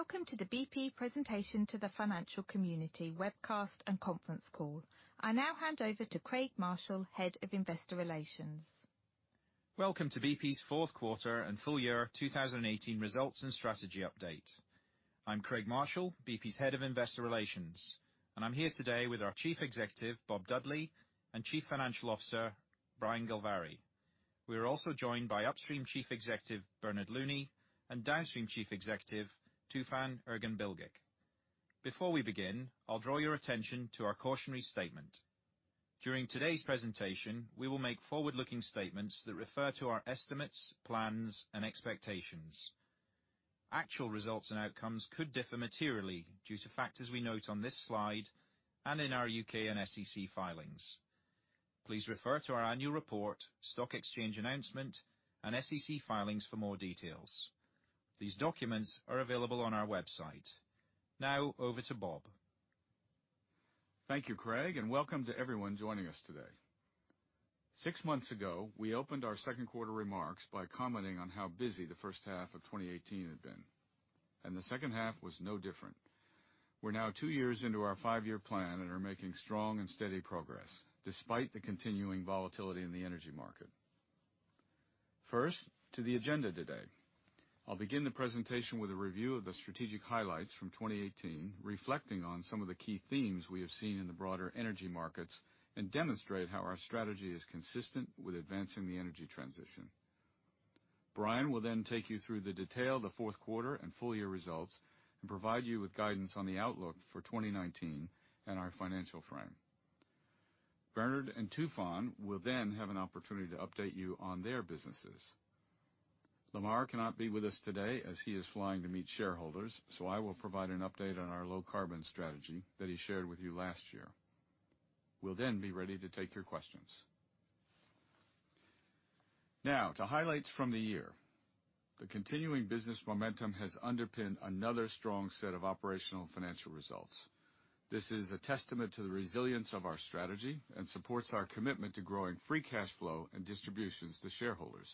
Welcome to the BP presentation to the financial community webcast and conference call. I now hand over to Craig Marshall, Head of Investor Relations. Welcome to BP's fourth quarter and full year 2018 results and strategy update. I'm Craig Marshall, BP's Head of Investor Relations, and I'm here today with our Chief Executive, Bob Dudley, and Chief Financial Officer, Brian Gilvary. We are also joined by Upstream Chief Executive, Bernard Looney, and Downstream Chief Executive, Tufan Erginbilgic. Before we begin, I'll draw your attention to our cautionary statement. During today's presentation, we will make forward-looking statements that refer to our estimates, plans, and expectations. Actual results and outcomes could differ materially due to factors we note on this slide and in our U.K. and SEC filings. Please refer to our annual report, stock exchange announcement, and SEC filings for more details. These documents are available on our website. Over to Bob. Thank you, Craig, welcome to everyone joining us today. Six months ago, we opened our second quarter remarks by commenting on how busy the first half of 2018 had been. The second half was no different. We're now two years into our five-year plan and are making strong and steady progress despite the continuing volatility in the energy market. To the agenda today. I'll begin the presentation with a review of the strategic highlights from 2018, reflecting on some of the key themes we have seen in the broader energy markets, demonstrate how our strategy is consistent with advancing the energy transition. Brian will then take you through the detail of the fourth quarter and full year results and provide you with guidance on the outlook for 2019 and our financial frame. Bernard and Tufan will have an opportunity to update you on their businesses. Lamar cannot be with us today as he is flying to meet shareholders. I will provide an update on our low-carbon strategy that he shared with you last year. We'll be ready to take your questions. To highlights from the year. The continuing business momentum has underpinned another strong set of operational financial results. This is a testament to the resilience of our strategy and supports our commitment to growing free cash flow and distributions to shareholders.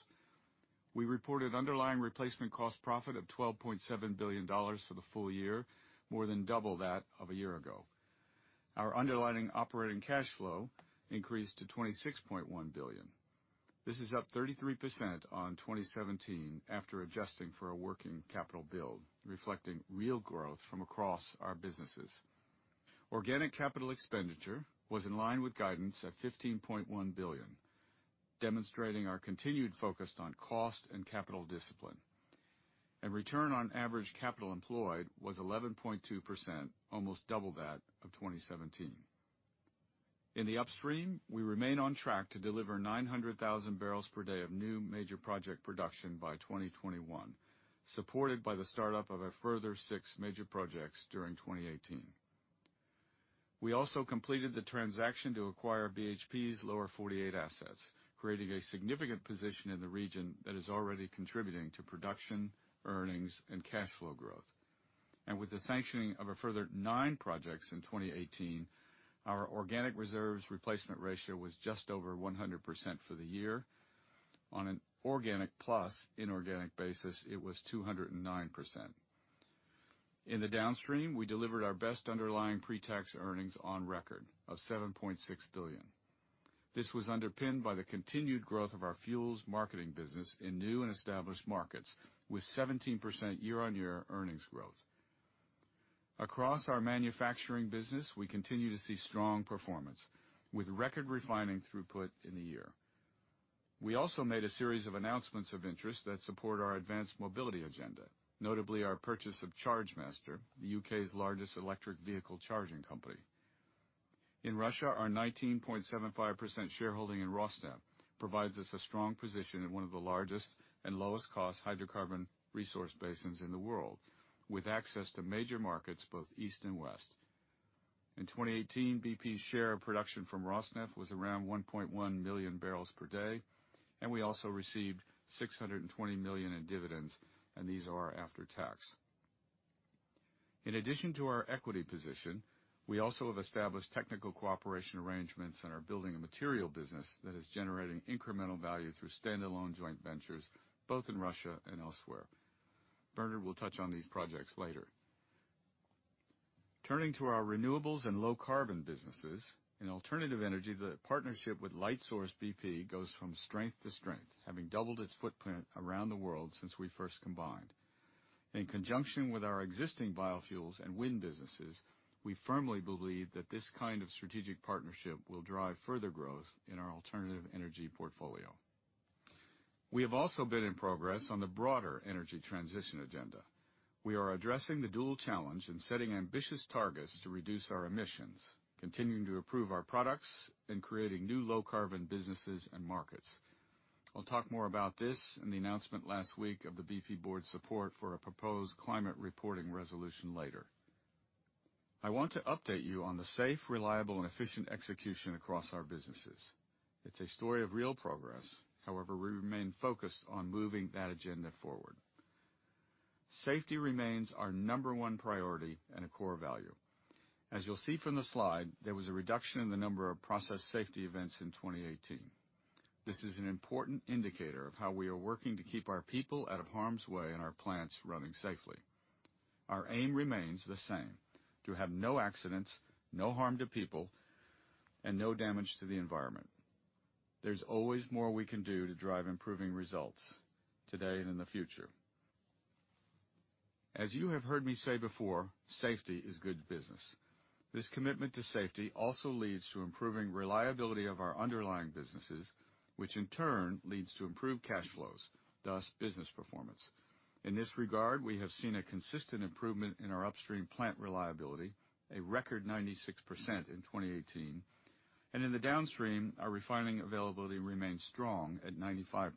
We reported underlying replacement cost profit of $12.7 billion for the full year, more than double that of a year ago. Our underlying operating cash flow increased to $26.1 billion. This is up 33% on 2017 after adjusting for a working capital build, reflecting real growth from across our businesses. Organic capital expenditure was in line with guidance at $15.1 billion, demonstrating our continued focus on cost and capital discipline. Return on average capital employed was 11.2%, almost double that of 2017. In the Upstream, we remain on track to deliver 900,000 barrels per day of new major project production by 2021, supported by the startup of a further six major projects during 2018. We also completed the transaction to acquire BHP's Lower 48 assets, creating a significant position in the region that is already contributing to production, earnings, and cash flow growth. With the sanctioning of a further nine projects in 2018, our organic reserves replacement ratio was just over 100% for the year. On an organic plus inorganic basis, it was 209%. In the Downstream, we delivered our best underlying pre-tax earnings on record of $7.6 billion. This was underpinned by the continued growth of our fuels marketing business in new and established markets, with 17% year-on-year earnings growth. Across our manufacturing business, we continue to see strong performance, with record refining throughput in the year. We also made a series of announcements of interest that support our advanced mobility agenda, notably our purchase of Chargemaster, the U.K.'s largest electric vehicle charging company. In Russia, our 19.75% shareholding in Rosneft provides us a strong position in one of the largest and lowest-cost hydrocarbon resource basins in the world, with access to major markets both east and west. In 2018, BP's share of production from Rosneft was around 1.1 million barrels per day, we also received $620 million in dividends, and these are after tax. In addition to our equity position, we also have established technical cooperation arrangements and are building a material business that is generating incremental value through standalone joint ventures both in Russia and elsewhere. Bernard will touch on these projects later. Turning to our renewables and low-carbon businesses. In alternative energy, the partnership with Lightsource BP goes from strength to strength, having doubled its footprint around the world since we first combined. In conjunction with our existing biofuels and wind businesses, we firmly believe that this kind of strategic partnership will drive further growth in our alternative energy portfolio. We have also been in progress on the broader energy transition agenda. We are addressing the dual challenge and setting ambitious targets to reduce our emissions, continuing to improve our products, and creating new low-carbon businesses and markets. I'll talk more about this and the announcement last week of the BP board support for a proposed climate reporting resolution later. I want to update you on the safe, reliable, and efficient execution across our businesses. It's a story of real progress. However, we remain focused on moving that agenda forward. Safety remains our number one priority and a core value. As you'll see from the slide, there was a reduction in the number of process safety events in 2018. This is an important indicator of how we are working to keep our people out of harm's way and our plants running safely. Our aim remains the same, to have no accidents, no harm to people, and no damage to the environment. There's always more we can do to drive improving results today and in the future. As you have heard me say before, safety is good business. This commitment to safety also leads to improving reliability of our underlying businesses, which in turn leads to improved cash flows, thus business performance. In this regard, we have seen a consistent improvement in our upstream plant reliability, a record 96% in 2018. In the downstream, our refining availability remains strong at 95%.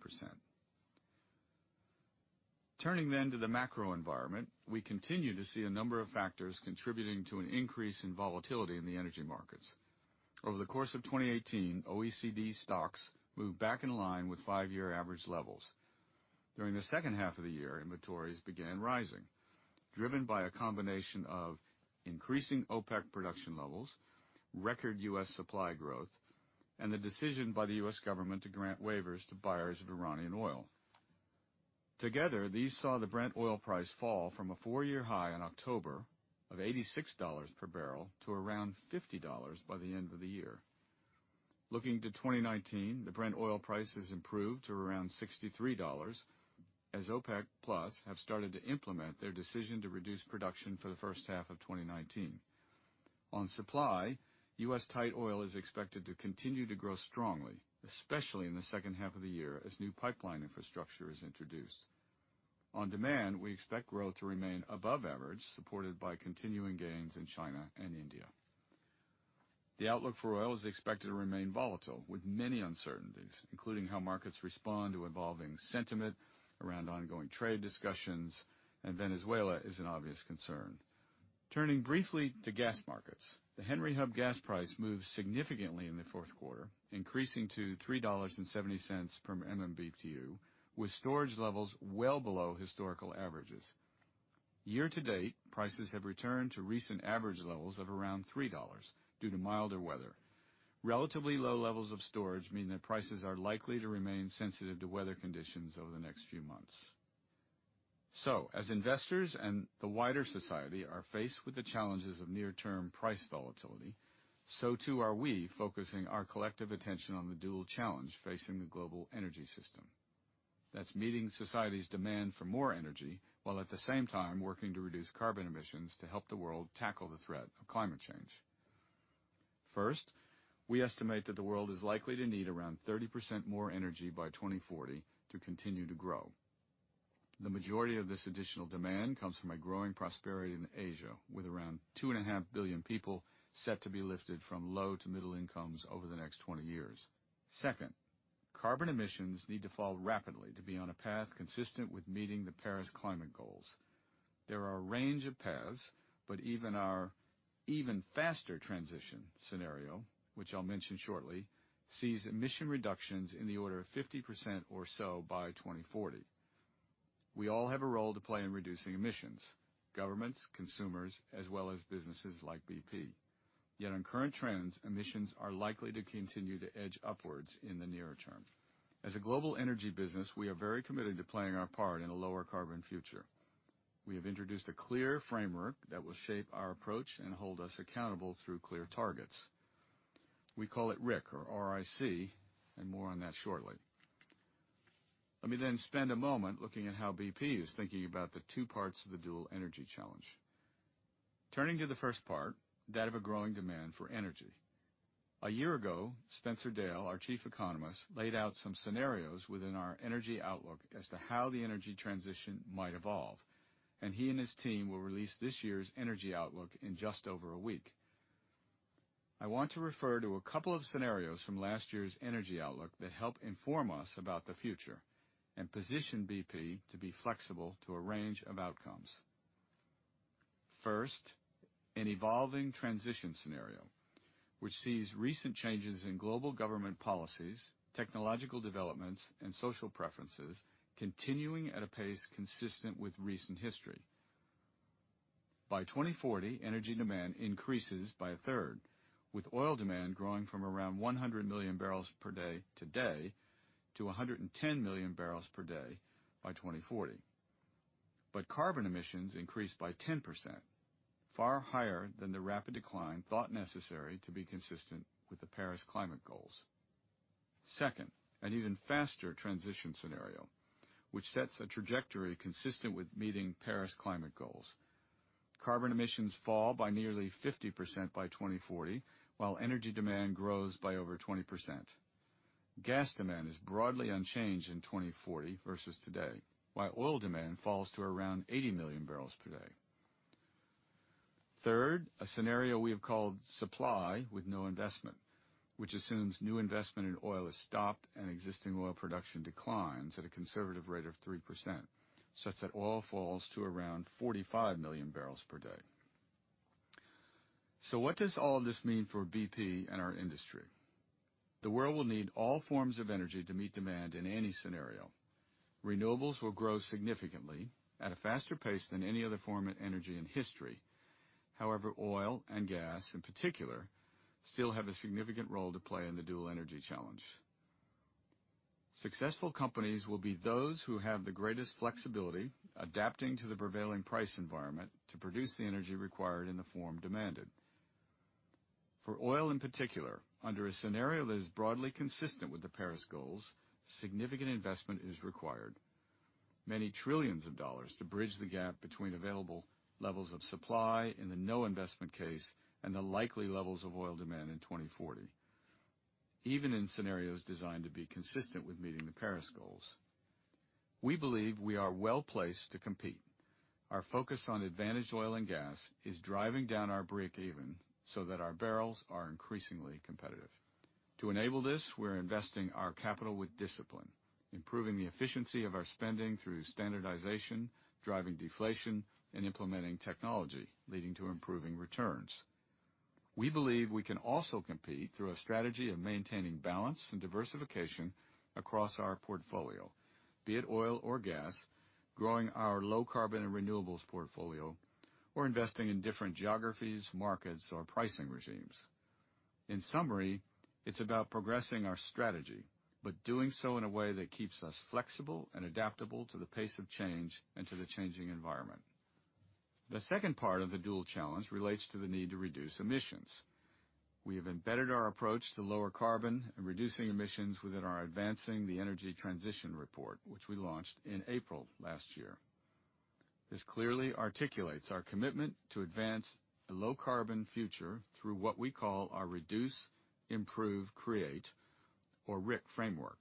Turning to the macro environment, we continue to see a number of factors contributing to an increase in volatility in the energy markets. Over the course of 2018, OECD stocks moved back in line with five-year average levels. During the second half of the year, inventories began rising, driven by a combination of increasing OPEC production levels, record U.S. supply growth, and the decision by the U.S. government to grant waivers to buyers of Iranian oil. Together, these saw the Brent oil price fall from a four-year high in October of $86 per barrel to around $50 by the end of the year. Looking to 2019, the Brent oil price has improved to around $63 as OPEC+ have started to implement their decision to reduce production for the first half of 2019. On supply, U.S. tight oil is expected to continue to grow strongly, especially in the second half of the year as new pipeline infrastructure is introduced. On demand, we expect growth to remain above average, supported by continuing gains in China and India. The outlook for oil is expected to remain volatile with many uncertainties, including how markets respond to evolving sentiment around ongoing trade discussions, and Venezuela is an obvious concern. Turning briefly to gas markets, the Henry Hub gas price moved significantly in the fourth quarter, increasing to $3.70 per MMBtu, with storage levels well below historical averages. Year to date, prices have returned to recent average levels of around $3 due to milder weather. Relatively low levels of storage mean that prices are likely to remain sensitive to weather conditions over the next few months. As investors and the wider society are faced with the challenges of near-term price volatility, so too are we focusing our collective attention on the dual challenge facing the global energy system. That's meeting society's demand for more energy while at the same time working to reduce carbon emissions to help the world tackle the threat of climate change. First, we estimate that the world is likely to need around 30% more energy by 2040 to continue to grow. The majority of this additional demand comes from a growing prosperity in Asia, with around 2.5 billion people set to be lifted from low to middle incomes over the next 20 years. Second, carbon emissions need to fall rapidly to be on a path consistent with meeting the Paris climate goals. There are a range of paths, even our even faster transition scenario, which I'll mention shortly, sees emission reductions in the order of 50% or so by 2040. We all have a role to play in reducing emissions. Governments, consumers, as well as businesses like BP. Yet on current trends, emissions are likely to continue to edge upwards in the nearer term. As a global energy business, we are very committed to playing our part in a lower carbon future. We have introduced a clear framework that will shape our approach and hold us accountable through clear targets. We call it RIC, or R-I-C, and more on that shortly. Let me spend a moment looking at how BP is thinking about the two parts of the dual energy challenge. Turning to the first part, that of a growing demand for energy. A year ago, Spencer Dale, our Chief Economist, laid out some scenarios within our Energy Outlook as to how the energy transition might evolve. He and his team will release this year's Energy Outlook in just over a week. I want to refer to a couple of scenarios from last year's Energy Outlook that help inform us about the future and position BP to be flexible to a range of outcomes. First, an evolving transition scenario, which sees recent changes in global government policies, technological developments, and social preferences continuing at a pace consistent with recent history. By 2040, energy demand increases by a third, with oil demand growing from around 100 million barrels per day today to 110 million barrels per day by 2040. Carbon emissions increase by 10%, far higher than the rapid decline thought necessary to be consistent with the Paris Climate Goals. Second, an even faster transition scenario, which sets a trajectory consistent with meeting Paris Climate Goals. Carbon emissions fall by nearly 50% by 2040, while energy demand grows by over 20%. Gas demand is broadly unchanged in 2040 versus today, while oil demand falls to around 80 million barrels per day. Third, a scenario we have called supply with no investment, which assumes new investment in oil is stopped and existing oil production declines at a conservative rate of 3%, such that oil falls to around 45 million barrels per day. What does all this mean for BP and our industry? The world will need all forms of energy to meet demand in any scenario. Renewables will grow significantly at a faster pace than any other form of energy in history. However, oil and gas, in particular, still have a significant role to play in the dual energy challenge. Successful companies will be those who have the greatest flexibility adapting to the prevailing price environment to produce the energy required in the form demanded. For oil, in particular, under a scenario that is broadly consistent with the Paris Goals, significant investment is required, many $ trillions to bridge the gap between available levels of supply in the no investment case and the likely levels of oil demand in 2040, even in scenarios designed to be consistent with meeting the Paris Goals. We believe we are well-placed to compete. Our focus on advantaged oil and gas is driving down our breakeven so that our barrels are increasingly competitive. To enable this, we're investing our capital with discipline, improving the efficiency of our spending through standardization, driving deflation, and implementing technology, leading to improving returns. We believe we can also compete through a strategy of maintaining balance and diversification across our portfolio. Be it oil or gas, growing our low carbon and renewables portfolio or investing in different geographies, markets, or pricing regimes. In summary, it's about progressing our strategy, doing so in a way that keeps us flexible and adaptable to the pace of change and to the changing environment. The second part of the dual challenge relates to the need to reduce emissions. We have embedded our approach to lower carbon and reducing emissions within our Advancing the Energy Transition Report, which we launched in April last year. This clearly articulates our commitment to advance a low-carbon future through what we call our Reduce, Improve, Create or RIC framework.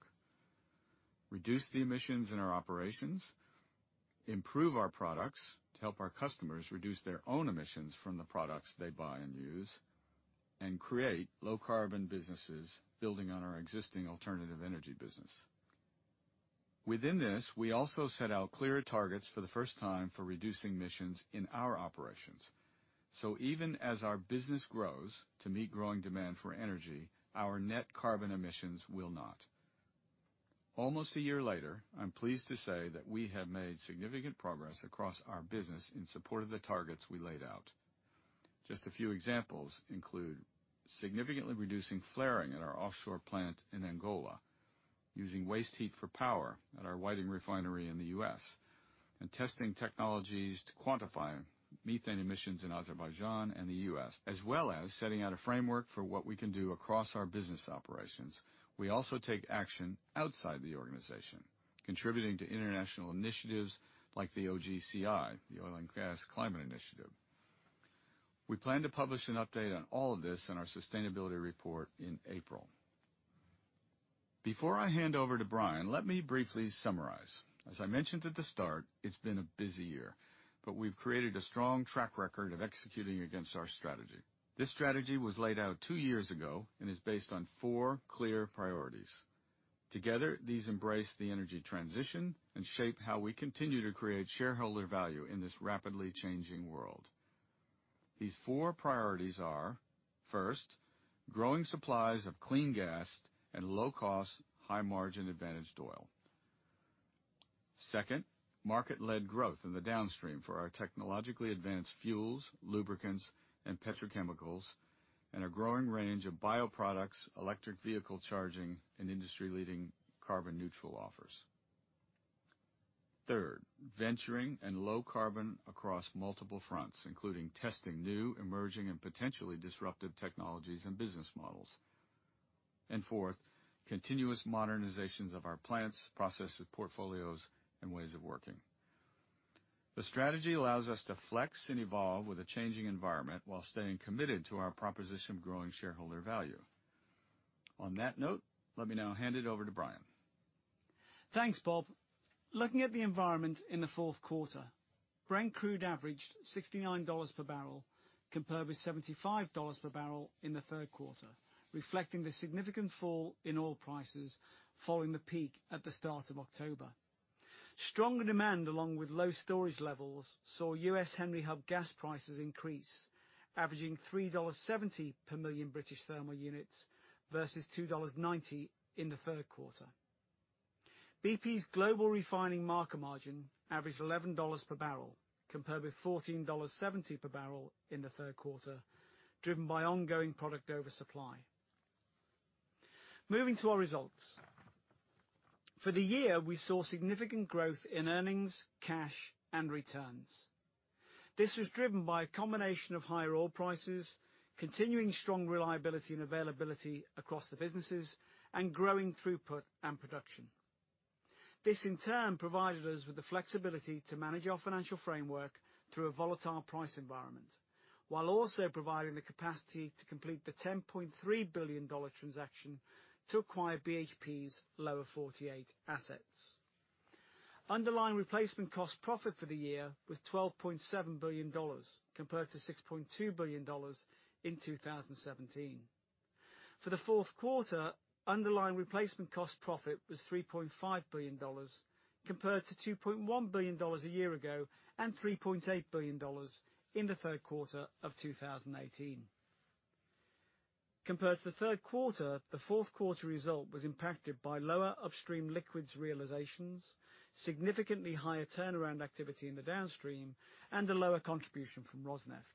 Reduce the emissions in our operations, improve our products to help our customers reduce their own emissions from the products they buy and use, and create low-carbon businesses building on our existing alternative energy business. Within this, we also set out clearer targets for the first time for reducing emissions in our operations. Even as our business grows to meet growing demand for energy, our net carbon emissions will not. Almost a year later, I'm pleased to say that we have made significant progress across our business in support of the targets we laid out. Just a few examples include significantly reducing flaring at our offshore plant in Angola, using waste heat for power at our Whiting Refinery in the U.S., and testing technologies to quantify methane emissions in Azerbaijan and the U.S., as well as setting out a framework for what we can do across our business operations. We also take action outside the organization, contributing to international initiatives like the OGCI, the Oil and Gas Climate Initiative. We plan to publish an update on all of this in our sustainability report in April. Before I hand over to Brian, let me briefly summarize. As I mentioned at the start, it's been a busy year. We've created a strong track record of executing against our strategy. This strategy was laid out two years ago and is based on four clear priorities. Together, these embrace the energy transition and shape how we continue to create shareholder value in this rapidly changing world. These four priorities are, First, growing supplies of clean gas and low cost, high margin advantaged oil. Second, market-led growth in the downstream for our technologically advanced fuels, lubricants, and petrochemicals, and a growing range of bioproducts, electric vehicle charging, and industry-leading carbon neutral offers. Third, venturing and low carbon across multiple fronts, including testing new, emerging, and potentially disruptive technologies and business models. Fourth, continuous modernizations of our plants, processes, portfolios, and ways of working. The strategy allows us to flex and evolve with a changing environment while staying committed to our proposition of growing shareholder value. On that note, let me now hand it over to Brian. Thanks, Bob. Looking at the environment in the fourth quarter, Brent crude averaged $69 per barrel, compared with $75 per barrel in the third quarter, reflecting the significant fall in oil prices following the peak at the start of October. Strong demand, along with low storage levels, saw U.S. Henry Hub gas prices increase, averaging $3.70 per million British thermal units versus $2.90 in the third quarter. BP's global refining marker margin averaged $11 per barrel, compared with $14.70 per barrel in the third quarter, driven by ongoing product oversupply. Moving to our results. For the year, we saw significant growth in earnings, cash, and returns. This was driven by a combination of higher oil prices, continuing strong reliability and availability across the businesses, and growing throughput and production. This, in turn, provided us with the flexibility to manage our financial framework through a volatile price environment, while also providing the capacity to complete the $10.3 billion transaction to acquire BHP's Lower 48 assets. Underlying replacement cost profit for the year was $12.7 billion, compared to $6.2 billion in 2017. For the fourth quarter, underlying replacement cost profit was $3.5 billion, compared to $2.1 billion a year ago and $3.8 billion in the third quarter of 2018. Compared to the third quarter, the fourth quarter result was impacted by lower upstream liquids realizations, significantly higher turnaround activity in the downstream, and a lower contribution from Rosneft.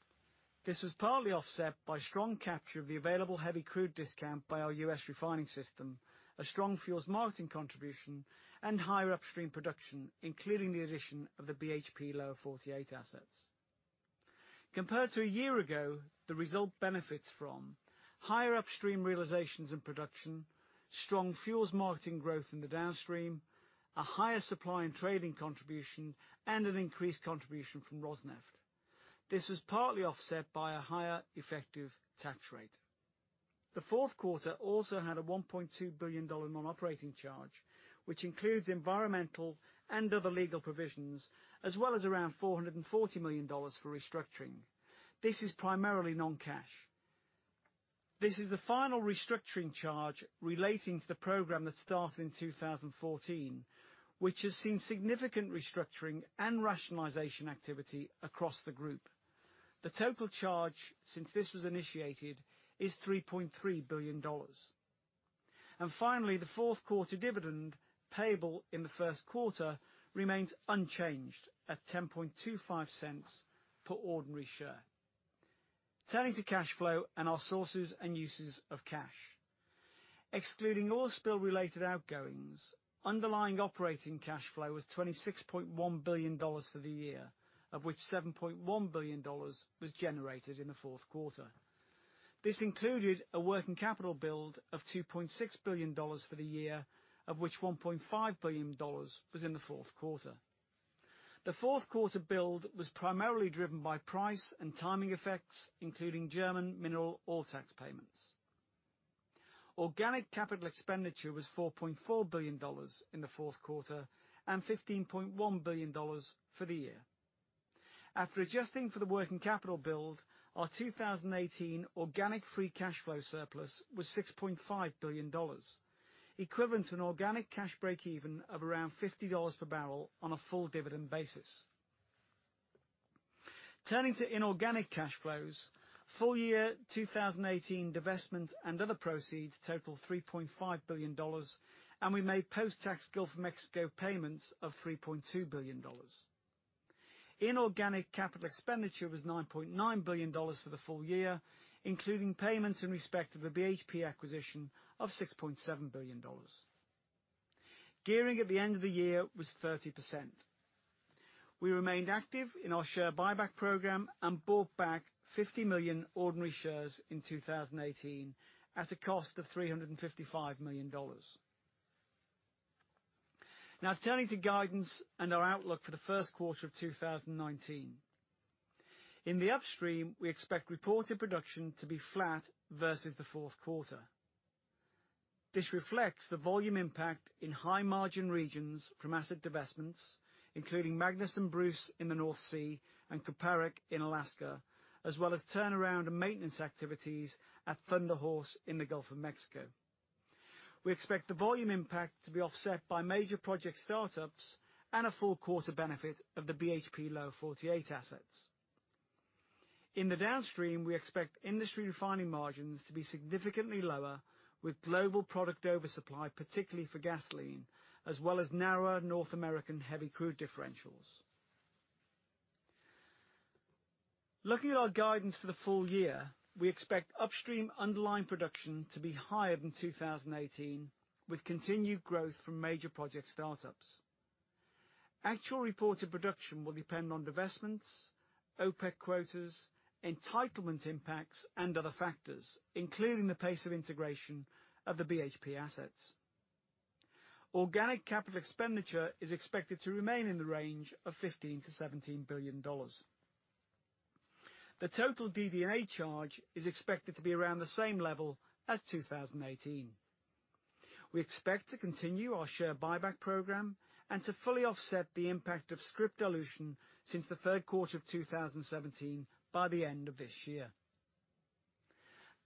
This was partly offset by strong capture of the available heavy crude discount by our U.S. refining system, a strong fuels marketing contribution, and higher upstream production, including the addition of the BHP Lower 48 assets. Compared to a year ago, the result benefits from higher upstream realizations and production, strong fuels marketing growth in the downstream, a higher supply and trading contribution, and an increased contribution from Rosneft. This was partly offset by a higher effective tax rate. The fourth quarter also had a $1.2 billion non-operating charge, which includes environmental and other legal provisions, as well as around $440 million for restructuring. This is primarily non-cash. This is the final restructuring charge relating to the program that started in 2014, which has seen significant restructuring and rationalization activity across the group. The total charge since this was initiated is $3.3 billion. Finally, the fourth quarter dividend payable in the first quarter remains unchanged at $0.1025 per ordinary share. Turning to cash flow and our sources and uses of cash. Excluding oil spill-related outgoings, underlying operating cash flow was $26.1 billion for the year, of which $7.1 billion was generated in the fourth quarter. This included a working capital build of $2.6 billion for the year, of which $1.5 billion was in the fourth quarter. The fourth quarter build was primarily driven by price and timing effects, including German mineral oil tax payments. Organic capital expenditure was $4.4 billion in the fourth quarter and $15.1 billion for the year. After adjusting for the working capital build, our 2018 organic free cash flow surplus was $6.5 billion, equivalent to an organic cash breakeven of around $50 per barrel on a full dividend basis. Turning to inorganic cash flows, full year 2018 divestment and other proceeds total $3.5 billion, and we made post-tax Gulf of Mexico payments of $3.2 billion. Inorganic capital expenditure was $9.9 billion for the full year, including payments in respect of the BHP acquisition of $6.7 billion. Gearing at the end of the year was 30%. We remained active in our share buyback program and bought back 50 million ordinary shares in 2018 at a cost of $355 million. Now turning to guidance and our outlook for the first quarter of 2019. In the upstream, we expect reported production to be flat versus the fourth quarter. This reflects the volume impact in high-margin regions from asset divestments, including Magnus and Bruce in the North Sea and Kuparuk in Alaska, as well as turnaround and maintenance activities at Thunder Horse in the Gulf of Mexico. We expect the volume impact to be offset by major project startups and a full quarter benefit of the BHP Lower 48 assets. In the downstream, we expect industry refining margins to be significantly lower, with global product oversupply, particularly for gasoline, as well as narrower North American heavy crude differentials. Looking at our guidance for the full year, we expect upstream underlying production to be higher than 2018, with continued growth from major project startups. Actual reported production will depend on divestments, OPEC quotas, entitlement impacts, and other factors, including the pace of integration of the BHP assets. Organic capital expenditure is expected to remain in the range of $15 billion-$17 billion. The total DD&A charge is expected to be around the same level as 2018. We expect to continue our share buyback program and to fully offset the impact of scrip dilution since the third quarter of 2017 by the end of this year.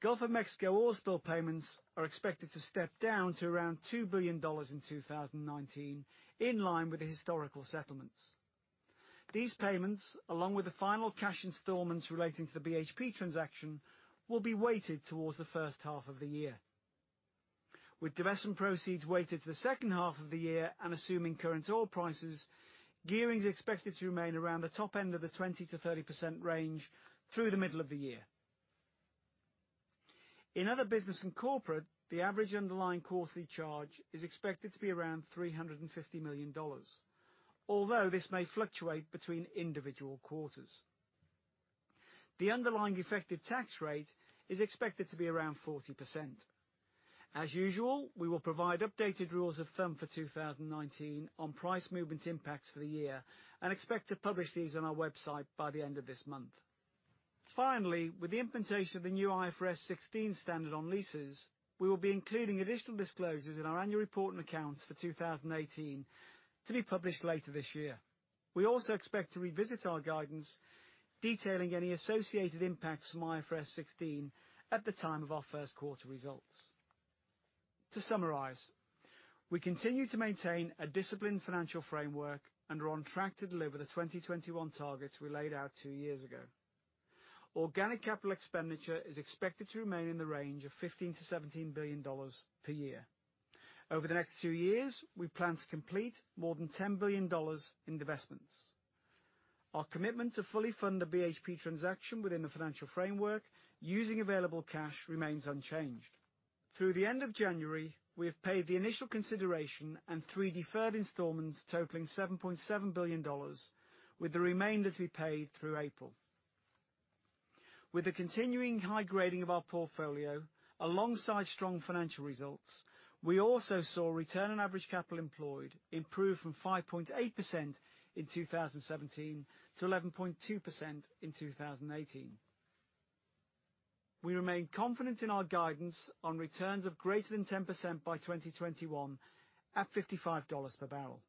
Gulf of Mexico oil spill payments are expected to step down to around $2 billion in 2019, in line with the historical settlements. These payments, along with the final cash installments relating to the BHP transaction, will be weighted towards the first half of the year. With divestment proceeds weighted to the second half of the year and assuming current oil prices, gearing is expected to remain around the top end of the 20%-30% range through the middle of the year. In other business and corporate, the average underlying quarterly charge is expected to be around $350 million, although this may fluctuate between individual quarters. The underlying effective tax rate is expected to be around 40%. As usual, we will provide updated rules of thumb for 2019 on price movement impacts for the year and expect to publish these on our website by the end of this month. Finally, with the implementation of the new IFRS 16 standard on leases, we will be including additional disclosures in our annual report and accounts for 2018 to be published later this year. We also expect to revisit our guidance detailing any associated impacts from IFRS 16 at the time of our first quarter results. To summarize, we continue to maintain a disciplined financial framework and are on track to deliver the 2021 targets we laid out two years ago. Organic capital expenditure is expected to remain in the range of $15 billion-$17 billion per year. Over the next two years, we plan to complete more than $10 billion in divestments. Our commitment to fully fund the BHP transaction within the financial framework using available cash remains unchanged. Through the end of January, we have paid the initial consideration and three deferred installments totaling $7.7 billion, with the remainder to be paid through April. With the continuing high grading of our portfolio, alongside strong financial results, we also saw a return on average capital employed improve from 5.8% in 2017 to 11.2% in 2018. We remain confident in our guidance on returns of greater than 10% by 2021 at $55 per barrel.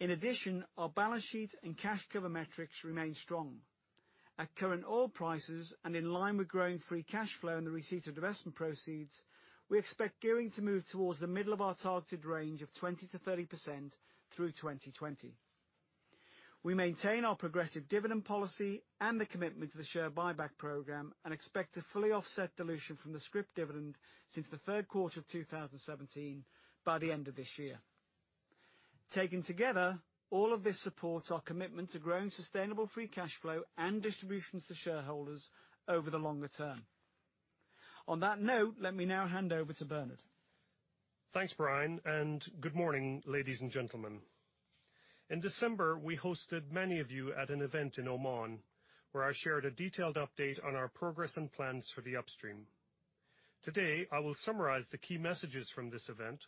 In addition, our balance sheet and cash cover metrics remain strong. At current oil prices, and in line with growing free cash flow and the receipt of divestment proceeds, we expect gearing to move towards the middle of our targeted range of 20%-30% through 2020. We maintain our progressive dividend policy and the commitment to the share buyback program and expect to fully offset dilution from the scrip dividend since the third quarter of 2017 by the end of this year. Taken together, all of this supports our commitment to growing sustainable free cash flow and distributions to shareholders over the longer term. On that note, let me now hand over to Bernard. Thanks, Brian, and good morning, ladies and gentlemen. In December, we hosted many of you at an event in Oman where I shared a detailed update on our progress and plans for the upstream. Today, I will summarize the key messages from this event,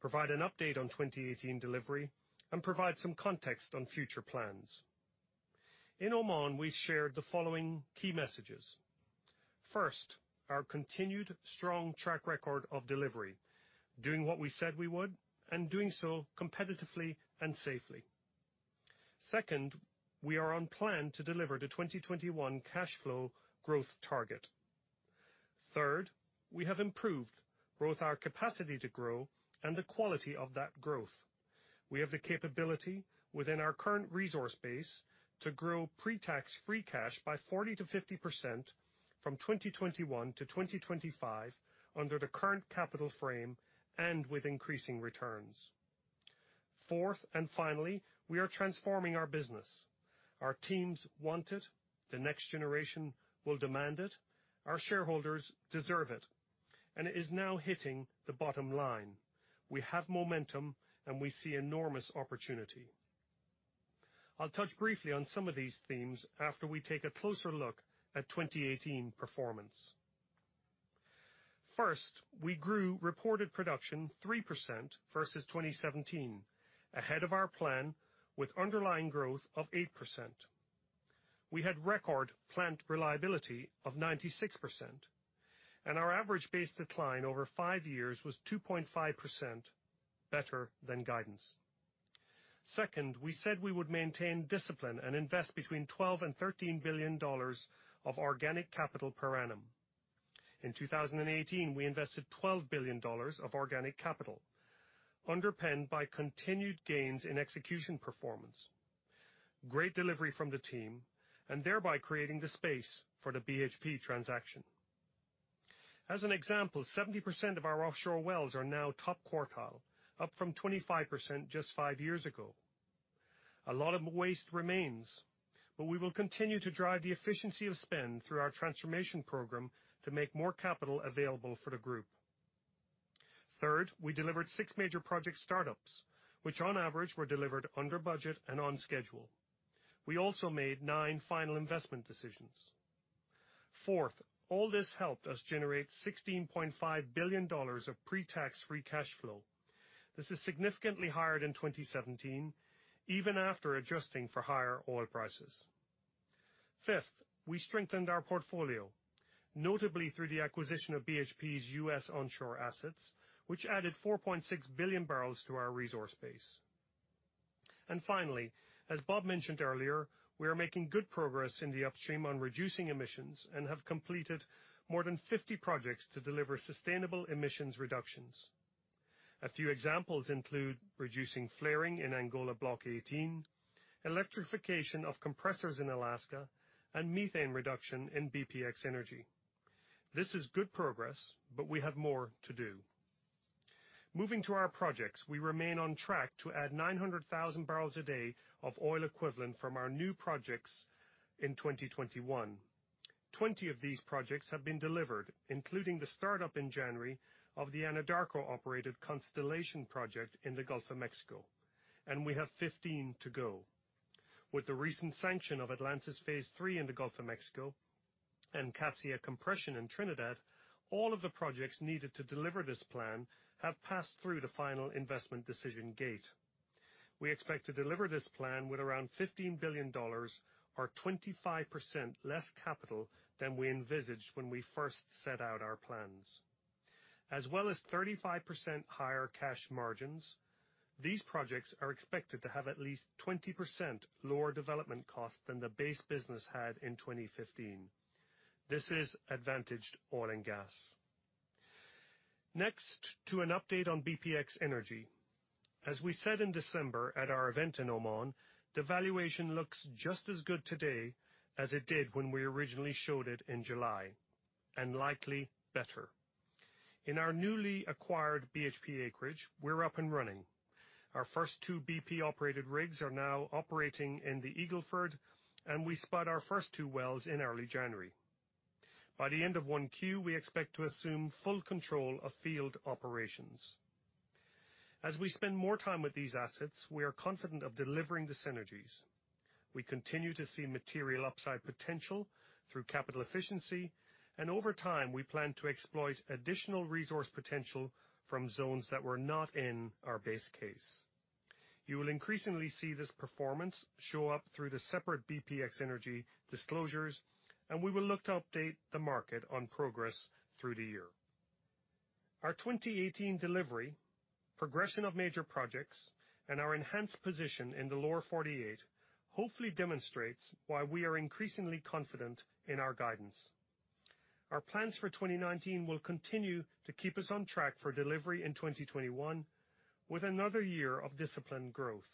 provide an update on 2018 delivery, and provide some context on future plans. In Oman, we shared the following key messages. First, our continued strong track record of delivery. Doing what we said we would, and doing so competitively and safely. Second, we are on plan to deliver the 2021 cash flow growth target. Third, we have improved both our capacity to grow and the quality of that growth. We have the capability within our current resource base to grow pre-tax free cash by 40%-50% from 2021 to 2025 under the current capital frame and with increasing returns. Fourth, finally, we are transforming our business. Our teams want it. The next generation will demand it. Our shareholders deserve it, and it is now hitting the bottom line. We have momentum, and we see enormous opportunity. I'll touch briefly on some of these themes after we take a closer look at 2018 performance. First, we grew reported production 3% versus 2017, ahead of our plan, with underlying growth of 8%. We had record plant reliability of 96%. Our average base decline over five years was 2.5% better than guidance. Second, we said we would maintain discipline and invest between $12 billion and $13 billion of organic capital per annum. In 2018, we invested $12 billion of organic capital underpinned by continued gains in execution performance, great delivery from the team, thereby creating the space for the BHP transaction. As an example, 70% of our offshore wells are now top quartile, up from 25% just five years ago. We will continue to drive the efficiency of spend through our transformation program to make more capital available for the group. Third, we delivered six major project startups, which on average were delivered under budget and on schedule. We also made nine final investment decisions. Fourth, all this helped us generate $16.5 billion of pre-tax free cash flow. This is significantly higher than 2017, even after adjusting for higher oil prices. Fifth, we strengthened our portfolio, notably through the acquisition of BHP's U.S. onshore assets, which added 4.6 billion barrels to our resource base. Finally, as Bob mentioned earlier, we are making good progress in the upstream on reducing emissions and have completed more than 50 projects to deliver sustainable emissions reductions. A few examples include reducing flaring in Angola Block 18, electrification of compressors in Alaska, and methane reduction in bpx energy. This is good progress, but we have more to do. Moving to our projects, we remain on track to add 900,000 barrels a day of oil equivalent from our new projects in 2021. 20 of these projects have been delivered, including the startup in January of the Anadarko-operated Constellation project in the Gulf of Mexico, and we have 15 to go. With the recent sanction of Atlantis Phase 3 in the Gulf of Mexico and Cassia Compression in Trinidad, all of the projects needed to deliver this plan have passed through the final investment decision gate. We expect to deliver this plan with around $15 billion or 25% less capital than we envisaged when we first set out our plans. As well as 35% higher cash margins. These projects are expected to have at least 20% lower development costs than the base business had in 2015. This is advantaged oil and gas. Next to an update on bpx energy. As we said in December at our event in Oman, the valuation looks just as good today as it did when we originally showed it in July, and likely better. In our newly acquired BHP acreage, we're up and running. Our first two BP-operated rigs are now operating in the Eagle Ford, and we spot our first two wells in early January. By the end of 1Q, we expect to assume full control of field operations. As we spend more time with these assets, we are confident of delivering the synergies. We continue to see material upside potential through capital efficiency, and over time, we plan to exploit additional resource potential from zones that were not in our base case. You will increasingly see this performance show up through the separate bpx energy disclosures, and we will look to update the market on progress through the year. Our 2018 delivery, progression of major projects, and our enhanced position in the Lower 48 hopefully demonstrates why we are increasingly confident in our guidance. Our plans for 2019 will continue to keep us on track for delivery in 2021 with another year of disciplined growth.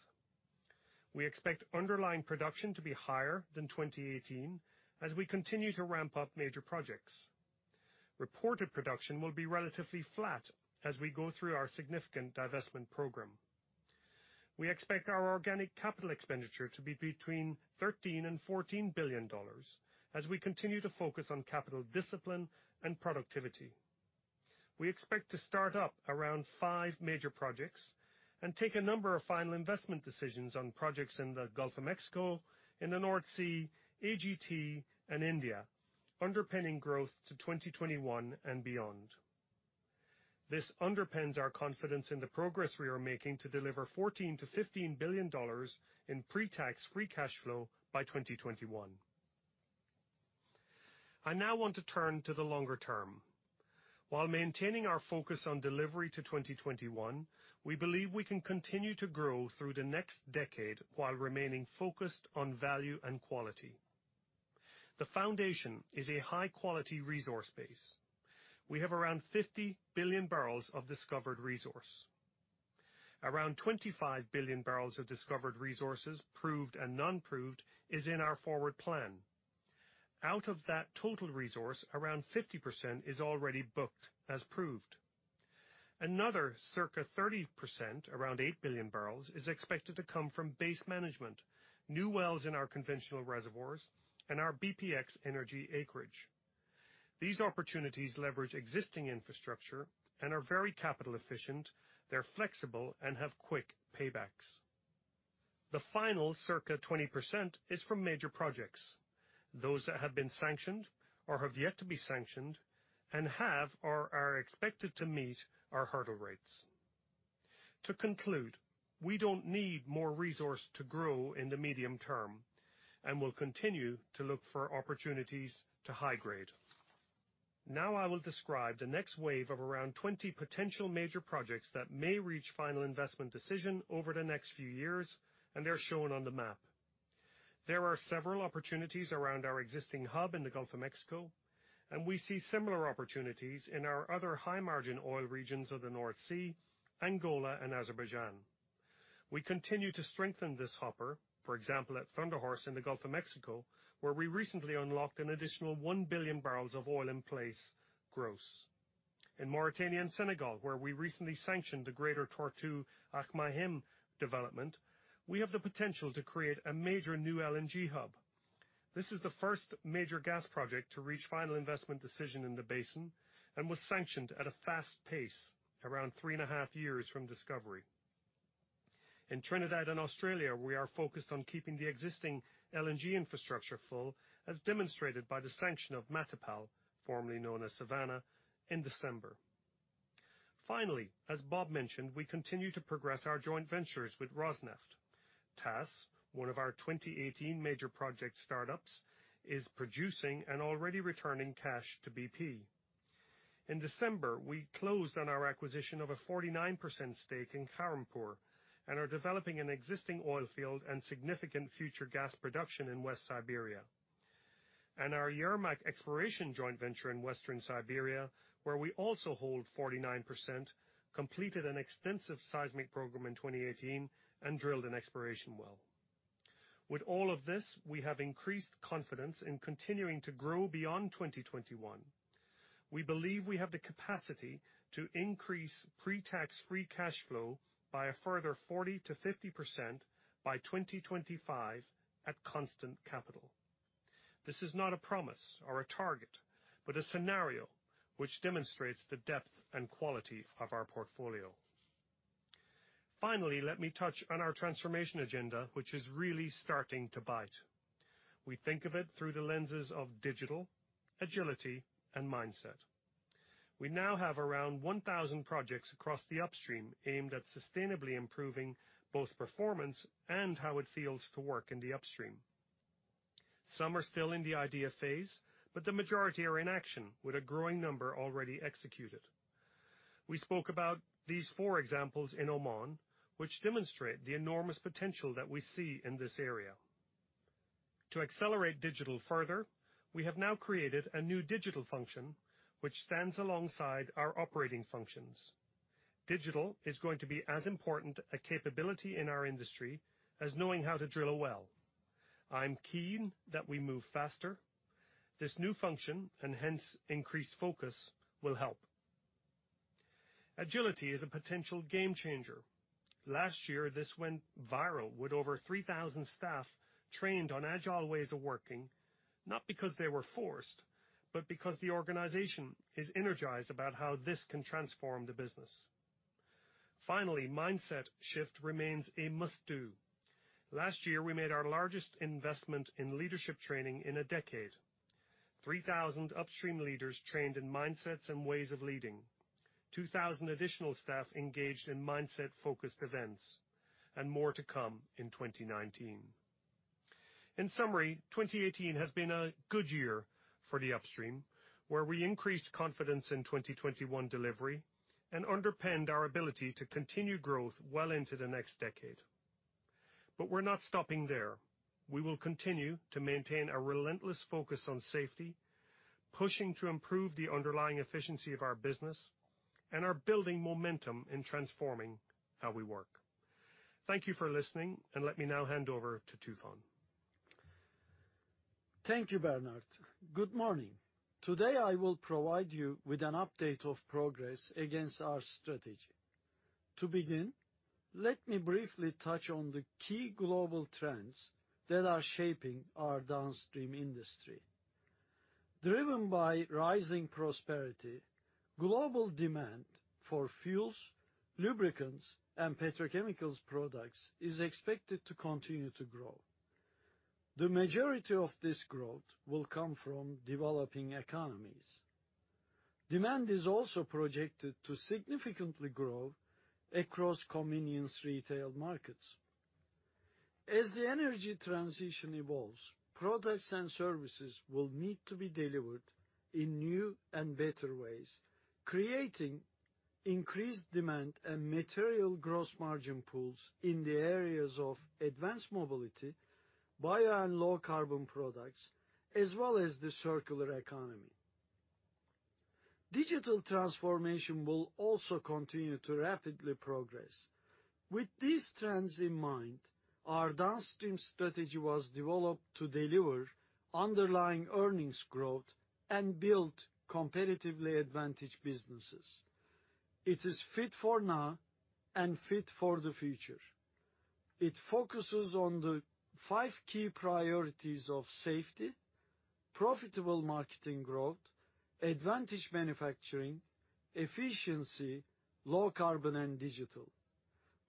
We expect underlying production to be higher than 2018 as we continue to ramp up major projects. Reported production will be relatively flat as we go through our significant divestment program. We expect our organic capital expenditure to be between $13 billion and $14 billion as we continue to focus on capital discipline and productivity. We expect to start up around five major projects and take a number of final investment decisions on projects in the Gulf of Mexico, in the North Sea, AGT, and India, underpinning growth to 2021 and beyond. This underpins our confidence in the progress we are making to deliver $14 billion to $15 billion in pre-tax free cash flow by 2021. I now want to turn to the longer term. While maintaining our focus on delivery to 2021, we believe we can continue to grow through the next decade while remaining focused on value and quality. The foundation is a high-quality resource base. We have around 50 billion barrels of discovered resource. Around 25 billion barrels of discovered resources, proved and unproved, is in our forward plan. Out of that total resource, around 50% is already booked as proved. Another circa 30%, around 8 billion barrels, is expected to come from base management, new wells in our conventional reservoirs, and our bpx energy acreage. These opportunities leverage existing infrastructure and are very capital efficient. They're flexible and have quick paybacks. The final circa 20% is from major projects, those that have been sanctioned or have yet to be sanctioned, and have or are expected to meet our hurdle rates. To conclude, we don't need more resource to grow in the medium term and will continue to look for opportunities to high-grade. Now I will describe the next wave of around 20 potential major projects that may reach final investment decision over the next few years, and they're shown on the map. There are several opportunities around our existing hub in the Gulf of Mexico, and we see similar opportunities in our other high-margin oil regions of the North Sea, Angola, and Azerbaijan. We continue to strengthen this hopper, for example, at Thunderhorse in the Gulf of Mexico, where we recently unlocked an additional 1 billion barrels of oil in place gross. In Mauritania and Senegal, where we recently sanctioned the Greater Tortue Ahmeyim development, we have the potential to create a major new LNG hub. This is the first major gas project to reach final investment decision in the basin and was sanctioned at a fast pace around 3.5 years from discovery. In Trinidad and Australia, we are focused on keeping the existing LNG infrastructure full, as demonstrated by the sanction of Matapal, formerly known as Savannah, in December. Finally, as Bob mentioned, we continue to progress our joint ventures with Rosneft. Taas, one of our 2018 major project startups, is producing and already returning cash to BP. In December, we closed on our acquisition of a 49% stake in Kharampur and are developing an existing oil field and significant future gas production in West Siberia. Our Yermak Exploration joint venture in Western Siberia, where we also hold 49%, completed an extensive seismic program in 2018 and drilled an exploration well. With all of this, we have increased confidence in continuing to grow beyond 2021. We believe we have the capacity to increase pre-tax free cash flow by a further 40%-50% by 2025 at constant capital. This is not a promise or a target, but a scenario which demonstrates the depth and quality of our portfolio. Finally, let me touch on our transformation agenda, which is really starting to bite. We think of it through the lenses of digital, agility, and mindset. We now have around 1,000 projects across the upstream aimed at sustainably improving both performance and how it feels to work in the upstream. Some are still in the idea phase, but the majority are in action, with a growing number already executed. We spoke about these four examples in Oman, which demonstrate the enormous potential that we see in this area. To accelerate digital further, we have now created a new digital function, which stands alongside our operating functions. Digital is going to be as important a capability in our industry as knowing how to drill a well. I'm keen that we move faster. This new function, and hence increased focus, will help. Agility is a potential game changer. Last year this went viral with over 3,000 staff trained on agile ways of working, not because they were forced, but because the organization is energized about how this can transform the business. Finally, mindset shift remains a must-do. Last year, we made our largest investment in leadership training in a decade. 3,000 upstream leaders trained in mindsets and ways of leading. 2,000 additional staff engaged in mindset-focused events, and more to come in 2019. In summary, 2018 has been a good year for the upstream, where we increased confidence in 2021 delivery and underpinned our ability to continue growth well into the next decade. We're not stopping there. We will continue to maintain a relentless focus on safety, pushing to improve the underlying efficiency of our business, and are building momentum in transforming how we work. Thank you for listening, and let me now hand over to Tufan. Thank you, Bernard. Good morning. Today, I will provide you with an update of progress against our strategy. To begin, let me briefly touch on the key global trends that are shaping our downstream industry. Driven by rising prosperity, global demand for fuels, lubricants, and petrochemical products is expected to continue to grow. The majority of this growth will come from developing economies. Demand is also projected to significantly grow across convenience retail markets. As the energy transition evolves, products and services will need to be delivered in new and better ways, creating increased demand and material gross margin pools in the areas of advanced mobility, bio and low-carbon products, as well as the circular economy. Digital transformation will also continue to rapidly progress. With these trends in mind, our downstream strategy was developed to deliver underlying earnings growth and build competitively advantaged businesses. It is fit for now and fit for the future. It focuses on the five key priorities of safety, profitable marketing growth, advantage manufacturing, efficiency, low carbon, and digital.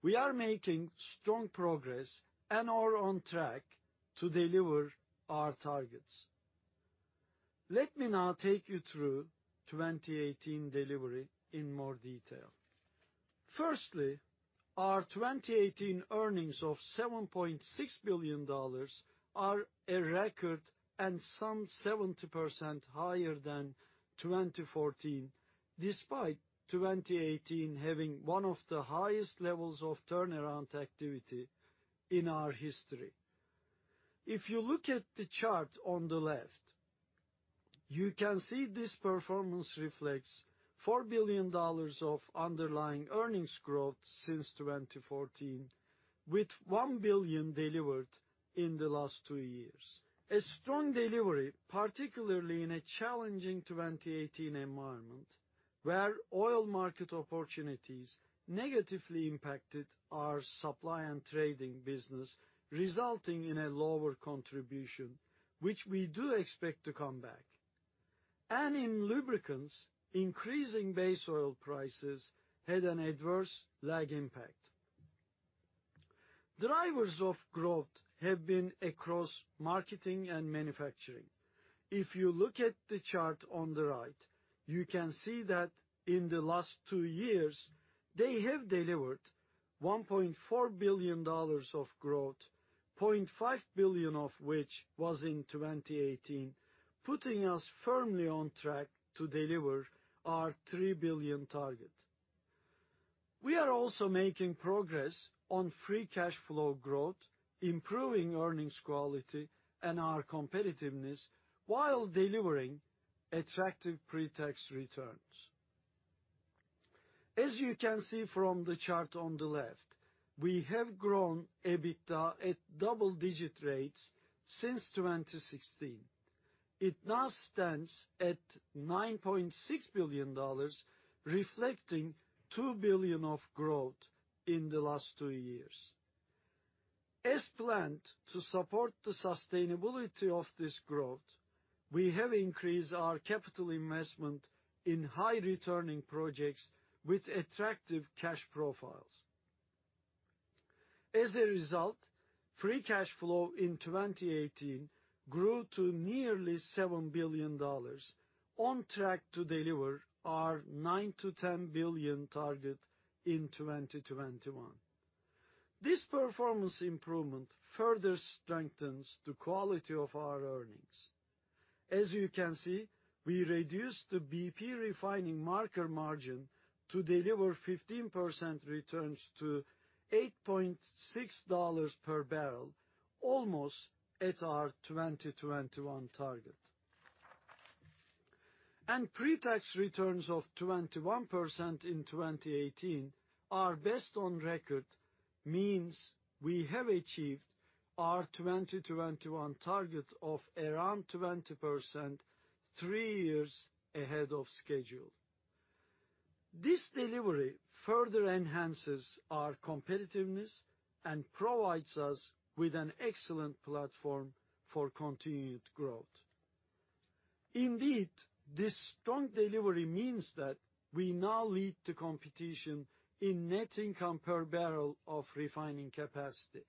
We are making strong progress and are on track to deliver our targets. Let me now take you through 2018 delivery in more detail. Firstly, our 2018 earnings of $7.6 billion are a record and some 70% higher than 2014, despite 2018 having one of the highest levels of turnaround activity in our history. If you look at the chart on the left, you can see this performance reflects $4 billion of underlying earnings growth since 2014, with $1 billion delivered in the last two years. A strong delivery, particularly in a challenging 2018 environment, where oil market opportunities negatively impacted our supply and trading business, resulting in a lower contribution, which we do expect to come back. In lubricants, increasing base oil prices had an adverse lag impact. Drivers of growth have been across marketing and manufacturing. If you look at the chart on the right, you can see that in the last two years, they have delivered $1.4 billion of growth, $0.5 billion of which was in 2018, putting us firmly on track to deliver our $3 billion target. We are also making progress on free cash flow growth, improving earnings quality, and our competitiveness while delivering attractive pre-tax returns. As you can see from the chart on the left, we have grown EBITDA at double-digit rates since 2016. It now stands at $9.6 billion, reflecting $2 billion of growth in the last two years. As planned to support the sustainability of this growth, we have increased our capital investment in high-returning projects with attractive cash profiles. As a result, free cash flow in 2018 grew to nearly $7 billion, on track to deliver our $9 billion to $10 billion target in 2021. This performance improvement further strengthens the quality of our earnings. As you can see, we reduced the BP refining marker margin to deliver 15% returns to $8.6 per barrel, almost at our 2021 target. Pre-tax returns of 21% in 2018, our best on record, means we have achieved our 2021 target of around 20%, three years ahead of schedule. This delivery further enhances our competitiveness and provides us with an excellent platform for continued growth. Indeed, this strong delivery means that we now lead the competition in net income per barrel of refining capacity,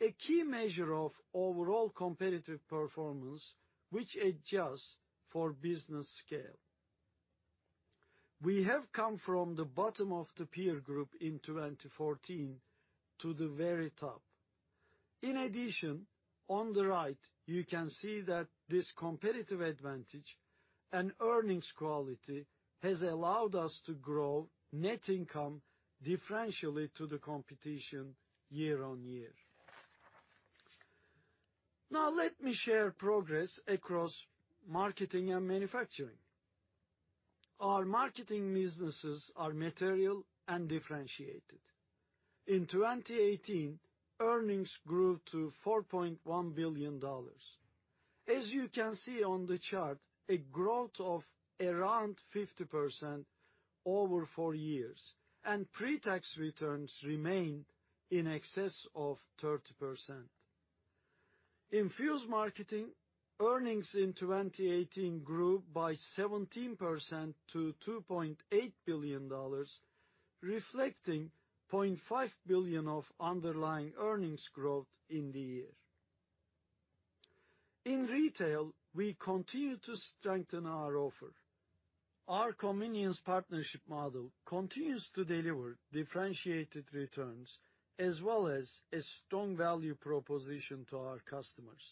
a key measure of overall competitive performance, which adjusts for business scale. We have come from the bottom of the peer group in 2014 to the very top. In addition, on the right, you can see that this competitive advantage and earnings quality has allowed us to grow net income differentially to the competition year-on-year. Now let me share progress across marketing and manufacturing. Our marketing businesses are material and differentiated. In 2018, earnings grew to $4.1 billion. As you can see on the chart, a growth of around 50% over four years, and pre-tax returns remained in excess of 30%. In fuels marketing, earnings in 2018 grew by 17% to $2.8 billion, reflecting $0.5 billion of underlying earnings growth in the year. In retail, we continue to strengthen our offer. Our convenience partnership model continues to deliver differentiated returns as well as a strong value proposition to our customers.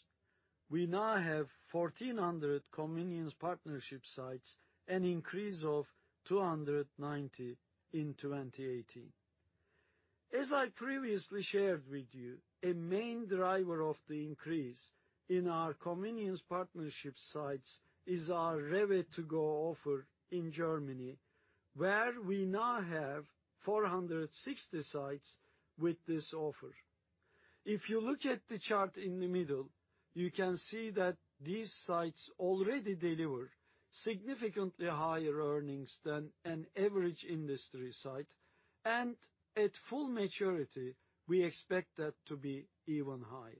We now have 1,400 convenience partnership sites, an increase of 290 in 2018. As I previously shared with you, a main driver of the increase in our convenience partnership sites is our Ready2Go offer in Germany, where we now have 460 sites with this offer. If you look at the chart in the middle, you can see that these sites already deliver significantly higher earnings than an average industry site, and at full maturity, we expect that to be even higher.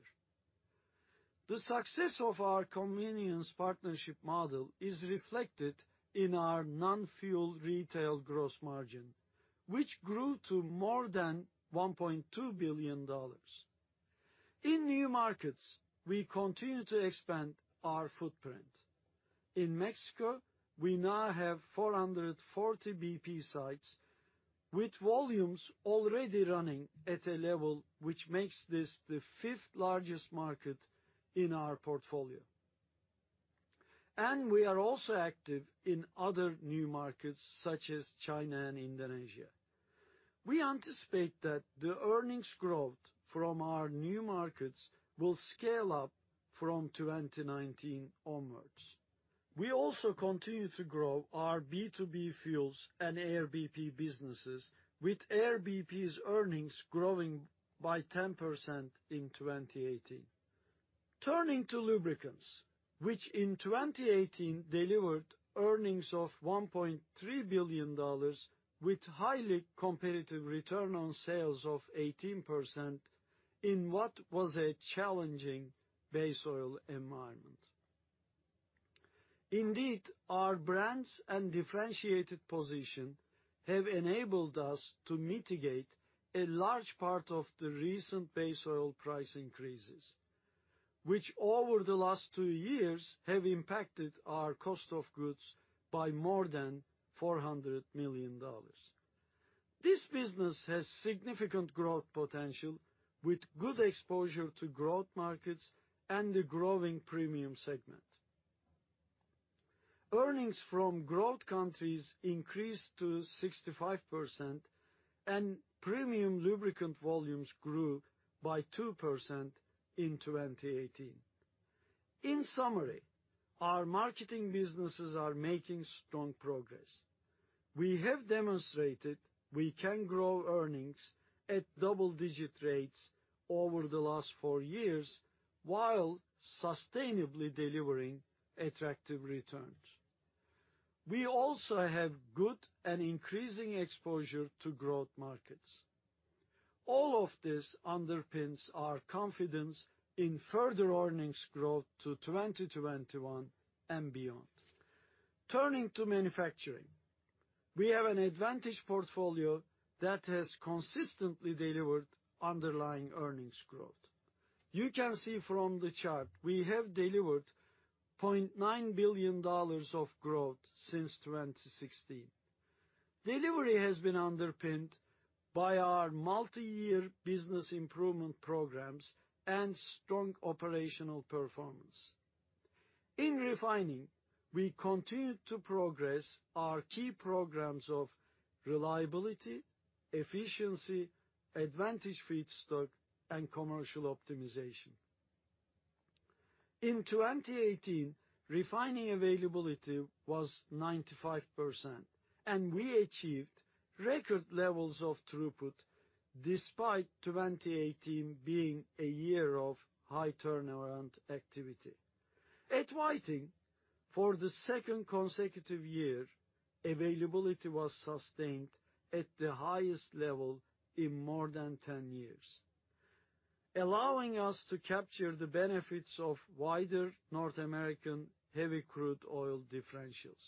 The success of our convenience partnership model is reflected in our non-fuel retail gross margin, which grew to more than $1.2 billion. In new markets, we continue to expand our footprint. In Mexico, we now have 440 BP sites with volumes already running at a level which makes this the fifth largest market in our portfolio. We are also active in other new markets such as China and Indonesia. We anticipate that the earnings growth from our new markets will scale up from 2019 onwards. We also continue to grow our B2B fuels and Air BP businesses, with Air BP's earnings growing by 10% in 2018. Turning to lubricants, which in 2018 delivered earnings of $1.3 billion with highly competitive return on sales of 18% in what was a challenging base oil environment. Indeed, our brands and differentiated position have enabled us to mitigate a large part of the recent base oil price increases, which over the last two years have impacted our cost of goods by more than $400 million. This business has significant growth potential with good exposure to growth markets and the growing premium segment. Earnings from growth countries increased to 65%, and premium lubricant volumes grew by 2% in 2018. In summary, our marketing businesses are making strong progress. We have demonstrated we can grow earnings at double-digit rates over the last four years while sustainably delivering attractive returns. We also have good and increasing exposure to growth markets. All of this underpins our confidence in further earnings growth to 2021 and beyond. Turning to manufacturing, we have an advantage portfolio that has consistently delivered underlying earnings growth. You can see from the chart we have delivered $0.9 billion of growth since 2016. Delivery has been underpinned by our multi-year business improvement programs and strong operational performance. In refining, we continued to progress our key programs of reliability, efficiency, advantage feedstock, and commercial optimization. In 2018, refining availability was 95%, and we achieved record levels of throughput despite 2018 being a year of high turnaround activity. At Whiting, for the second consecutive year, availability was sustained at the highest level in more than 10 years, allowing us to capture the benefits of wider North American heavy crude oil differentials.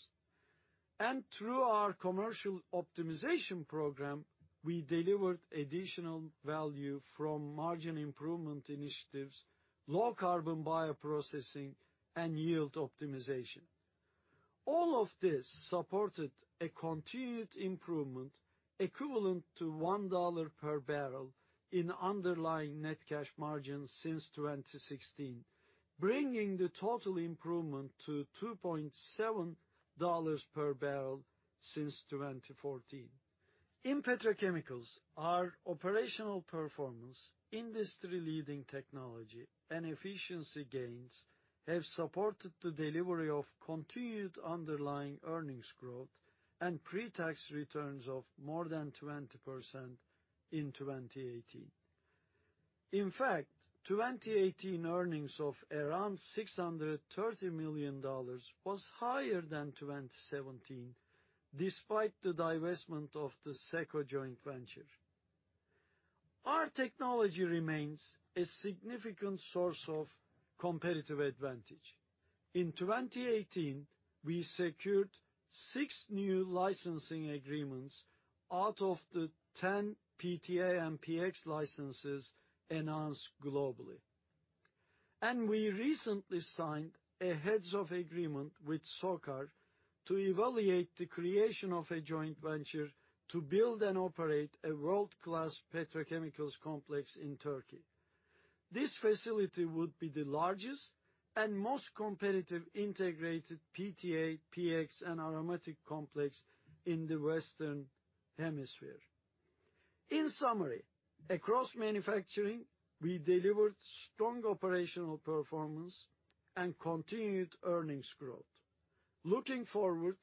Through our commercial optimization program, we delivered additional value from margin improvement initiatives, low carbon bioprocessing, and yield optimization. All of this supported a continued improvement equivalent to $1 per barrel in underlying net cash margin since 2016, bringing the total improvement to $2.7 per barrel since 2014. In petrochemicals, our operational performance, industry-leading technology, and efficiency gains have supported the delivery of continued underlying earnings growth and pre-tax returns of more than 20% in 2018. In fact, 2018 earnings of around $630 million was higher than 2017, despite the divestment of the SECCO joint venture. Our technology remains a significant source of competitive advantage. In 2018, we secured six new licensing agreements out of the 10 PTA and PX licenses announced globally. We recently signed a heads of agreement with SOCAR to evaluate the creation of a joint venture to build and operate a world-class petrochemicals complex in Turkey. This facility would be the largest and most competitive integrated PTA, PX, and aromatic complex in the Western Hemisphere. In summary, across manufacturing, we delivered strong operational performance and continued earnings growth. Looking forward,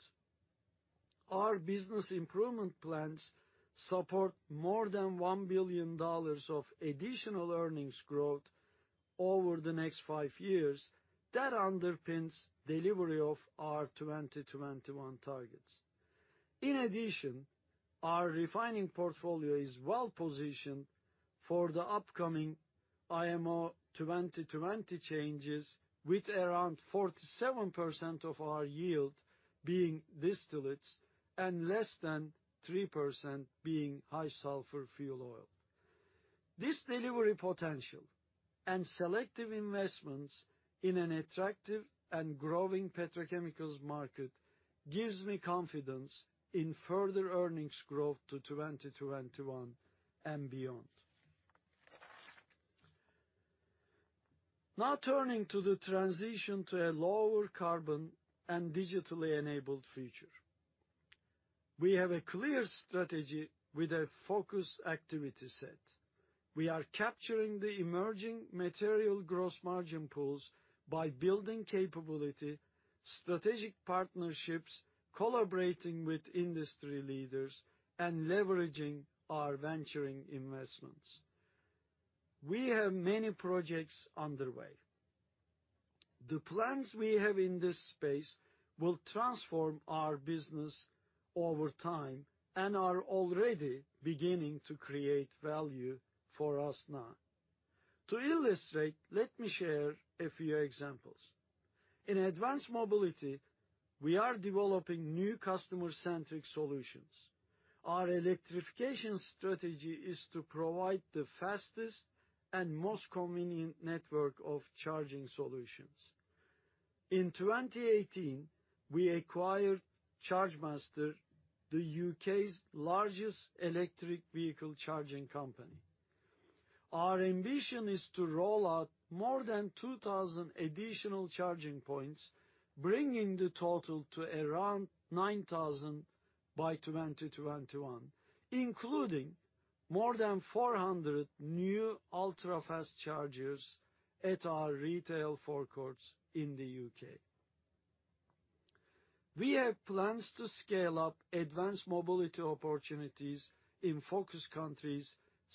our business improvement plans support more than $1 billion of additional earnings growth over the next five years that underpins delivery of our 2021 targets. In addition, our refining portfolio is well-positioned for the upcoming IMO 2020 changes, with around 47% of our yield being distillates and less than 3% being high sulfur fuel oil. This delivery potential and selective investments in an attractive and growing petrochemicals market gives me confidence in further earnings growth to 2021 and beyond. Turning to the transition to a lower carbon and digitally enabled future. We have a clear strategy with a focused activity set. We are capturing the emerging material gross margin pools by building capability, strategic partnerships, collaborating with industry leaders, and leveraging our venturing investments. We have many projects underway. The plans we have in this space will transform our business over time and are already beginning to create value for us now. To illustrate, let me share a few examples. In advanced mobility, we are developing new customer-centric solutions. Our electrification strategy is to provide the fastest and most convenient network of charging solutions. In 2018, we acquired Chargemaster, the U.K.'s largest electric vehicle charging company. Our ambition is to roll out more than 2,000 additional charging points, bringing the total to around 9,000 by 2021, including more than 400 new ultra-fast chargers at our retail forecourts in the U.K. We have plans to scale up advanced mobility opportunities in focus countries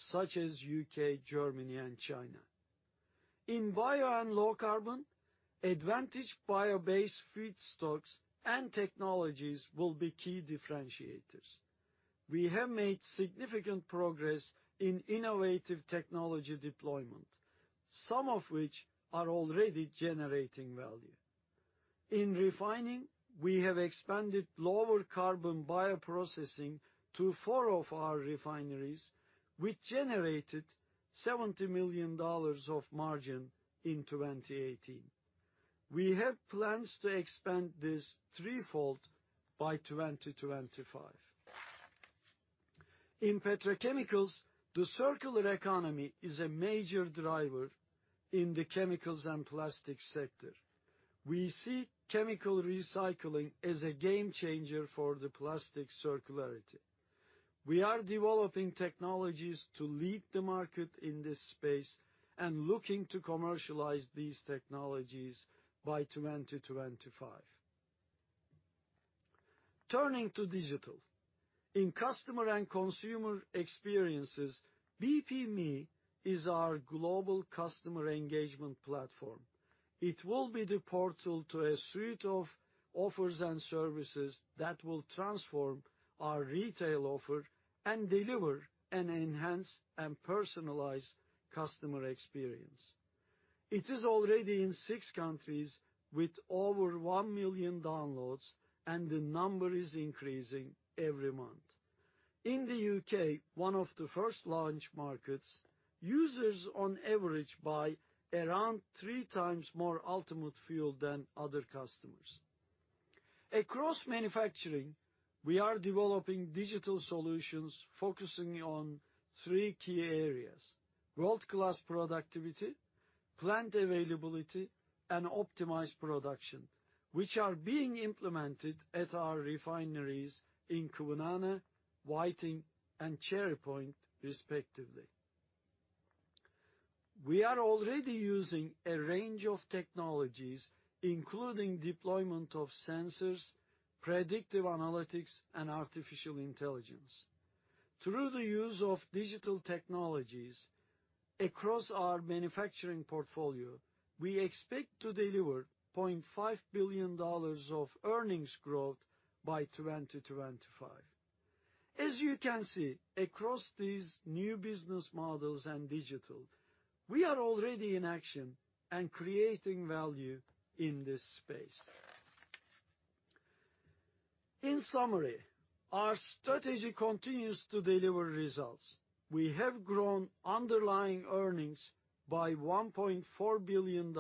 such as U.K., Germany, and China. In bio and low carbon, advantage bio-based feedstocks and technologies will be key differentiators. We have made significant progress in innovative technology deployment, some of which are already generating value. In refining, we have expanded lower carbon bioprocessing to four of our refineries, which generated $70 million of margin in 2018. We have plans to expand this threefold by 2025. In petrochemicals, the circular economy is a major driver in the chemicals and plastics sector. We see chemical recycling as a game changer for the plastic circularity. We are developing technologies to lead the market in this space and looking to commercialize these technologies by 2025. Turning to digital. In customer and consumer experiences, BPme is our global customer engagement platform. It will be the portal to a suite of offers and services that will transform our retail offer and deliver an enhanced and personalized customer experience. It is already in six countries with over 1 million downloads, and the number is increasing every month. In the U.K., one of the first launch markets, users on average buy around 3x more ultimate fuel than other customers. Across manufacturing, we are developing digital solutions focusing on three key areas: world-class productivity, plant availability, and optimized production, which are being implemented at our refineries in Kwinana, Whiting, and Cherry Point, respectively. We are already using a range of technologies, including deployment of sensors, predictive analytics, and artificial intelligence. Through the use of digital technologies across our manufacturing portfolio, we expect to deliver $0.5 billion of earnings growth by 2025. As you can see, across these new business models and digital, we are already in action and creating value in this space. In summary, our strategy continues to deliver results. We have grown underlying earnings by $1.4 billion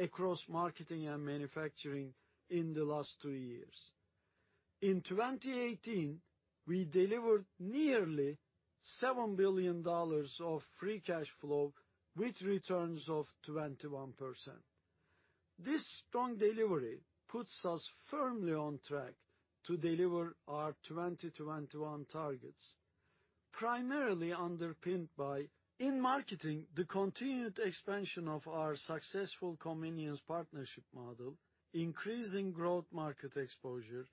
across marketing and manufacturing in the last two years. In 2018, we delivered nearly $7 billion of free cash flow with returns of 21%. This strong delivery puts us firmly on track to deliver our 2021 targets, primarily underpinned by, in marketing, the continued expansion of our successful convenience partnership model, increasing growth market exposure,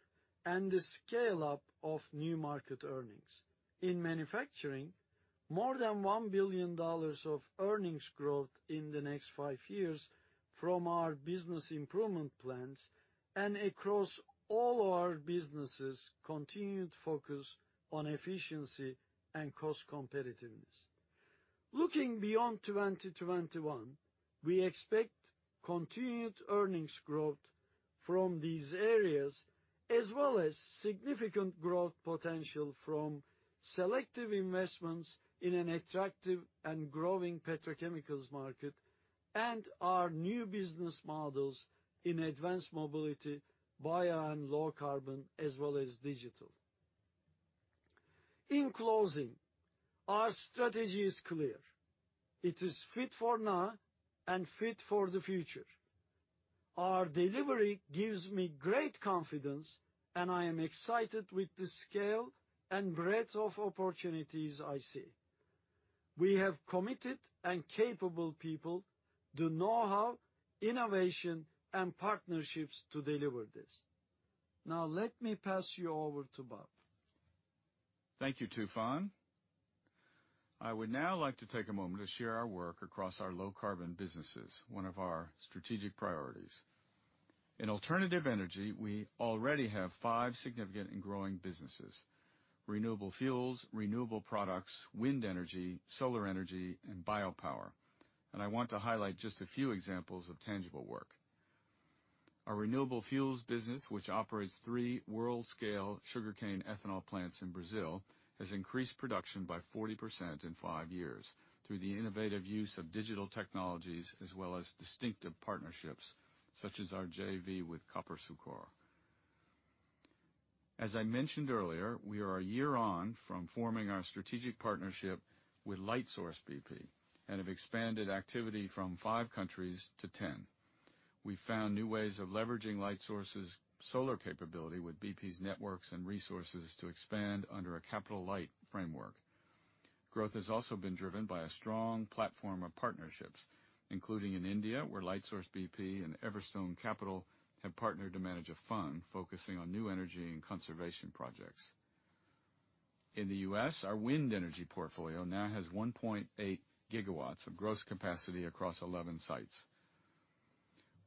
and the scale-up of new market earnings. In manufacturing, more than $1 billion of earnings growth in the next five years from our business improvement plans, and across all our businesses, continued focus on efficiency and cost competitiveness. Looking beyond 2021, we expect continued earnings growth from these areas, as well as significant growth potential from selective investments in an attractive and growing petrochemicals market and our new business models in advanced mobility, bio and low carbon, as well as digital. In closing, our strategy is clear. It is fit for now and fit for the future. Our delivery gives me great confidence, and I am excited with the scale and breadth of opportunities I see. We have committed and capable people, the know-how, innovation, and partnerships to deliver this. Let me pass you over to Bob. Thank you, Tufan. I would now like to take a moment to share our work across our low-carbon businesses, one of our strategic priorities. In alternative energy, we already have five significant and growing businesses: renewable fuels, renewable products, wind energy, solar energy, and biopower. I want to highlight just a few examples of tangible work. Our renewable fuels business, which operates three world-scale sugarcane ethanol plants in Brazil, has increased production by 40% in five years through the innovative use of digital technologies as well as distinctive partnerships, such as our JV with Copersucar. As I mentioned earlier, we are a year on from forming our strategic partnership with Lightsource BP and have expanded activity from five countries to 10. We found new ways of leveraging Lightsource's solar capability with BP's networks and resources to expand under a capital-light framework. Growth has also been driven by a strong platform of partnerships, including in India, where Lightsource BP and Everstone Capital have partnered to manage a fund focusing on new energy and conservation projects. In the U.S., our wind energy portfolio now has 1.8 gigawatts of gross capacity across 11 sites.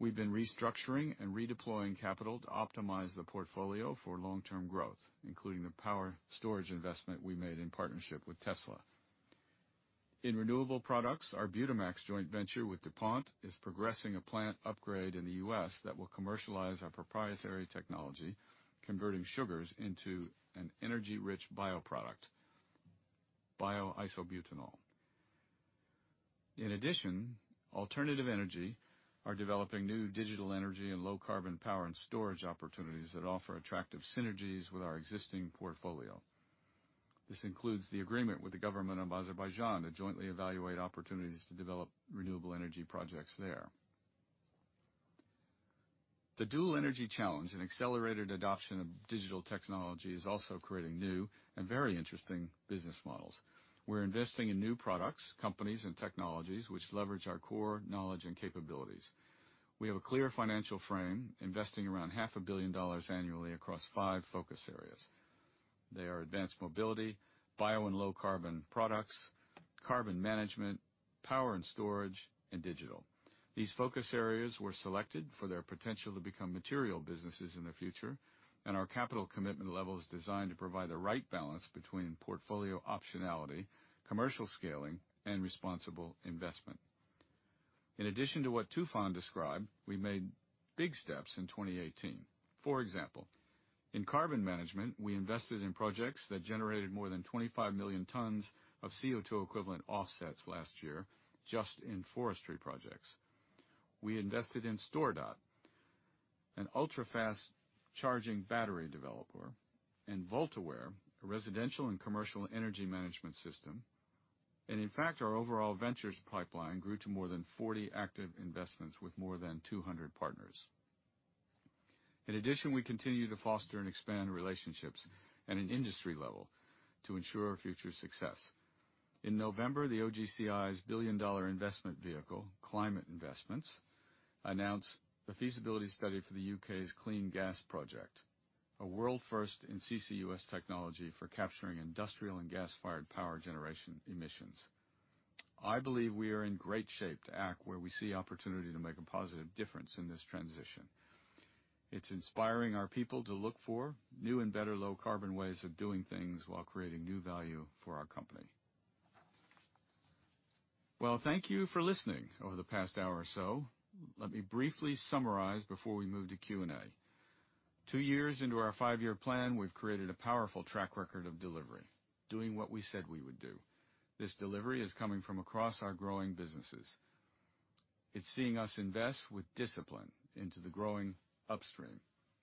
We've been restructuring and redeploying capital to optimize the portfolio for long-term growth, including the power storage investment we made in partnership with Tesla. In renewable products, our Butamax joint venture with DuPont is progressing a plant upgrade in the U.S. that will commercialize our proprietary technology, converting sugars into an energy-rich bioproduct, bioisobutanol. In addition, Alternative Energy are developing new digital energy and low-carbon power and storage opportunities that offer attractive synergies with our existing portfolio. This includes the agreement with the government of Azerbaijan to jointly evaluate opportunities to develop renewable energy projects there. The dual energy challenge and accelerated adoption of digital technology is also creating new and very interesting business models. We're investing in new products, companies, and technologies which leverage our core knowledge and capabilities. We have a clear financial frame, investing around half a billion dollars annually across five focus areas. They are Advanced Mobility, Bio and Low Carbon Products, Carbon Management, Power and Storage, and Digital. These focus areas were selected for their potential to become material businesses in the future, and our capital commitment level is designed to provide the right balance between portfolio optionality, commercial scaling, and responsible investment. In addition to what Tufan described, we made big steps in 2018. For example, in Carbon Management, we invested in projects that generated more than 25 million tons of CO2 equivalent offsets last year just in forestry projects. We invested in StoreDot, an ultra-fast charging battery developer, and Voltaware, a residential and commercial energy management system. In fact, our overall ventures pipeline grew to more than 40 active investments with more than 200 partners. In addition, we continue to foster and expand relationships at an industry level to ensure our future success. In November, the OGCI's billion-dollar investment vehicle, Climate Investments, announced the feasibility study for the U.K.'s Clean Gas Project, a world first in CCUS technology for capturing industrial and gas-fired power generation emissions. I believe we are in great shape to act where we see opportunity to make a positive difference in this transition. It's inspiring our people to look for new and better low-carbon ways of doing things while creating new value for our company. Thank you for listening over the past hour or so. Let me briefly summarize before we move to Q&A. Two years into our five-year plan, we've created a powerful track record of delivery, doing what we said we would do. This delivery is coming from across our growing businesses. It's seeing us invest with discipline into the growing upstream,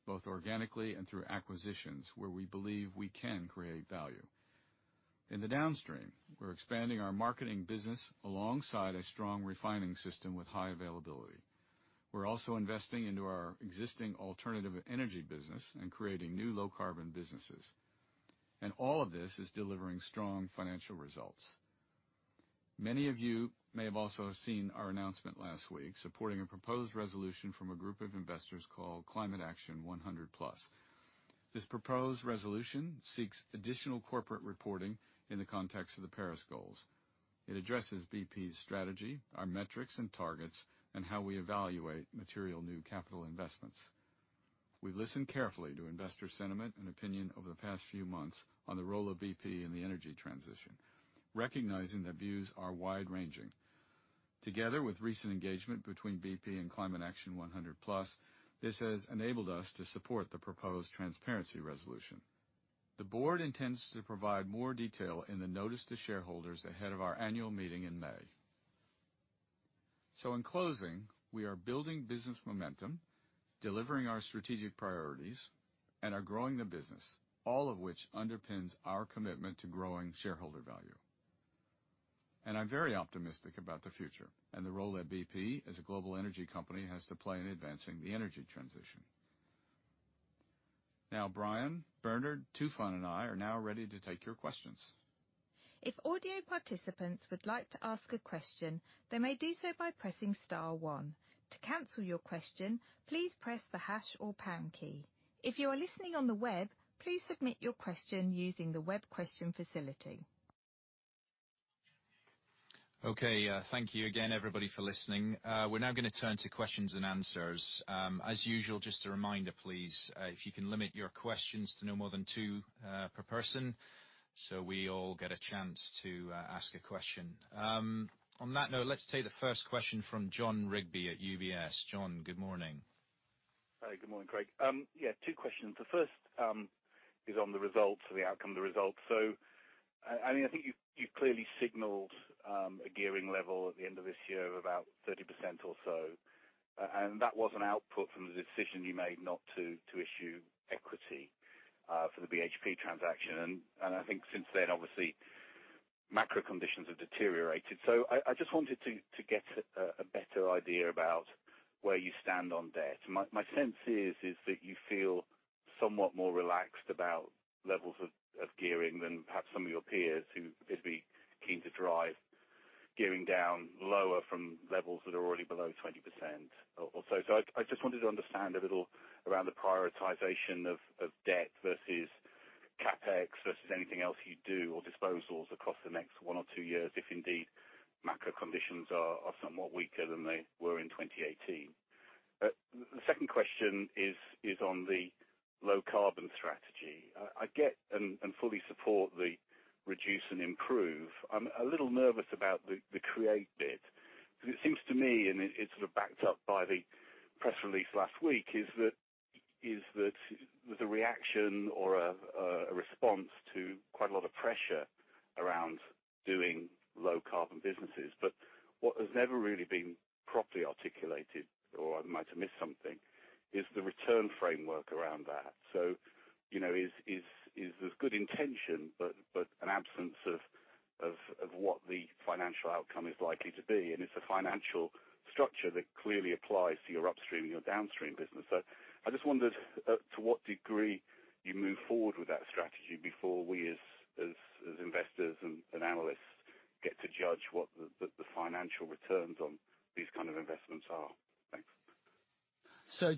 both organically and through acquisitions where we believe we can create value. In the downstream, we're expanding our marketing business alongside a strong refining system with high availability. We're also investing into our existing alternative energy business and creating new low-carbon businesses. All of this is delivering strong financial results. Many of you may have also seen our announcement last week supporting a proposed resolution from a group of investors called Climate Action 100+. This proposed resolution seeks additional corporate reporting in the context of the Paris goals. It addresses BP's strategy, our metrics and targets, and how we evaluate material new capital investments. We listened carefully to investor sentiment and opinion over the past few months on the role of BP in the energy transition, recognizing that views are wide-ranging. Together with recent engagement between BP and Climate Action 100+, this has enabled us to support the proposed transparency resolution. The board intends to provide more detail in the notice to shareholders ahead of our annual meeting in May. In closing, we are building business momentum, delivering our strategic priorities, and are growing the business, all of which underpins our commitment to growing shareholder value. I'm very optimistic about the future and the role that BP as a global energy company has to play in advancing the energy transition. Brian, Bernard, Tufan, and I are now ready to take your questions. If audio participants would like to ask a question, they may do so by pressing star one. To cancel your question, please press the hash or pound key. If you are listening on the web, please submit your question using the web question facility. Okay. Thank you again, everybody, for listening. We're now going to turn to questions and answers. As usual, just a reminder, please, if you can limit your questions to no more than two per person so we all get a chance to ask a question. On that note, let's take the first question from Jon Rigby at UBS. Jon, good morning. Good morning, Craig. Yeah, two questions. The first is on the results or the outcome of the results. I think you've clearly signaled a gearing level at the end of this year of about 30% or so, and that was an output from the decision you made not to issue equity for the BHP transaction. I think since then, obviously, macro conditions have deteriorated. I just wanted to get a better idea about where you stand on debt. My sense is that you feel somewhat more relaxed about levels of gearing than perhaps some of your peers who would be keen to drive gearing down lower from levels that are already below 20% or so. I just wanted to understand a little around the prioritization of debt versus CapEx versus anything else you do or disposals across the next one or two years, if indeed macro conditions are somewhat weaker than they were in 2018. The second question is on the low carbon strategy. I get and fully support the reduce and improve. I'm a little nervous about the create bit, because it seems to me, and it sort of backed up by the press release last week, is that the reaction or a response to quite a lot of pressure around doing low carbon businesses. What has never really been properly articulated, or I might have missed something, is the return framework around that. Is this good intention, but an absence of what the financial outcome is likely to be, and it's a financial structure that clearly applies to your upstream and your downstream business. I just wondered to what degree you move forward with that strategy before we as investors and analysts get to judge what the financial returns on these kind of investments are. Thanks.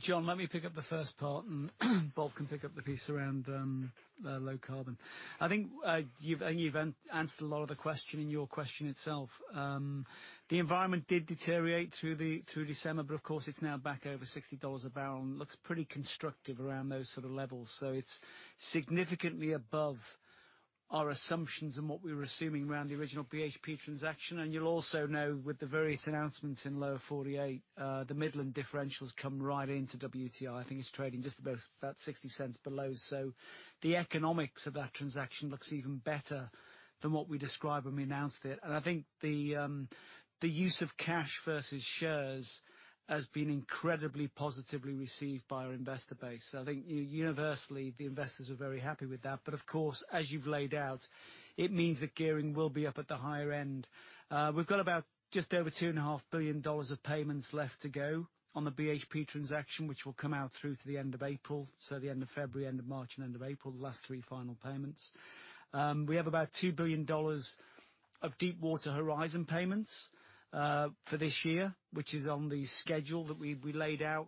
Jon, let me pick up the first part, Bob Dudley can pick up the piece around low carbon. I think you've answered a lot of the question in your question itself. The environment did deteriorate through December, but of course, it's now back over $60 a barrel and looks pretty constructive around those sort of levels. It's significantly above our assumptions and what we were assuming around the original BHP transaction. You'll also know with the various announcements in Lower 48, the Midland differential's come right into WTI. I think it's trading just about $0.60 below. The economics of that transaction looks even better than what we described when we announced it. I think the use of cash versus shares has been incredibly positively received by our investor base. I think universally, the investors are very happy with that. Of course, as you've laid out, it means that gearing will be up at the higher end. We've got about just over $2.5 billion of payments left to go on the BHP transaction, which will come out through to the end of April. The end of February, end of March, and end of April, the last three final payments. We have about $2 billion of Deepwater Horizon payments for this year, which is on the schedule that we laid out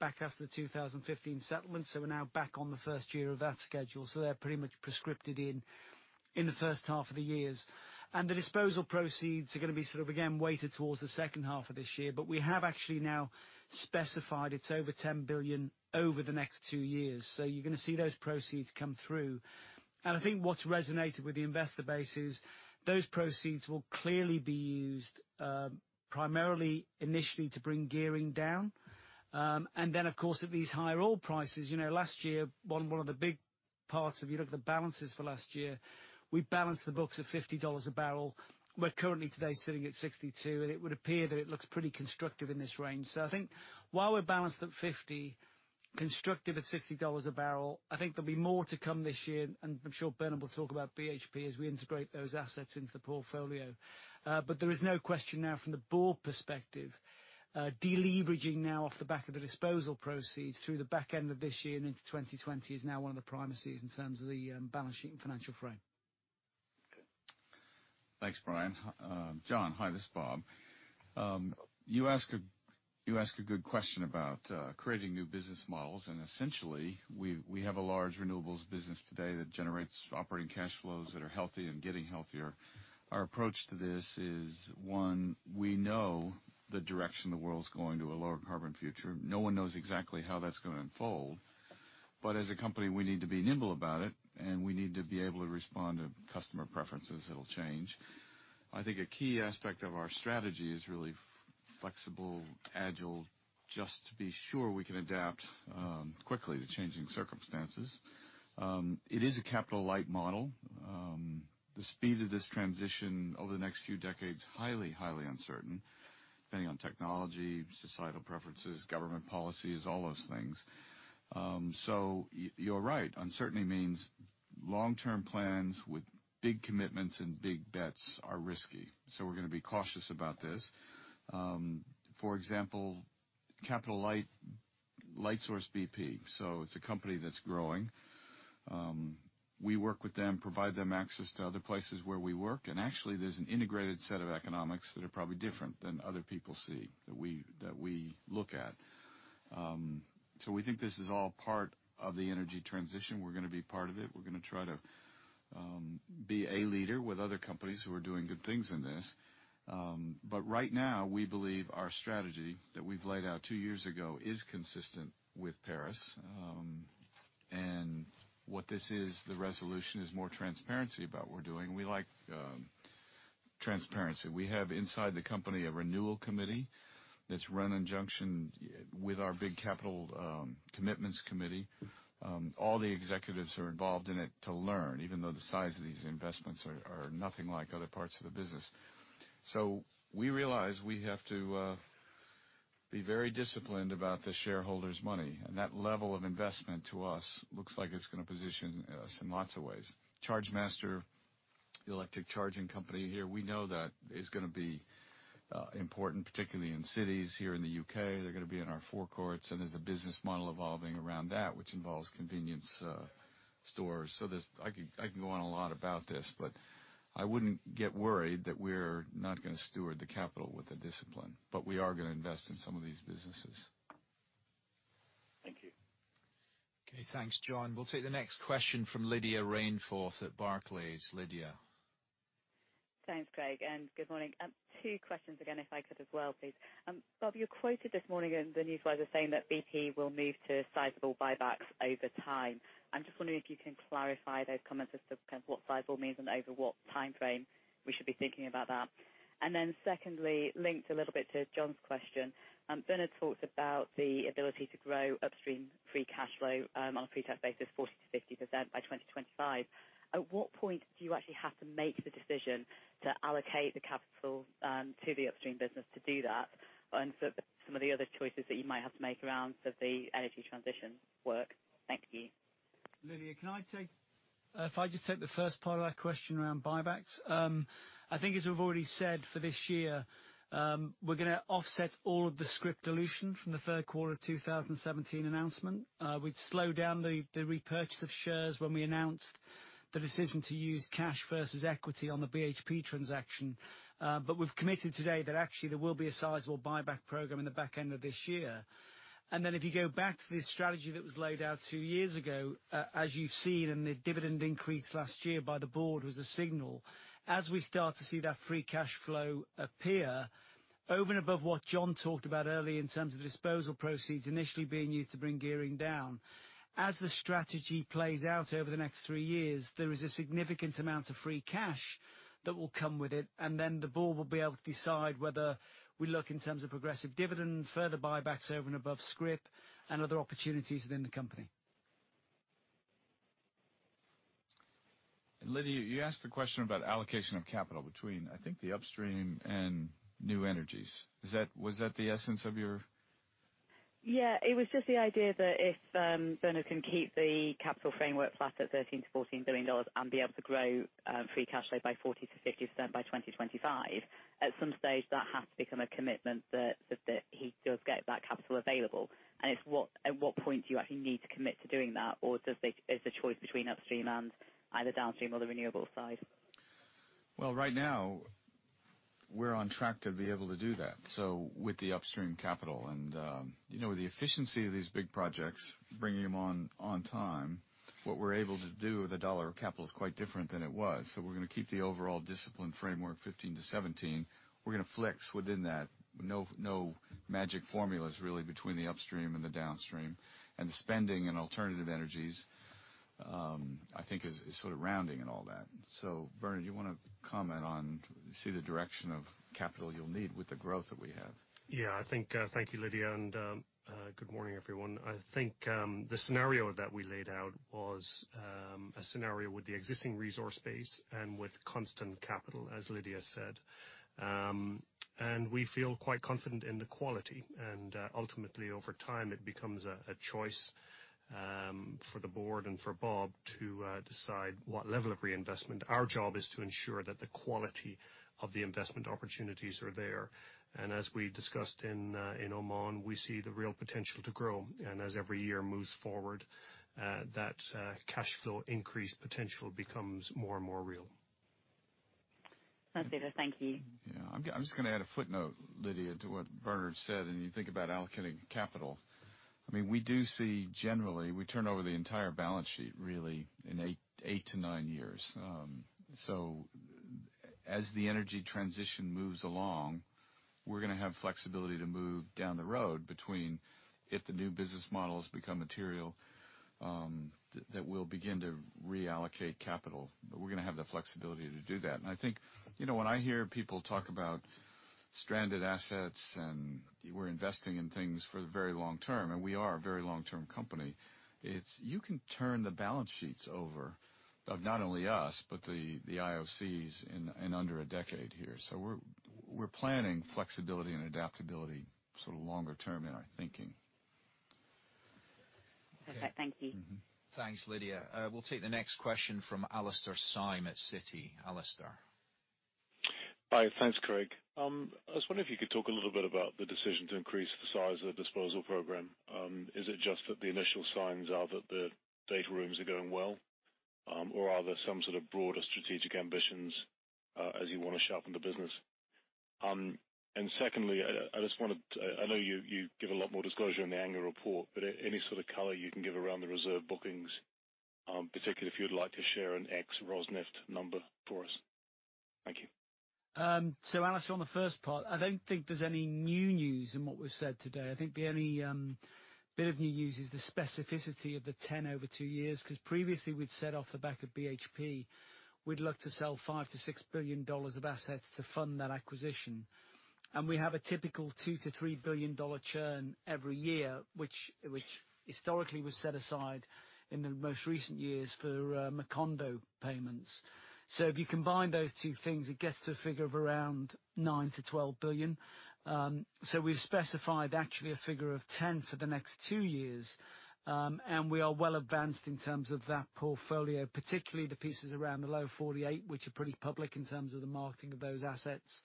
back after the 2015 settlement. We're now back on the first year of that schedule. They're pretty much prescripted in the first half of the years. The disposal proceeds are going to be sort of again, weighted towards the second half of this year. We have actually now specified it's over $10 billion over the next two years. You're going to see those proceeds come through. I think what's resonated with the investor base is those proceeds will clearly be used primarily, initially, to bring gearing down. Then, of course, at these higher oil prices. Last year, one of the big parts if you look at the balances for last year, we balanced the books at $50 a barrel. We're currently today sitting at $62 a barrel, and it would appear that it looks pretty constructive in this range. I think while we're balanced at $50, constructive at $60 a barrel, I think there'll be more to come this year, and I'm sure Bernard Looney will talk about BHP as we integrate those assets into the portfolio. There is no question now from the board perspective, de-leveraging now off the back of the disposal proceeds through the back end of this year and into 2020 is now one of the primacies in terms of the balancing financial frame. Okay. Thanks, Brian. Jon, hi, this is Bob. You ask a good question about creating new business models. Essentially, we have a large renewables business today that generates operating cash flows that are healthy and getting healthier. Our approach to this is, one, we know the direction the world's going to a lower carbon future. No one knows exactly how that's going to unfold. As a company, we need to be nimble about it, and we need to be able to respond to customer preferences that'll change. I think a key aspect of our strategy is really flexible, agile, just to be sure we can adapt quickly to changing circumstances. It is a capital-light model. The speed of this transition over the next few decades, highly uncertain, depending on technology, societal preferences, government policies, all those things. You're right. Uncertainty means long-term plans with big commitments and big bets are risky. We're going to be cautious about this. For example, capital light, Lightsource BP. It's a company that's growing. We work with them, provide them access to other places where we work. Actually, there's an integrated set of economics that are probably different than other people see that we look at. We think this is all part of the energy transition. We're going to be part of it. We're going to try to be a leader with other companies who are doing good things in this. Right now, we believe our strategy that we've laid out two years ago is consistent with Paris. What this is, the resolution, is more transparency about what we're doing. We like transparency. We have inside the company a renewal committee that's run in conjunction with our big capital commitments committee. All the executives are involved in it to learn, even though the size of these investments are nothing like other parts of the business. We realize we have to be very disciplined about the shareholders' money, and that level of investment to us looks like it's going to position us in lots of ways. Chargemaster, the electric charging company here, we know that is going to be important, particularly in cities here in the U.K. They're going to be in our forecourts, and there's a business model evolving around that, which involves convenience stores. I can go on a lot about this, I wouldn't get worried that we're not going to steward the capital with the discipline. We are going to invest in some of these businesses. Thank you. Okay. Thanks, Jon. We'll take the next question from Lydia Rainforth at Barclays. Lydia? Thanks, Craig, good morning. Two questions again if I could as well, please. Bob, you're quoted this morning in the news wire as saying that BP will move to sizable buybacks over time. I'm just wondering if you can clarify those comments as to kind of what sizable means and over what timeframe we should be thinking about that. Secondly, linked a little bit to Jon's question, Bernard talked about the ability to grow upstream free cash flow on a pre-tax basis 40%-50% by 2025. At what point do you actually have to make the decision to allocate the capital to the upstream business to do that? And some of the other choices that you might have to make around sort of the energy transition work. Thank you. Lydia, can I take, if I just take the first part of that question around buybacks. I think as we've already said for this year, we're going to offset all of the scrip dilution from the third quarter of 2017 announcement. We'd slowed down the repurchase of shares when we announced the decision to use cash versus equity on the BHP transaction. We've committed today that actually there will be a sizable buyback program in the back end of this year. If you go back to the strategy that was laid out two years ago, as you've seen, the dividend increase last year by the board was a signal. As we start to see that free cash flow appear over and above what Jon talked about earlier in terms of disposal proceeds initially being used to bring gearing down, as the strategy plays out over the next three years, there is a significant amount of free cash that will come with it, the board will be able to decide whether we look in terms of progressive dividend, further buybacks over and above scrip, other opportunities within the company. Lydia, you asked the question about allocation of capital between, I think, the upstream and new energies. Was that the essence of your? Yeah. It was just the idea that if Bernard can keep the capital framework flat at $13 billion-$14 billion and be able to grow free cash flow by 40%-50% by 2025, at some stage that has to become a commitment that he does get that capital available. At what point do you actually need to commit to doing that, or is the choice between upstream and either downstream or the renewable side? Well, right now we're on track to be able to do that. With the upstream capital and the efficiency of these big projects, bringing them on time, what we're able to do with a dollar of capital is quite different than it was. We're going to keep the overall discipline framework 15-17. We're going to flex within that. No magic formulas really between the upstream and the downstream. The spending in alternative energies, I think is sort of rounding in all that. Bernard, do you want to comment on the direction of capital you'll need with the growth that we have? Yeah, I think, thank you, Lydia, and good morning, everyone. I think the scenario that we laid out was a scenario with the existing resource base and with constant capital, as Lydia said. We feel quite confident in the quality. Ultimately, over time, it becomes a choice for the board and for Bob to decide what level of reinvestment. Our job is to ensure that the quality of the investment opportunities are there. As we discussed in Oman, we see the real potential to grow. As every year moves forward, that cash flow increase potential becomes more and more real. That's it. Thank you. Yeah. I'm just going to add a footnote, Lydia, to what Bernard said. You think about allocating capital. We do see generally, we turn over the entire balance sheet really in eight to nine years. As the energy transition moves along, we're going to have flexibility to move down the road between if the new business models become material, that we'll begin to reallocate capital. We're going to have the flexibility to do that. I think when I hear people talk about stranded assets and we're investing in things for the very long term, and we are a very long-term company, it's you can turn the balance sheets over of not only us, but the IOCs in under a decade here. We're planning flexibility and adaptability sort of longer term in our thinking. Okay. Thank you. Thanks, Lydia. We'll take the next question from Alastair Syme at Citi. Alastair? Hi. Thanks, Craig. I was wondering if you could talk a little bit about the decision to increase the size of the disposal program. Is it just that the initial signs are that the data rooms are going well? Are there some sort of broader strategic ambitions as you want to sharpen the business? Secondly, I know you give a lot more disclosure in the annual report, but any sort of color you can give around the reserve bookings, particularly if you'd like to share an ex-Rosneft number for us. Thank you. Alastair, on the first part, I don't think there's any new news in what we've said today. I think the only bit of new news is the specificity of the 10 over two years, because previously we'd said off the back of BHP, we'd look to sell $5 billion-$6 billion of assets to fund that acquisition. We have a typical $2 billion-$3 billion churn every year, which historically was set aside in the most recent years for Macondo payments. If you combine those two things, it gets to a figure of around $9 billion-$12 billion. We've specified actually a figure of $10 billion for the next two years. We are well advanced in terms of that portfolio, particularly the pieces around the Lower 48, which are pretty public in terms of the marketing of those assets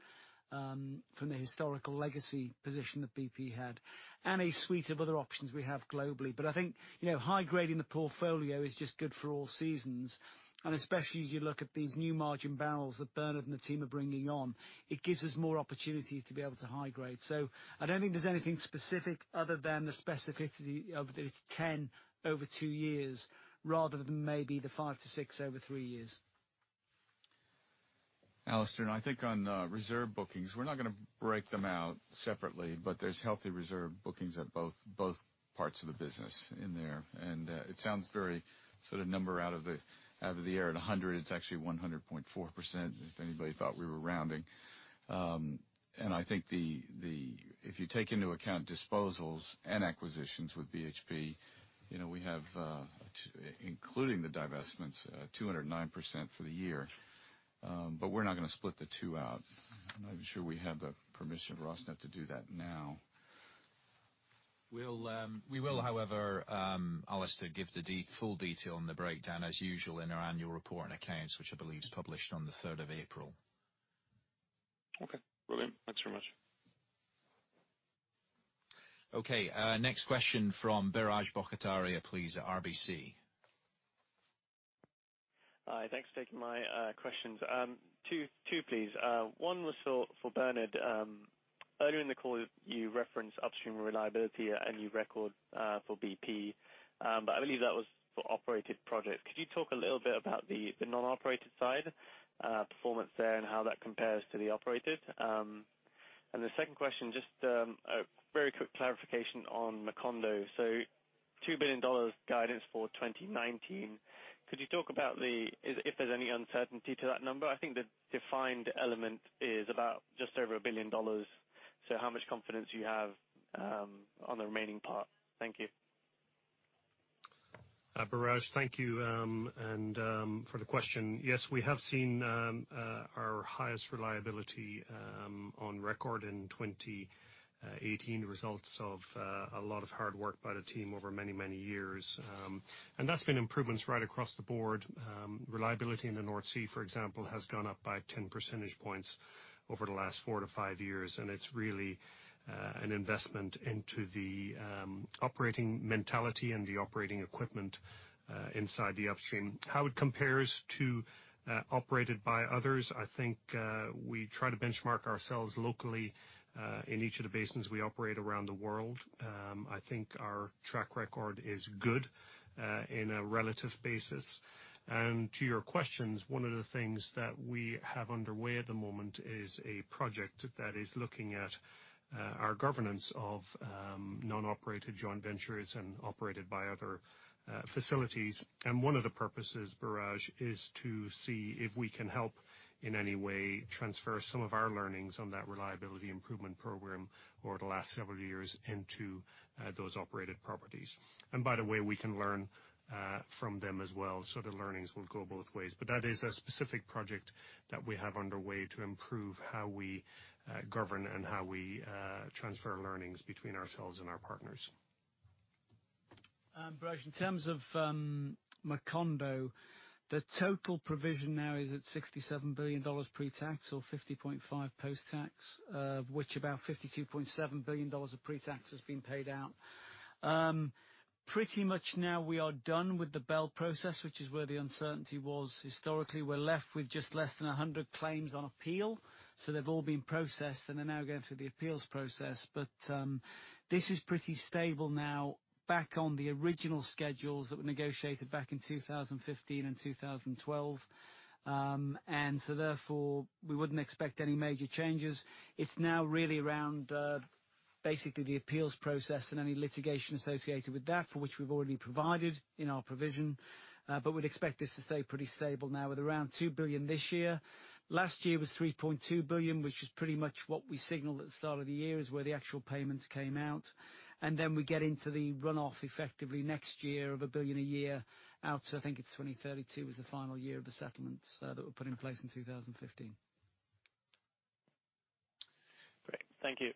from the historical legacy position that BP had, and a suite of other options we have globally. I think high-grading the portfolio is just good for all seasons, and especially as you look at these new margin barrels that Bernard and the team are bringing on. It gives us more opportunity to be able to high-grade. I don't think there's anything specific other than the specificity of that it's $10 billion over two years rather than maybe the $5 billion-$6 billion over three years. Alastair, I think on reserve bookings, we're not going to break them out separately, but there's healthy reserve bookings at both parts of the business in there. It sounds very sort of number out of the air at 100%, it's actually 100.4%, if anybody thought we were rounding. I think if you take into account disposals and acquisitions with BHP, we have, including the divestments, 209% for the year. We're not going to split the two out. I'm not even sure we have the permission from Rosneft to do that now. We will, however, Alastair, give the full detail on the breakdown as usual in our annual report and accounts, which I believe is published on the 3rd of April. Okay, brilliant. Thanks very much. Okay. Next question from Biraj Borkhataria, please, at RBC. Hi, thanks for taking my questions. Two, please. One was for Bernard. Earlier in the call, you referenced upstream reliability, a new record for BP. I believe that was for operated projects. Could you talk a little bit about the non-operated side, performance there, and how that compares to the operated? The second question, just a very quick clarification on Macondo. $2 billion guidance for 2019. Could you talk about if there's any uncertainty to that number? I think the defined element is about just over GBP 1 billion. How much confidence do you have on the remaining part? Thank you. Biraj, thank you for the question. Yes, we have seen our highest reliability on record in 2018, results of a lot of hard work by the team over many, many years. That's been improvements right across the board. Reliability in the North Sea, for example, has gone up by 10 percentage points over the last four to five years, and it's really an investment into the operating mentality and the operating equipment inside the upstream. How it compares to operated by others, I think we try to benchmark ourselves locally in each of the basins we operate around the world. I think our track record is good in a relative basis. To your questions, one of the things that we have underway at the moment is a project that is looking at our governance of non-operated joint ventures and operated-by-other facilities. One of the purposes, Biraj, is to see if we can help in any way transfer some of our learnings on that reliability improvement program over the last several years into those operated properties. By the way, we can learn from them as well. The learnings will go both ways. That is a specific project that we have underway to improve how we govern and how we transfer learnings between ourselves and our partners. Biraj, in terms of Macondo, the total provision now is at $67 billion pre-tax, or $50.5 post-tax, of which about $52.7 billion of pre-tax has been paid out. Pretty much now we are done with the Bell process, which is where the uncertainty was historically. We're left with just less than 100 claims on appeal. They've all been processed, and they're now going through the appeals process. This is pretty stable now, back on the original schedules that were negotiated back in 2015 and 2012. Therefore, we wouldn't expect any major changes. It's now really around basically the appeals process and any litigation associated with that, for which we've already provided in our provision. We'd expect this to stay pretty stable now with around $2 billion this year. Last year was $3.2 billion, which is pretty much what we signaled at the start of the year is where the actual payments came out. We get into the runoff effectively next year of $1 billion a year out to, I think it's 2032, was the final year of the settlements that were put in place in 2015. Great. Thank you.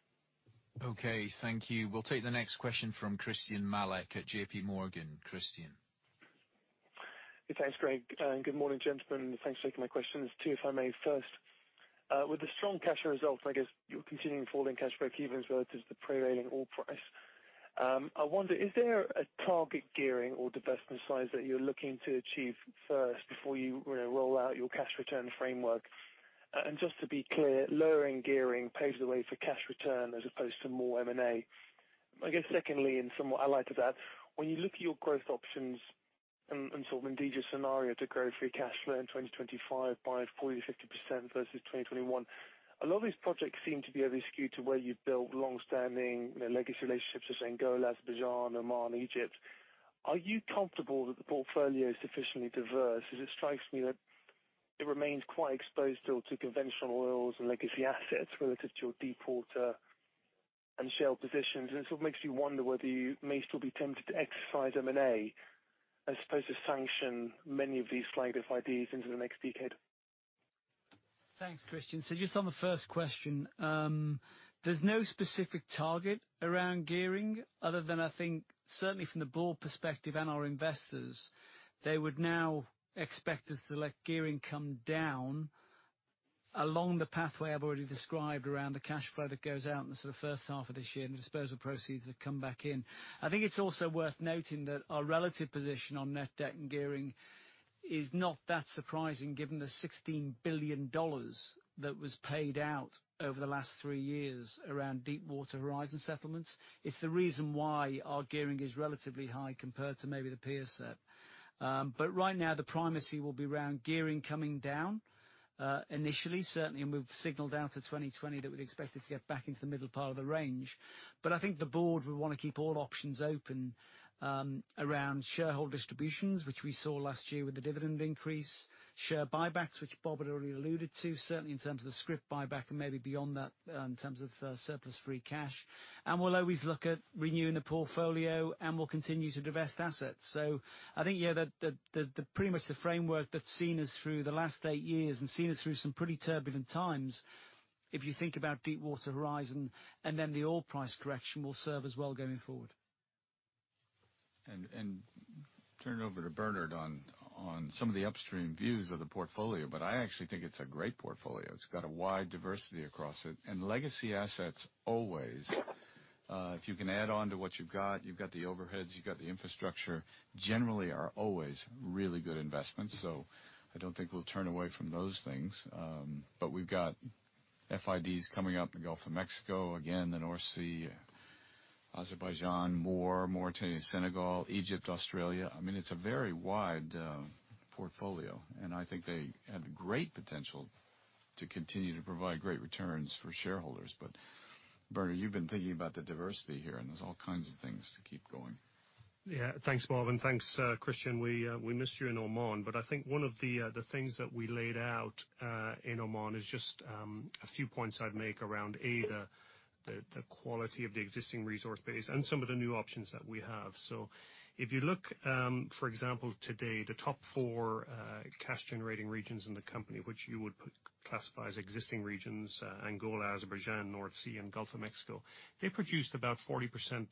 Okay. Thank you. We'll take the next question from Christyan Malek at JPMorgan. Christyan. Thanks, Craig. Good morning, gentlemen. Thanks for taking my questions. Two, if I may. First, with the strong cash results, I guess you're continuing falling cash break evens relative to the prevailing oil price. I wonder, is there a target gearing or divestment size that you're looking to achieve first before you roll out your cash return framework? Just to be clear, lowering gearing paves the way for cash return as opposed to more M&A. Secondly, and somewhat allied to that, when you look at your growth options and sort of indigenous scenario to grow free cash flow in 2025 by 40%-50% versus 2021, a lot of these projects seem to be over-skewed to where you build longstanding legacy relationships with Angola, Azerbaijan, Oman, Egypt. Are you comfortable that the portfolio is sufficiently diverse? It strikes me that it remains quite exposed still to conventional oils and legacy assets relative to your deepwater and shale positions, and it sort of makes you wonder whether you may still be tempted to exercise M&A as opposed to sanction many of these slide ideas into the next decade. Thanks, Christyan. Just on the first question, there's no specific target around gearing other than I think certainly from the board perspective and our investors, they would now expect us to let gearing come down along the pathway I've already described around the cash flow that goes out in the sort of first half of this year and the disposal proceeds that come back in. I think it's also worth noting that our relative position on net debt and gearing is not that surprising given the $16 billion that was paid out over the last three years around Deepwater Horizon settlements. It's the reason why our gearing is relatively high compared to maybe the peer set. Right now, the primacy will be around gearing coming down. Initially, certainly, and we've signaled out to 2020 that we'd expect it to get back into the middle part of the range. I think the board would want to keep all options open around shareholder distributions, which we saw last year with the dividend increase, share buybacks, which Bob had already alluded to, certainly in terms of the scrip buyback and maybe beyond that in terms of surplus free cash. We'll always look at renewing the portfolio, and we'll continue to divest assets. I think, yeah, pretty much the framework that's seen us through the last eight years and seen us through some pretty turbulent times, if you think about Deepwater Horizon, the oil price correction will serve us well going forward. Turn it over to Bernard on some of the upstream views of the portfolio, I actually think it's a great portfolio. It's got a wide diversity across it and legacy assets, always. If you can add on to what you've got, you've got the overheads, you've got the infrastructure, generally are always really good investments. I don't think we'll turn away from those things. We've got FIDs coming up in the Gulf of Mexico, again, the North Sea, Azerbaijan, more Mauritania, Senegal, Egypt, Australia. It's a very wide portfolio, and I think they have great potential to continue to provide great returns for shareholders. Bernard, you've been thinking about the diversity here, and there's all kinds of things to keep going. Yeah. Thanks, Bob, and thanks, Christyan. We missed you in Oman, I think one of the things that we laid out, in Oman is just a few points I'd make around A, the quality of the existing resource base and some of the new options that we have. If you look, for example, today, the top four cash-generating regions in the company, which you would classify as existing regions, Angola, Azerbaijan, North Sea, and Gulf of Mexico. They produced about 40%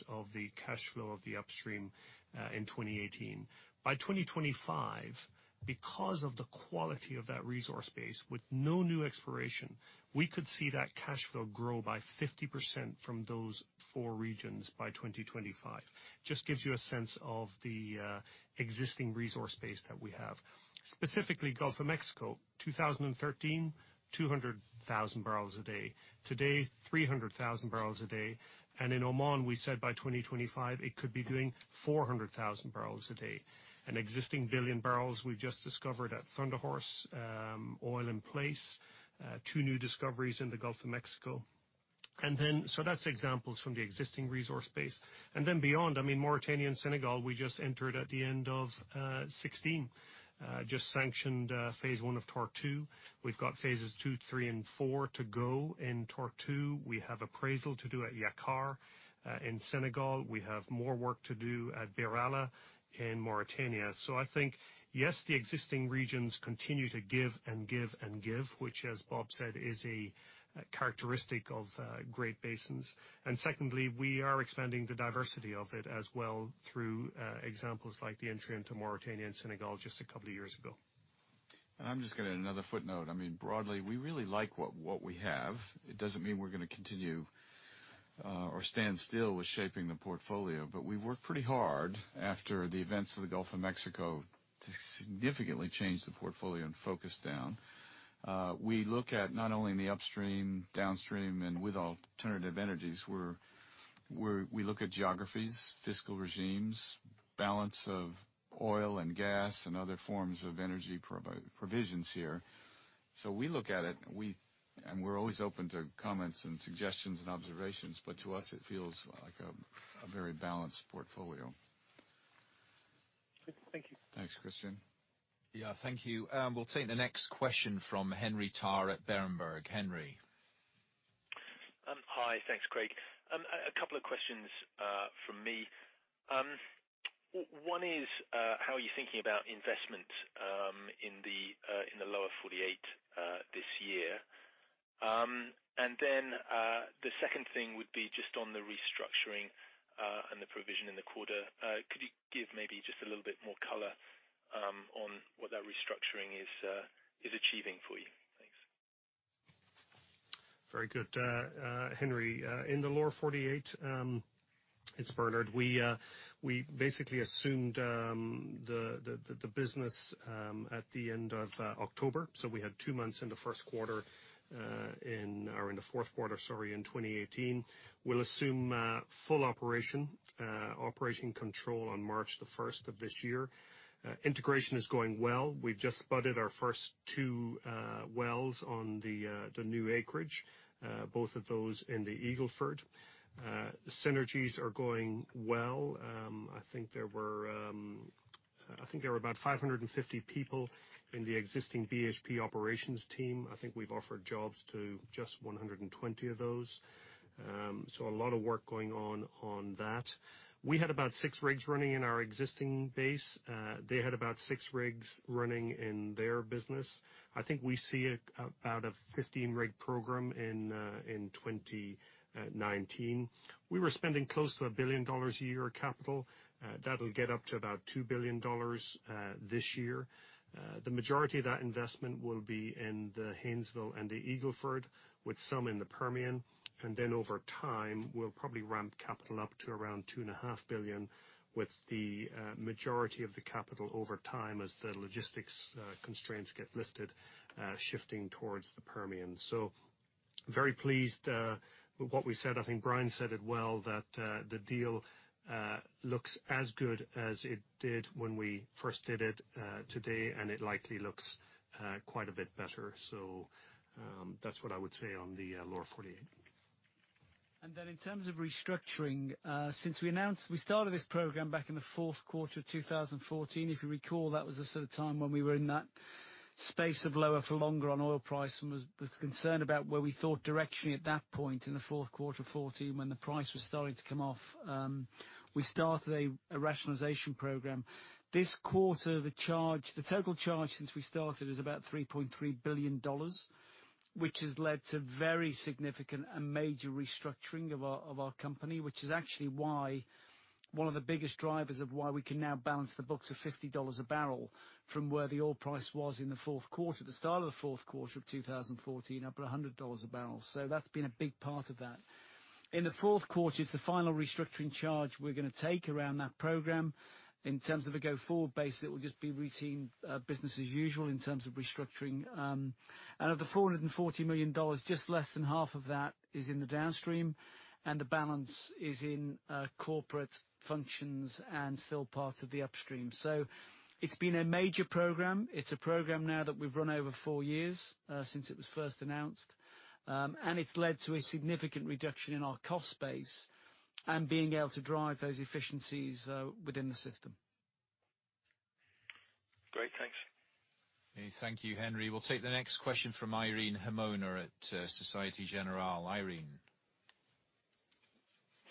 of the cash flow of the upstream in 2018. By 2025, because of the quality of that resource base with no new exploration, we could see that cash flow grow by 50% from those four regions by 2025. Just gives you a sense of the existing resource base that we have. Specifically Gulf of Mexico, 2013, 200,000 barrels a day. Today, 300,000 barrels a day. In Oman, we said by 2025, it could be doing 400,000 barrels a day. A 1 billion barrels we've just discovered at Thunder Horse, oil in place, two new discoveries in the Gulf of Mexico. So that's examples from the existing resource base. Then beyond, Mauritania and Senegal, we just entered at the end of 2016. Just sanctioned phase one of Tortue. We've got phases two, three, and four to go in Tortue. We have appraisal to do at Yakaar. In Senegal, we have more work to do at BirAllah in Mauritania. So I think, yes, the existing regions continue to give and give and give, which, as Bob said, is a characteristic of great basins. Secondly, we are expanding the diversity of it as well through examples like the entry into Mauritania and Senegal just a couple of years ago. I'm just going to add another footnote. Broadly, we really like what we have. It doesn't mean we're going to continue or stand still with shaping the portfolio, but we've worked pretty hard after the events of the Gulf of Mexico to significantly change the portfolio and focus down. We look at not only in the upstream, downstream, and with alternative energies, we look at geographies, fiscal regimes, balance of oil and gas, and other forms of energy provisions here. So we look at it, and we're always open to comments and suggestions, and observations, but to us, it feels like a very balanced portfolio. Good. Thank you. Thanks, Christyan. Yeah, thank you. We'll take the next question from Henry Tarr at Berenberg. Henry. Hi. Thanks, Craig. A couple of questions from me. One is, how are you thinking about investment in the Lower 48 this year? The second thing would be just on the restructuring and the provision in the quarter. Could you give maybe just a little bit more color on what that restructuring is achieving for you? Thanks. Very good. Henry, in the Lower 48, it's Bernard. We basically assumed the business at the end of October. We had two months in the first quarter, or in the fourth quarter, sorry, in 2018. We'll assume full operation control on March the 1st of this year. Integration is going well. We've just spudded our first two wells on the new acreage, both of those in the Eagle Ford. Synergies are going well. I think there were about 550 people in the existing BHP operations team. I think we've offered jobs to just 120 of those. A lot of work going on that. We had about six rigs running in our existing base. They had about six rigs running in their business. I think we see about a 15 rig program in 2019. We were spending close to $1 billion a year capital. That'll get up to about $2 billion this year. The majority of that investment will be in the Haynesville and the Eagle Ford, with some in the Permian. Over time, we'll probably ramp capital up to around $two and a half billion with the majority of the capital over time as the logistics constraints get lifted, shifting towards the Permian. Very pleased with what we said. I think Brian said it well, that the deal looks as good as it did when we first did it today, and it likely looks quite a bit better. That's what I would say on the Lower 48. In terms of restructuring, since we started this program back in the fourth quarter 2014. If you recall, that was the sort of time when we were in that space of lower for longer on oil price and was concerned about where we thought directionally at that point in the fourth quarter of 2014, when the price was starting to come off. We started a rationalization program. This quarter, the total charge since we started is about $3.3 billion, which has led to very significant and major restructuring of our company, which is actually why one of the biggest drivers of why we can now balance the books of $50 a barrel from where the oil price was in the fourth quarter, the start of the fourth quarter of 2014, up at $100 a barrel. That's been a big part of that. In the fourth quarter, it's the final restructuring charge we're going to take around that program. In terms of a go-forward base, it will just be routine business as usual in terms of restructuring. Of the $440 million, just less than half of that is in the downstream, and the balance is in corporate functions and still part of the upstream. It's been a major program. It's a program now that we've run over four years since it was first announced. It's led to a significant reduction in our cost base and being able to drive those efficiencies within the system. Great. Thanks. Thank you, Henry. We'll take the next question from Irene Himona at Société Générale. Irene.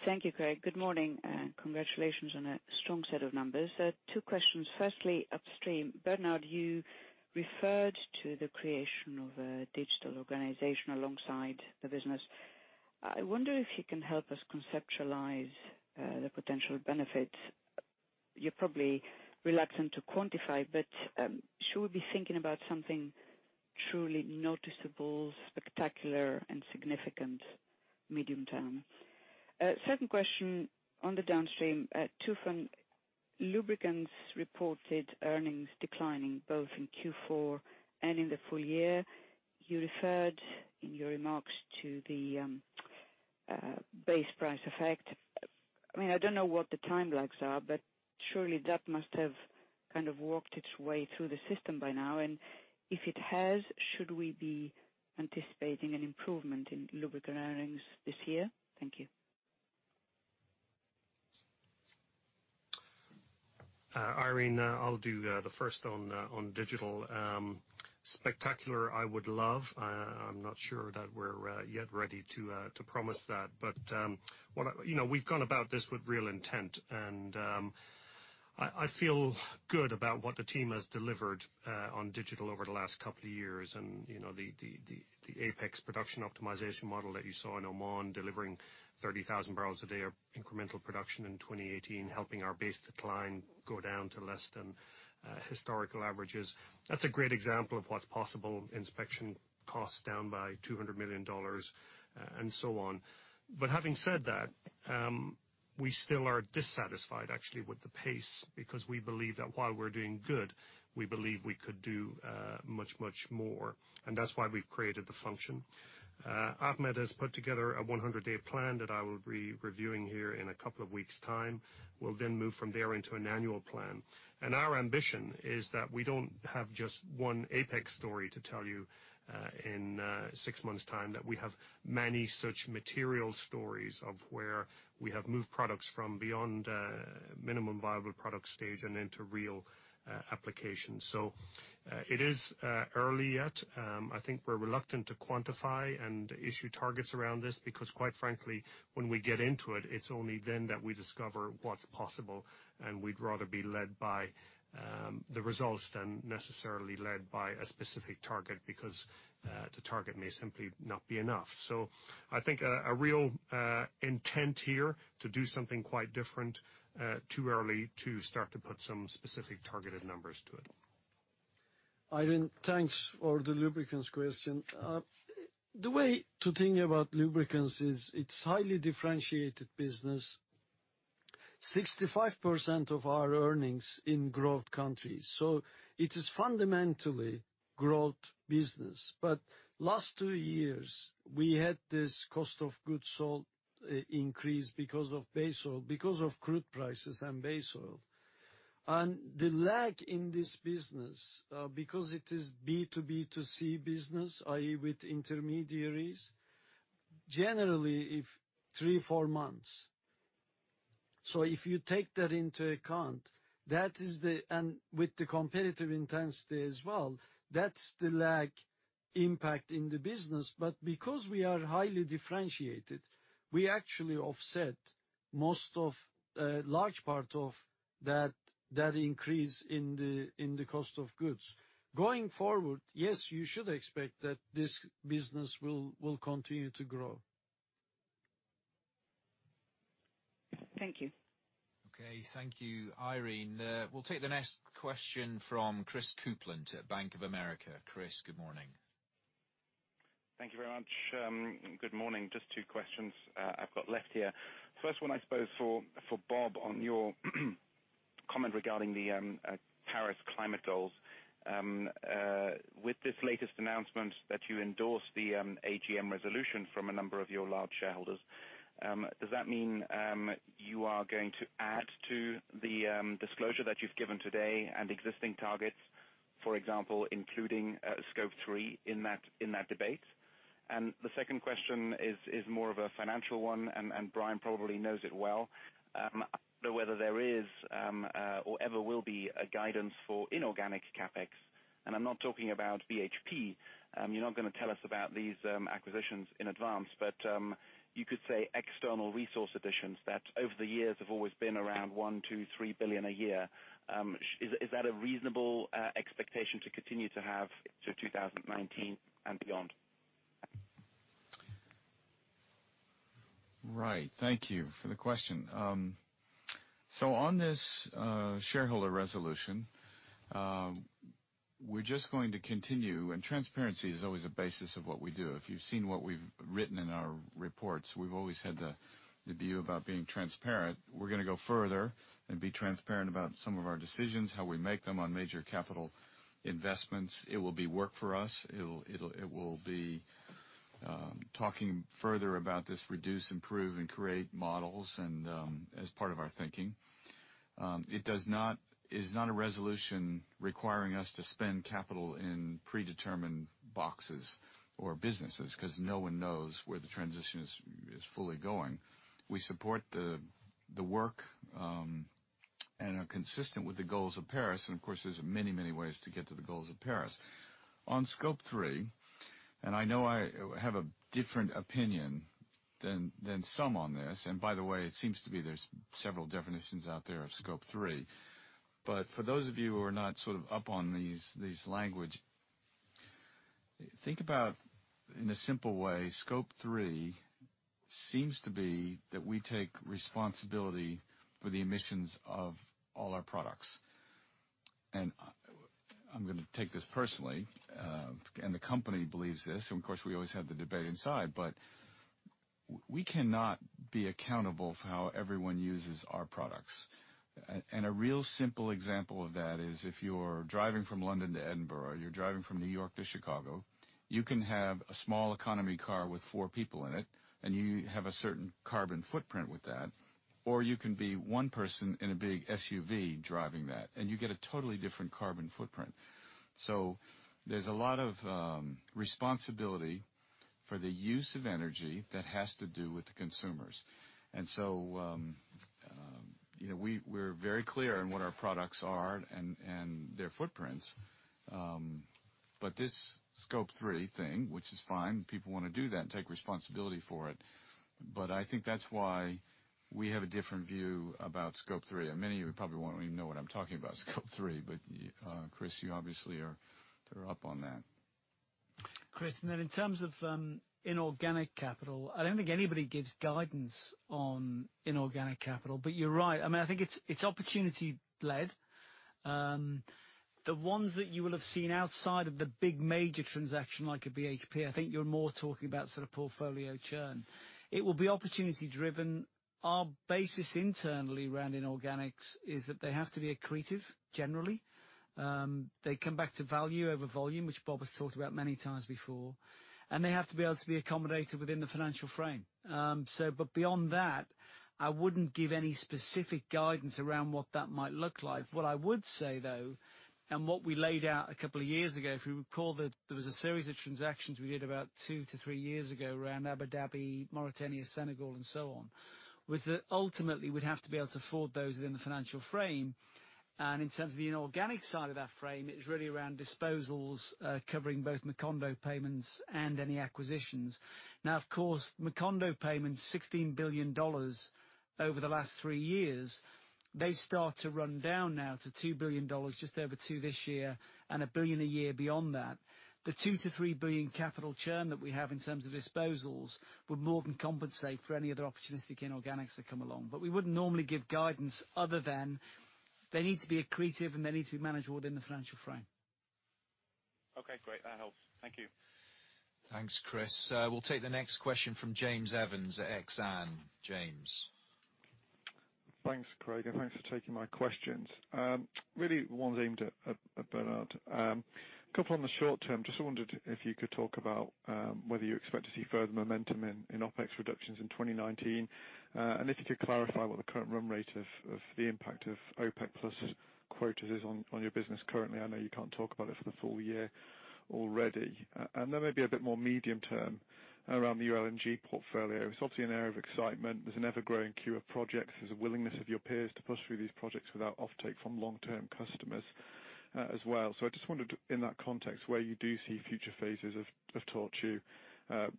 Thank you, Craig. Good morning, and congratulations on a strong set of numbers. Two questions. Firstly, upstream. Bernard, you referred to the creation of a digital organization alongside the business. I wonder if you can help us conceptualize the potential benefits. You're probably reluctant to quantify, but should we be thinking about something truly noticeable, spectacular and significant medium term? Second question on the downstream. Tufan, lubricants reported earnings declining both in Q4 and in the full year. You referred in your remarks to the base price effect. I do not know what the time lags are, but surely that must have kind of worked its way through the system by now. If it has, should we be anticipating an improvement in lubricant earnings this year? Thank you. Irene, I will do the first on digital. Spectacular I would love. I am not sure that we are yet ready to promise that. We've gone about this with real intent, and I feel good about what the team has delivered on digital over the last couple of years. The APEX production optimization model that you saw in Oman, delivering 30,000 barrels a day of incremental production in 2018, helping our base decline go down to less than historical averages. That's a great example of what's possible. Inspection costs down by $200 million and so on. Having said that, we still are dissatisfied actually with the pace because we believe that while we are doing good, we believe we could do much more. That's why we've created the function. Ahmed has put together a 100-day plan that I will be reviewing here in a couple of weeks' time. We will then move from there into an annual plan. Our ambition is that we do not have just one APEX story to tell you in six months' time, that we have many such material stories of where we have moved products from beyond minimum viable product stage and into real application. It is early yet. I think we are reluctant to quantify and issue targets around this because quite frankly, when we get into it's only then that we discover what's possible, and we would rather be led by the results than necessarily led by a specific target because the target may simply not be enough. I think a real intent here to do something quite different. Too early to start to put some specific targeted numbers to it. Irene, thanks for the lubricants question. The way to think about lubricants is it's highly differentiated business, 65% of our earnings in growth countries. It is fundamentally growth business. Last two years, we had this cost of goods sold increase because of base oil, because of crude prices and base oil. The lag in this business, because it is B2B2C business, i.e., with intermediaries, generally three, four months. If you take that into account, and with the competitive intensity as well, that's the lag impact in the business. Because we are highly differentiated, we actually offset most of a large part of that increase in the cost of goods. Going forward, yes, you should expect that this business will continue to grow. Thank you. Okay, thank you, Irene. We'll take the next question from Chris Kuplent at Bank of America. Chris, good morning. Thank you very much. Good morning. Just two questions I've got left here. First one, I suppose for Bob on your comment regarding the Paris climate goals. With this latest announcement that you endorsed the AGM resolution from a number of your large shareholders, does that mean you are going to add to the disclosure that you've given today and existing targets, for example, including Scope 3 in that debate? The second question is more of a financial one, and Brian probably knows it well. I don't know whether there is or ever will be a guidance for inorganic CapEx, and I'm not talking about BHP. You're not going to tell us about these acquisitions in advance, but you could say external resource additions that over the years have always been around $1 billion-$3 billion a year. Is that a reasonable expectation to continue to have to 2019 and beyond? Right. Thank you for the question. On this shareholder resolution, we're just going to continue. Transparency is always a basis of what we do. If you've seen what we've written in our reports, we've always had the view about being transparent. We're going to go further and be transparent about some of our decisions, how we make them on major capital investments. It will be work for us. It will be talking further about this reduce, improve, and create models and as part of our thinking. It is not a resolution requiring us to spend capital in predetermined boxes or businesses because no one knows where the transition is fully going. We support the work and are consistent with the goals of Paris. Of course, there's many ways to get to the goals of Paris. On Scope 3, I know I have a different opinion than some on this. By the way, it seems to be there's several definitions out there of Scope 3. For those of you who are not up on this language, think about in a simple way, Scope 3 seems to be that we take responsibility for the emissions of all our products. I'm going to take this personally. The company believes this. Of course, we always have the debate inside, but we cannot be accountable for how everyone uses our products. A real simple example of that is if you're driving from London to Edinburgh, you're driving from New York to Chicago, you can have a small economy car with four people in it, and you have a certain carbon footprint with that. You can be one person in a big SUV driving that, and you get a totally different carbon footprint. There's a lot of responsibility for the use of energy that has to do with the consumers. We're very clear on what our products are and their footprints. This Scope 3 thing, which is fine, people want to do that and take responsibility for it. I think that's why we have a different view about Scope 3. Many of you probably won't even know what I'm talking about Scope 3, but Chris, you obviously are up on that. Chris, in terms of inorganic capital, I don't think anybody gives guidance on inorganic capital, but you're right. I think it's opportunity-led. The ones that you will have seen outside of the big major transaction like a BHP, I think you're more talking about portfolio churn. It will be opportunity-driven. Our basis internally around inorganics is that they have to be accretive, generally. They come back to value over volume, which Bob has talked about many times before. They have to be able to be accommodated within the financial frame. Beyond that, I wouldn't give any specific guidance around what that might look like. What I would say, though, and what we laid out a couple of years ago, if you recall that there was a series of transactions we did about two to three years ago around Abu Dhabi, Mauritania, Senegal, and so on, was that ultimately, we'd have to be able to afford those within the financial frame. In terms of the inorganic side of that frame, it was really around disposals, covering both Macondo payments and any acquisitions. Now, of course, Macondo payments, $16 billion over the last three years. They start to run down now to $2 billion, just over two this year, and a billion a year beyond that. The $2 billion-$3 billion capital churn that we have in terms of disposals would more than compensate for any other opportunistic inorganics that come along. We wouldn't normally give guidance other than they need to be accretive, and they need to be managed within the financial frame. Okay, great. That helps. Thank you. Thanks, Chris. We'll take the next question from James Evans at Exane. James. Thanks, Craig, and thanks for taking my questions. Really one's aimed at Bernard. Couple on the short term. Just wondered if you could talk about whether you expect to see further momentum in OpEx reductions in 2019. If you could clarify what the current run rate of the impact of OPEC+ quoted is on your business currently. I know you can't talk about it for the full year already. Then maybe a bit more medium-term around the LNG portfolio. It's obviously an area of excitement. There's an ever-growing queue of projects. There's a willingness of your peers to push through these projects without offtake from long-term customers as well. I just wondered in that context, where you do see future phases of Tortue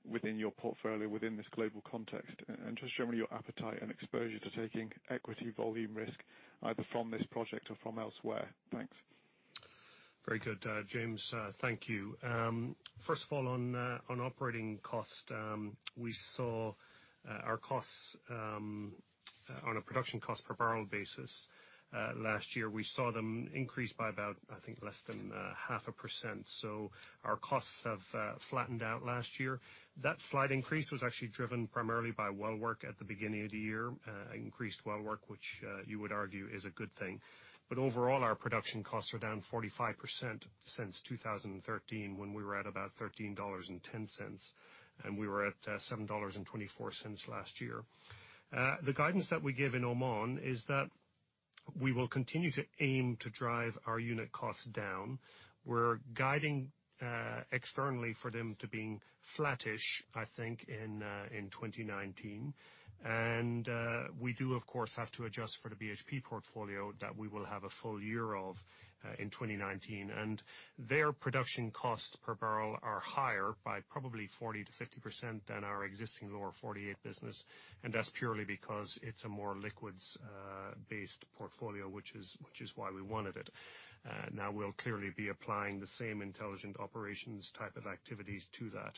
within your portfolio, within this global context, and just generally your appetite and exposure to taking equity volume risk, either from this project or from elsewhere. Thanks. Very good, James. Thank you. First of all, on operating cost, we saw our costs on a production cost per barrel basis last year. We saw them increase by about, I think, less than half a percent. Our costs have flattened out last year. That slight increase was actually driven primarily by well work at the beginning of the year, increased well work, which you would argue is a good thing. Overall, our production costs are down 45% since 2013, when we were at about $13.10, and we were at $7.24 last year. The guidance that we give in Oman is that we will continue to aim to drive our unit costs down. We're guiding externally for them to being flattish, I think, in 2019. We do, of course, have to adjust for the BHP portfolio that we will have a full year of in 2019. Their production costs per barrel are higher by probably 40%-50% than our existing Lower 48 business, and that's purely because it's a more liquids-based portfolio, which is why we wanted it. Now, we'll clearly be applying the same intelligent operations type of activities to that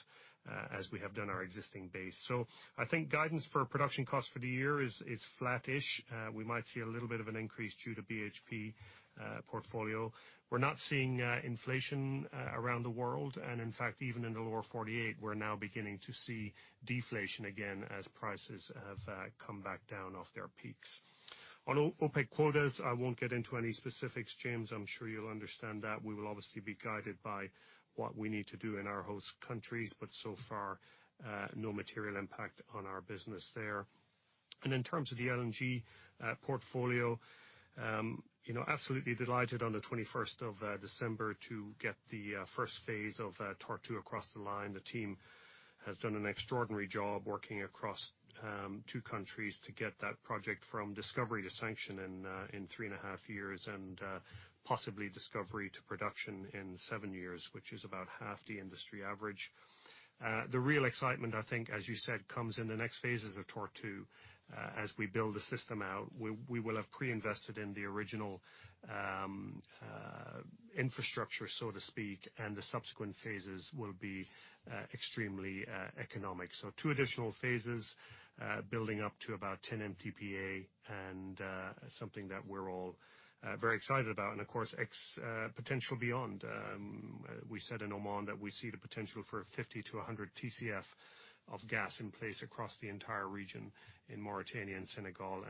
as we have done our existing base. I think guidance for production costs for the year is flattish. We might see a little bit of an increase due to BHP portfolio. We're not seeing inflation around the world. In fact, even in the Lower 48, we're now beginning to see deflation again as prices have come back down off their peaks. On OPEC quotas, I won't get into any specifics, James. I'm sure you'll understand that. We will obviously be guided by what we need to do in our host countries, but so far, no material impact on our business there. In terms of the LNG portfolio, absolutely delighted on the 21st of December to get the first phase of Tortue across the line. The team has done an extraordinary job working across two countries to get that project from discovery to sanction in three and a half years, and possibly discovery to production in seven years, which is about half the industry average. The real excitement, I think, as you said, comes in the next phases of Tortue. As we build the system out, we will have pre-invested in the original infrastructure, so to speak, and the subsequent phases will be extremely economic. So two additional phases building up to about 10 MTPA and something that we're all very excited about. Of course, potential beyond. We said in Oman that we see the potential for 50-100 TCF of gas in place across the entire region in Mauritania and Senegal.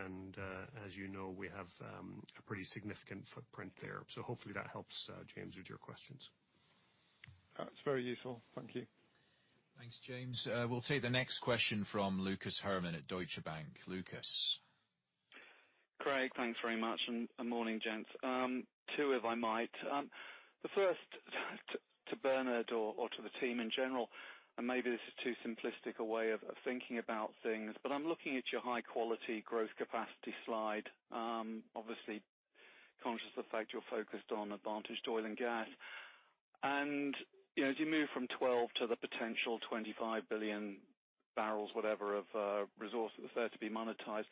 As you know, we have a pretty significant footprint there. Hopefully that helps, James, with your questions. That's very useful. Thank you. Thanks, James. We'll take the next question from Lucas Herrmann at Deutsche Bank. Lucas. Craig, thanks very much. Morning, gents. Two, if I might. The first to Bernard or to the team in general. Maybe this is too simplistic a way of thinking about things. I'm looking at your high-quality growth capacity slide, obviously conscious of the fact you're focused on advantage oil and gas. As you move from 12 to the potential 25 billion barrels, whatever, of resource that's there to be monetized,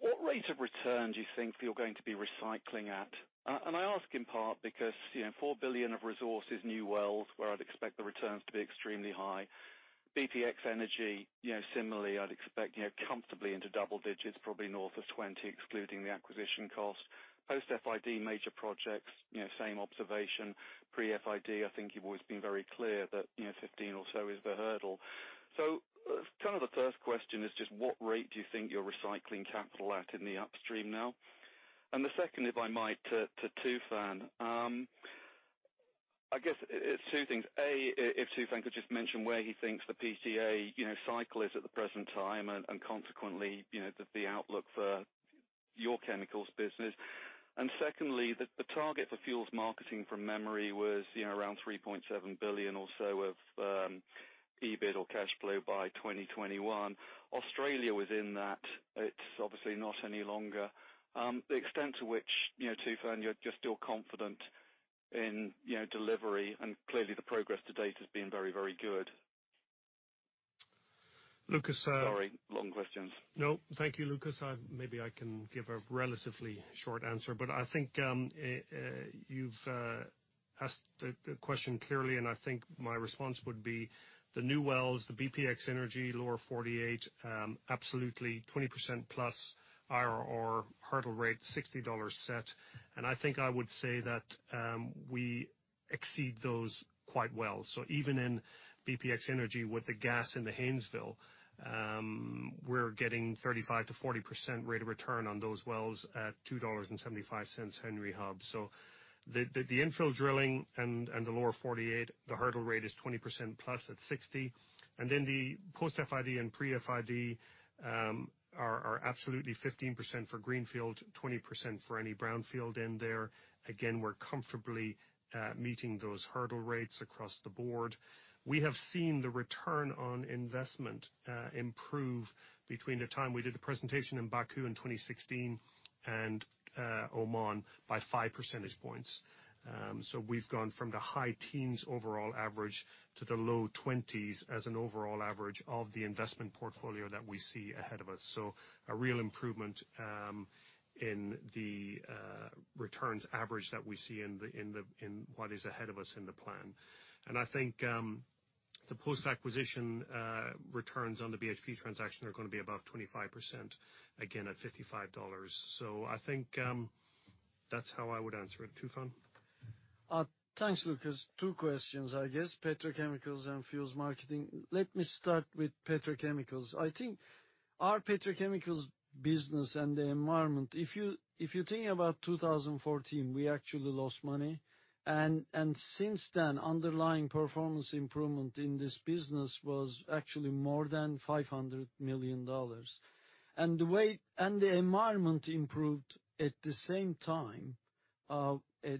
what rate of return do you think you're going to be recycling at? I ask in part because 4 billion of resources, new wells, where I'd expect the returns to be extremely high. bpx energy, similarly, I'd expect comfortably into double digits, probably north of 20, excluding the acquisition cost. Post FID major projects, same observation. Pre FID, I think you've always been very clear that 15 or so is the hurdle. The first question is just what rate do you think you're recycling capital at in the upstream now? The second, if I might, to Tufan. I guess it's two things. A, if Tufan could just mention where he thinks the PCA cycle is at the present time. Consequently, the outlook for your chemicals business. Secondly, the target for fuels marketing, from memory, was around $3.7 billion or so of EBIT or cash flow by 2021. Australia was in that. It's obviously not any longer. The extent to which, Tufan, you're still confident in delivery. Clearly the progress to date has been very, very good. Lucas- Sorry, long questions. No, thank you, Lucas. Maybe I can give a relatively short answer. I think you've asked the question clearly. I think my response would be the new wells, the bpx energy, Lower 48, absolutely 20%+ IRR hurdle rate, $60 set. I think I would say that we exceed those quite well. Even in bpx energy with the gas in the Haynesville, we're getting 35%-40% rate of return on those wells at $2.75 Henry Hub. The infill drilling and the Lower 48, the hurdle rate is 20%+ at 60. The post FID and pre FID are absolutely 15% for greenfield, 20% for any brownfield in there. Again, we're comfortably meeting those hurdle rates across the board. We have seen the return on investment improve between the time we did the presentation in Baku in 2016 and Oman by five percentage points. We've gone from the high teens overall average to the low 20s as an overall average of the investment portfolio that we see ahead of us. A real improvement. In the returns average that we see in what is ahead of us in the plan. I think the post-acquisition returns on the BHP transaction are going to be above 25%, again, at $55. I think that's how I would answer it. Tufan? Thanks, Lucas. Two questions, I guess. Petrochemicals and fuels marketing. Let me start with petrochemicals. I think our petrochemicals business and the environment, if you think about 2014, we actually lost money, and since then, underlying performance improvement in this business was actually more than $500 million. The environment improved at the same time,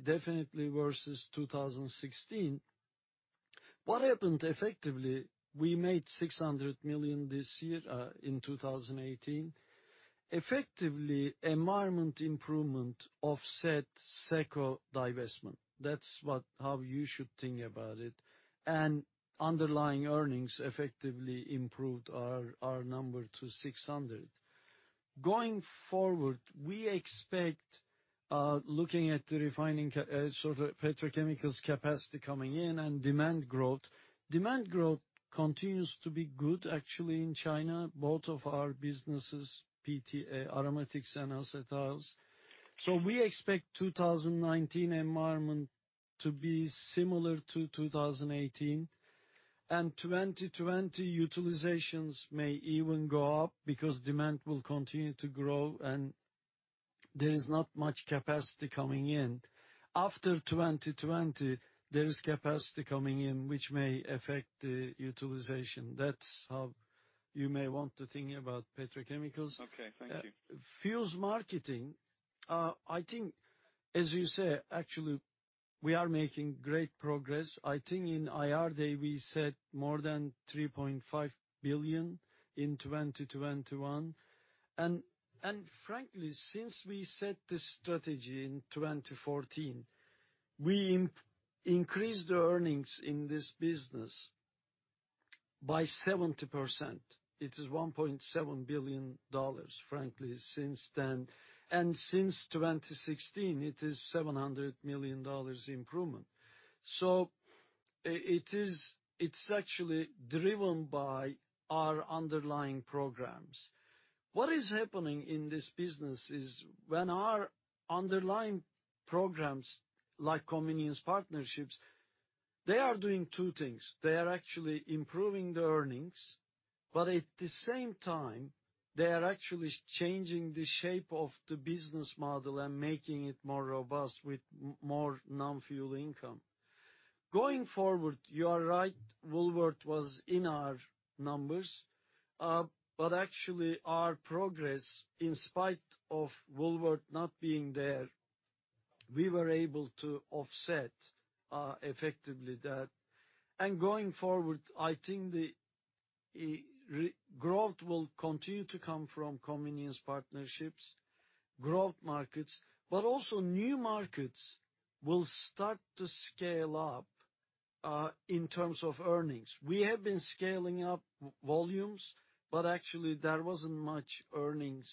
definitely versus 2016. What happened effectively, we made $600 million this year in 2018. Effectively, environment improvement offset SECCO divestment. That's how you should think about it. Underlying earnings effectively improved our number to $600. Going forward, we expect, looking at the refining petrochemicals capacity coming in and demand growth. Demand growth continues to be good actually in China, both of our businesses, PTA, aromatics, and acetals. We expect 2019 environment to be similar to 2018. 2020 utilizations may even go up because demand will continue to grow, and there is not much capacity coming in. After 2020, there is capacity coming in, which may affect the utilization. That's how you may want to think about petrochemicals. Okay. Thank you. Fuels marketing. I think, as you say, actually, we are making great progress. I think in IR day, we said more than $3.5 billion in 2021. Frankly, since we set this strategy in 2014, we increased earnings in this business by 70%. It is $1.7 billion, frankly, since then. Since 2016, it is $700 million improvement. It's actually driven by our underlying programs. What is happening in this business is when our underlying programs like convenience partnerships, they are doing two things. They are actually improving the earnings, but at the same time, they are actually changing the shape of the business model and making it more robust with more non-fuel income. Going forward, you are right, Woolworths was in our numbers. Actually our progress, in spite of Woolworths not being there, we were able to offset effectively that. Going forward, I think the growth will continue to come from convenience partnerships, growth markets. Also new markets will start to scale up, in terms of earnings. We have been scaling up volumes, but actually there wasn't much earnings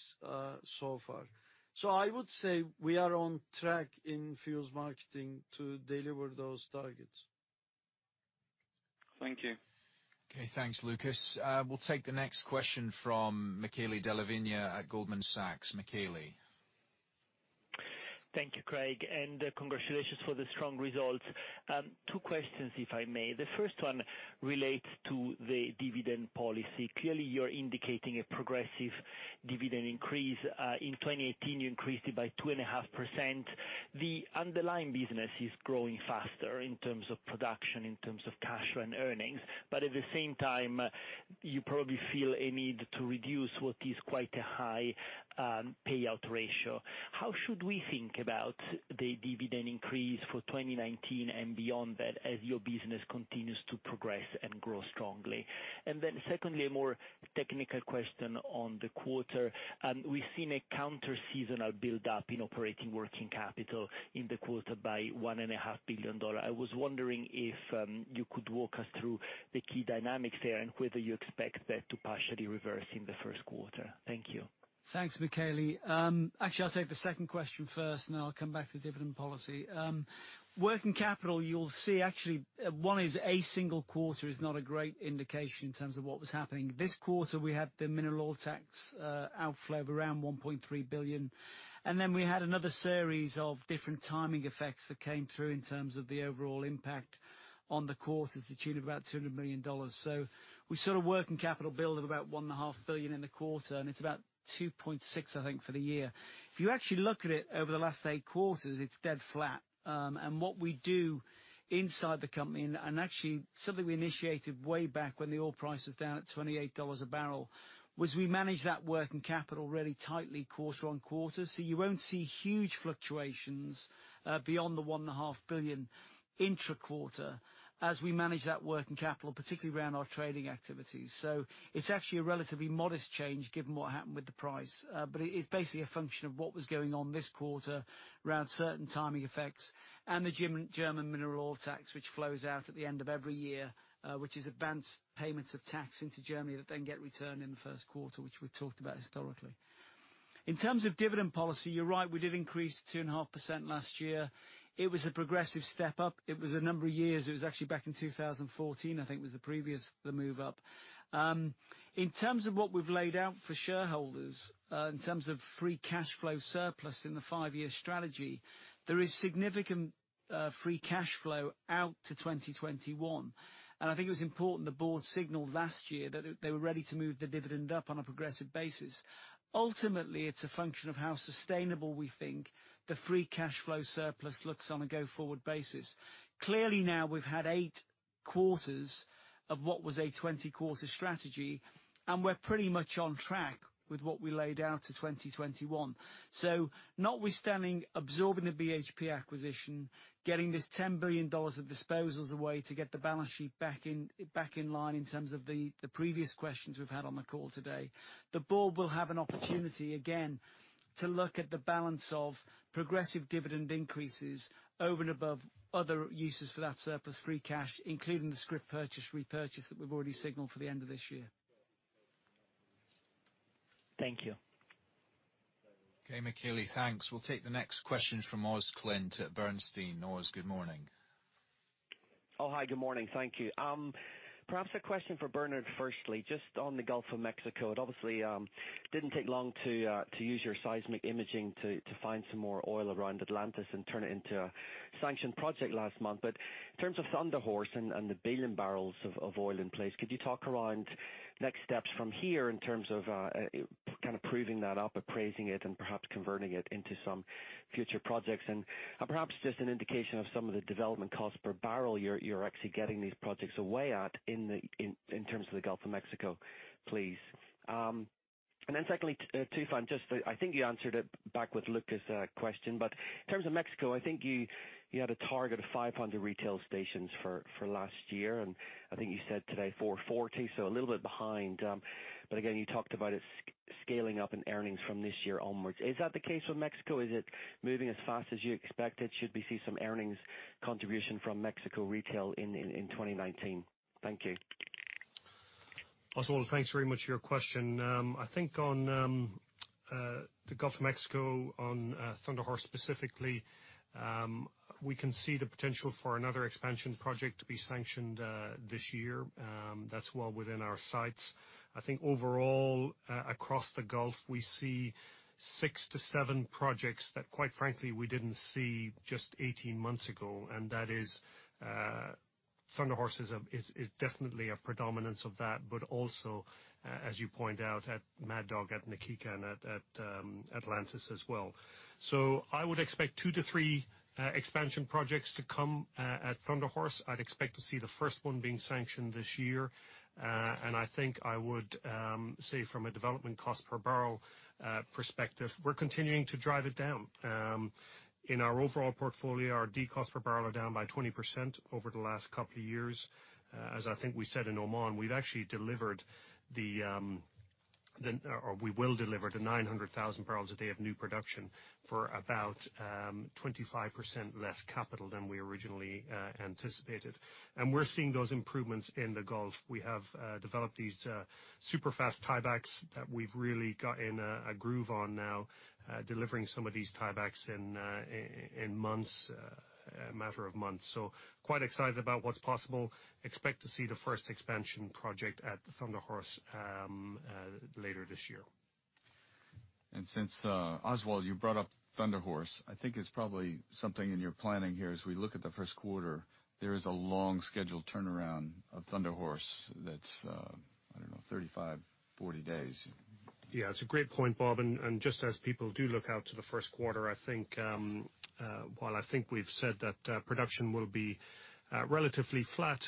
so far. I would say we are on track in fuels marketing to deliver those targets. Thank you. Okay. Thanks, Lucas. We'll take the next question from Michele Della Vigna at Goldman Sachs. Michele. Thank you, Craig, congratulations for the strong results. Two questions, if I may. The first one relates to the dividend policy. Clearly, you're indicating a progressive dividend increase. In 2018, you increased it by 2.5%. The underlying business is growing faster in terms of production, in terms of cash and earnings. At the same time, you probably feel a need to reduce what is quite a high payout ratio. How should we think about the dividend increase for 2019 and beyond that as your business continues to progress and grow strongly? Secondly, a more technical question on the quarter. We've seen a counter seasonal build up in operating working capital in the quarter by $1.5 billion. I was wondering if you could walk us through the key dynamics there and whether you expect that to partially reverse in the first quarter. Thank you. Thanks, Michele. Actually, I'll take the second question first, I'll come back to the dividend policy. Working capital, you'll see actually, one is a single quarter is not a great indication in terms of what was happening. This quarter, we had the mineral tax outflow of around $1.3 billion. We had another series of different timing effects that came through in terms of the overall impact on the quarter to the tune of about $200 million. We saw the working capital build of about $1.5 billion in the quarter, and it's about $2.6, I think, for the year. If you actually look at it over the last eight quarters, it's dead flat. What we do inside the company, actually something we initiated way back when the oil price was down at $28 a barrel, was we managed that working capital really tightly quarter on quarter. You won't see huge fluctuations beyond the $1.5 billion intra-quarter as we manage that working capital, particularly around our trading activities. It's actually a relatively modest change given what happened with the price. It is basically a function of what was going on this quarter around certain timing effects and the German mineral tax, which flows out at the end of every year, which is advanced payments of tax into Germany that then get returned in the first quarter, which we talked about historically. In terms of dividend policy, you're right, we did increase 2.5% last year. It was a progressive step up. It was a number of years. It was actually back in 2014, I think was the previous move up. In terms of what we've laid out for shareholders, in terms of free cash flow surplus in the five-year strategy, there is significant free cash flow out to 2021. I think it was important the board signaled last year that they were ready to move the dividend up on a progressive basis. Ultimately, it's a function of how sustainable we think the free cash flow surplus looks on a go-forward basis. Clearly now we've had eight quarters of what was a 20-quarter strategy, and we're pretty much on track with what we laid out to 2021. Notwithstanding absorbing the BHP acquisition, getting this $10 billion of disposals away to get the balance sheet back in line in terms of the previous questions we've had on the call today, the board will have an opportunity again to look at the balance of progressive dividend increases over and above other uses for that surplus free cash, including the scrip purchase repurchase that we've already signaled for the end of this year. Thank you. Okay, Michele, thanks. We'll take the next question from Oz Clint at Bernstein. Oz, good morning. Oh, hi, good morning. Thank you. Perhaps a question for Bernard firstly, just on the Gulf of Mexico. It obviously didn't take long to use your seismic imaging to find some more oil around Atlantis and turn it into a sanctioned project last month. In terms of Thunderhorse and the 1 billion barrels of oil in place, could you talk around next steps from here in terms of proving that up, appraising it, and perhaps converting it into some future projects? Perhaps just an indication of some of the development costs per barrel you're actually getting these projects away at in terms of the Gulf of Mexico, please. Secondly, Tufan, I think you answered it back with Lucas' question, but in terms of Mexico, I think you had a target of 500 retail stations for last year, and I think you said today 440, so a little bit behind. Again, you talked about it scaling up in earnings from this year onwards. Is that the case with Mexico? Is it moving as fast as you expected? Should we see some earnings contribution from Mexico Retail in 2019? Thank you. Oswald, thanks very much for your question. On the Gulf of Mexico, on Thunderhorse specifically, we can see the potential for another expansion project to be sanctioned this year. That's well within our sights. Overall, across the Gulf, we see six to seven projects that quite frankly, we didn't see just 18 months ago. That is Thunderhorse is definitely a predominance of that, but also, as you point out at Mad Dog, at Na Kika, and at Atlantis as well. I would expect two to three expansion projects to come at Thunderhorse. I'd expect to see the first one being sanctioned this year. I would say from a development cost per barrel perspective, we're continuing to drive it down. In our overall portfolio, our de-cost per barrel are down by 20% over the last couple of years. As we said in Oman, we've actually delivered the or we will deliver the 900,000 barrels a day of new production for about 25% less capital than we originally anticipated. We're seeing those improvements in the Gulf. We have developed these super-fast tiebacks that we've really got in a groove on now delivering some of these tiebacks in a matter of months. Quite excited about what's possible. Expect to see the first expansion project at Thunderhorse later this year. Since, Oswald, you brought up Thunderhorse, I think it's probably something in your planning here as we look at the first quarter, there is a long scheduled turnaround of Thunderhorse that's, I don't know, 35, 40 days. Yeah, it's a great point, Bob. Just as people do look out to the first quarter, while I think we've said that production will be relatively flat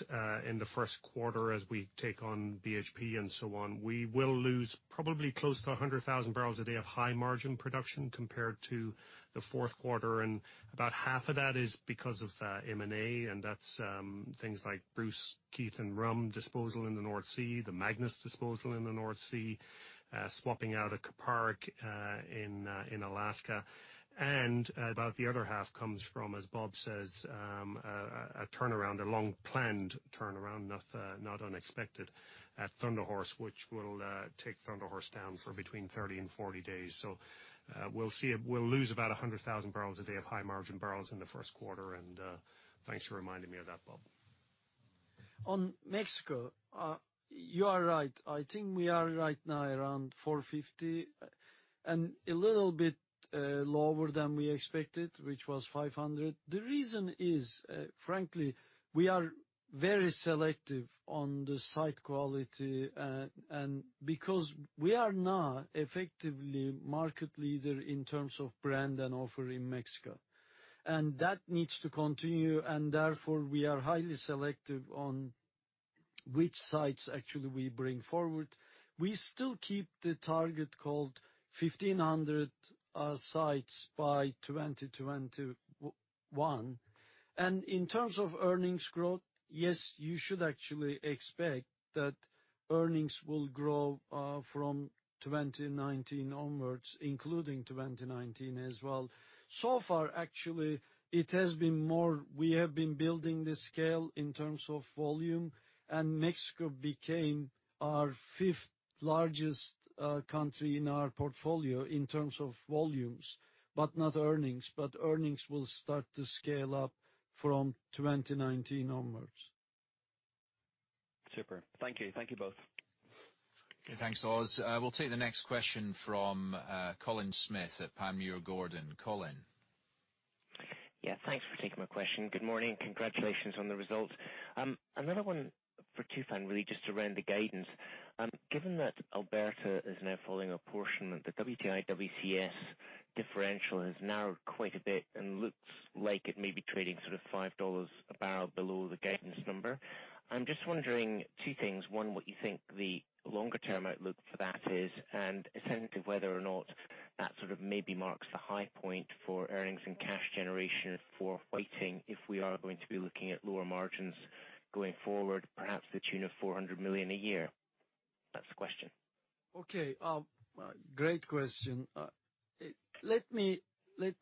in the first quarter as we take on BHP and so on, we will lose probably close to 100,000 barrels a day of high-margin production compared to the fourth quarter, about half of that is because of M&A, that's things like Bruce, Keith and Rhum disposal in the North Sea, the Magnus disposal in the North Sea, swapping out of Kuparuk in Alaska. About the other half comes from, as Bob says, a turnaround, a long-planned turnaround, not unexpected, at Thunderhorse, which will take Thunderhorse down for between 30 and 40 days. We'll see. We'll lose about 100,000 barrels a day of high-margin barrels in the first quarter. Thanks for reminding me of that, Bob. On Mexico, you are right. I think we are right now around 450 and a little bit lower than we expected, which was 500. The reason is, frankly, we are very selective on the site quality, because we are now effectively market leader in terms of brand and offer in Mexico. That needs to continue, therefore, we are highly selective on which sites actually we bring forward. We still keep the target called 1,500 sites by 2021. In terms of earnings growth, yes, you should actually expect that earnings will grow from 2019 onwards, including 2019 as well. Far, actually, it has been more we have been building the scale in terms of volume, Mexico became our fifth largest country in our portfolio in terms of volumes, but not earnings. Earnings will start to scale up from 2019 onwards. Super. Thank you both. Thanks, Oz. We'll take the next question from Colin Smith at Panmure Gordon. Colin. Yeah, thanks for taking my question. Good morning. Congratulations on the results. Another one for Tufan, really just around the guidance. Given that Alberta is now falling a portion of the WTI, WCS differential has narrowed quite a bit and looks like it may be trading sort of $5 a barrel below the guidance number. I'm just wondering two things. One, what you think the longer-term outlook for that is, and a sense of whether or not that sort of maybe marks the high point for earnings and cash generation for Whiting, if we are going to be looking at lower margins going forward, perhaps the tune of $400 million a year. That's the question. Okay. Great question. Let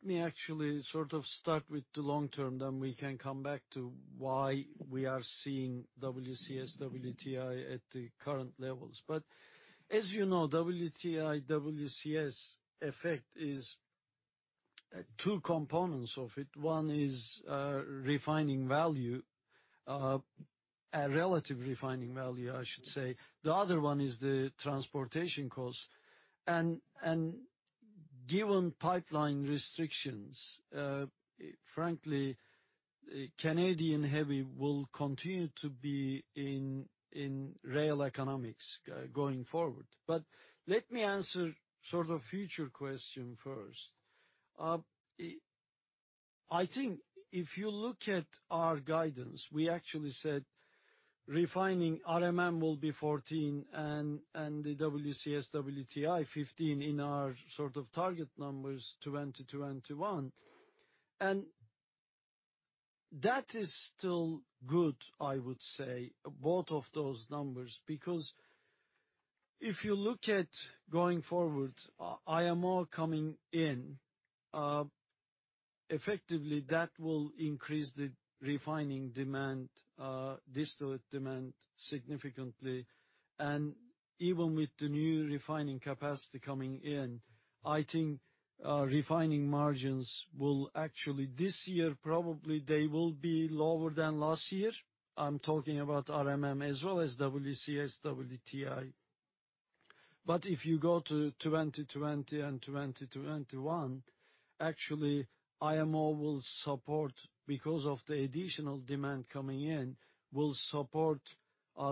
me actually sort of start with the long term, then we can come back to why we are seeing WCS, WTI at the current levels. As you know, WTI, WCS effect is two components of it. One is refining value. A relative refining value, I should say. The other one is the transportation cost. Given pipeline restrictions, frankly, Canadian heavy will continue to be in real economics going forward. Let me answer sort of future question first. I think if you look at our guidance, we actually said refining RMM will be 14 and the WCS, WTI 15 in our sort of target numbers 2020, 2021. That is still good, I would say, both of those numbers because if you look at going forward, IMO coming in, effectively, that will increase the refining demand, distillate demand significantly. Even with the new refining capacity coming in, I think refining margins will actually, this year, probably they will be lower than last year. I'm talking about RMM as well as WCS, WTI. If you go to 2020 and 2021, actually IMO will support because of the additional demand coming in, will support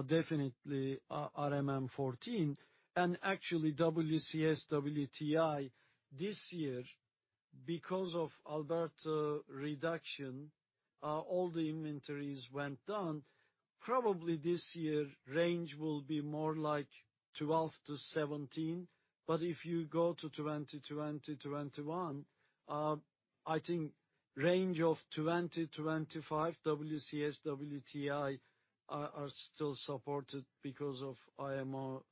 definitely RMM 14. Actually WCS, WTI this year, because of Alberta reduction, all the inventories went down. Probably this year range will be more like 12 to 17. If you go to 2020, 2021, I think range of 20, 25 WCS, WTI are still supported because of IMO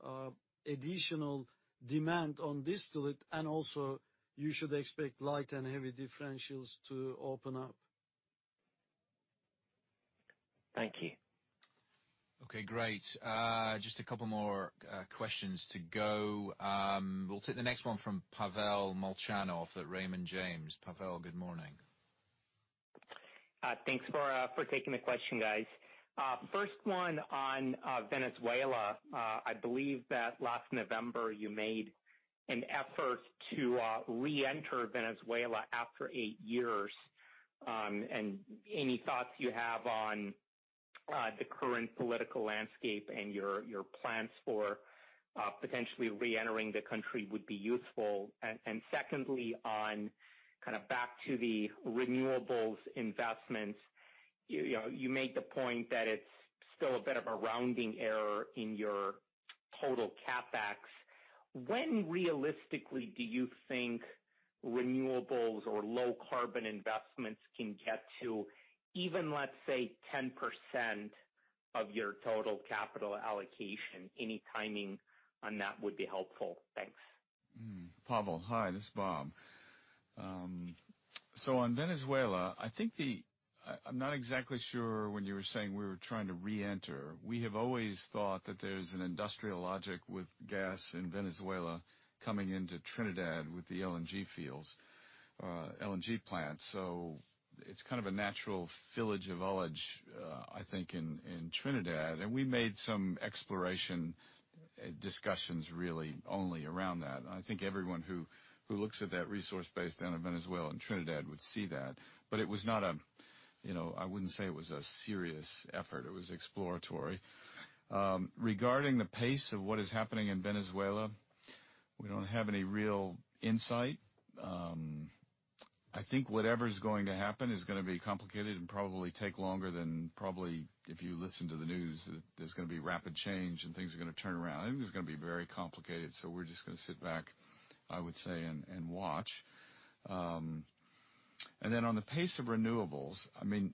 additional demand on distillate, and also you should expect light and heavy differentials to open up. Thank you. Okay, great. Just a couple more questions to go. We will take the next one from Pavel Molchanov at Raymond James. Pavel, good morning. Thanks for taking the question, guys. First one on Venezuela. I believe that last November you made an effort to reenter Venezuela after eight years. Any thoughts you have on the current political landscape and your plans for potentially reentering the country would be useful. Secondly, on back to the renewables investments, you made the point that it is still a bit of a rounding error in your total CapEx. When realistically do you think renewables or low carbon investments can get to even, let us say, 10% of your total capital allocation? Any timing on that would be helpful. Thanks. Pavel, hi, this is Bob. On Venezuela, I am not exactly sure when you were saying we were trying to reenter. We have always thought that there is an industrial logic with gas in Venezuela coming into Trinidad with the LNG fields, LNG plants. It is kind of a natural village of knowledge, I think in Trinidad. We made some exploration discussions really only around that. I think everyone who looks at that resource base down in Venezuela and Trinidad would see that. I wouldn't say it was a serious effort. It was exploratory. Regarding the pace of what is happening in Venezuela, we don't have any real insight. I think whatever is going to happen is going to be complicated and probably take longer than probably if you listen to the news, that there is going to be rapid change, and things are going to turn around. I think it's going to be very complicated, we're just going to sit back, I would say, and watch. On the pace of renewables, we're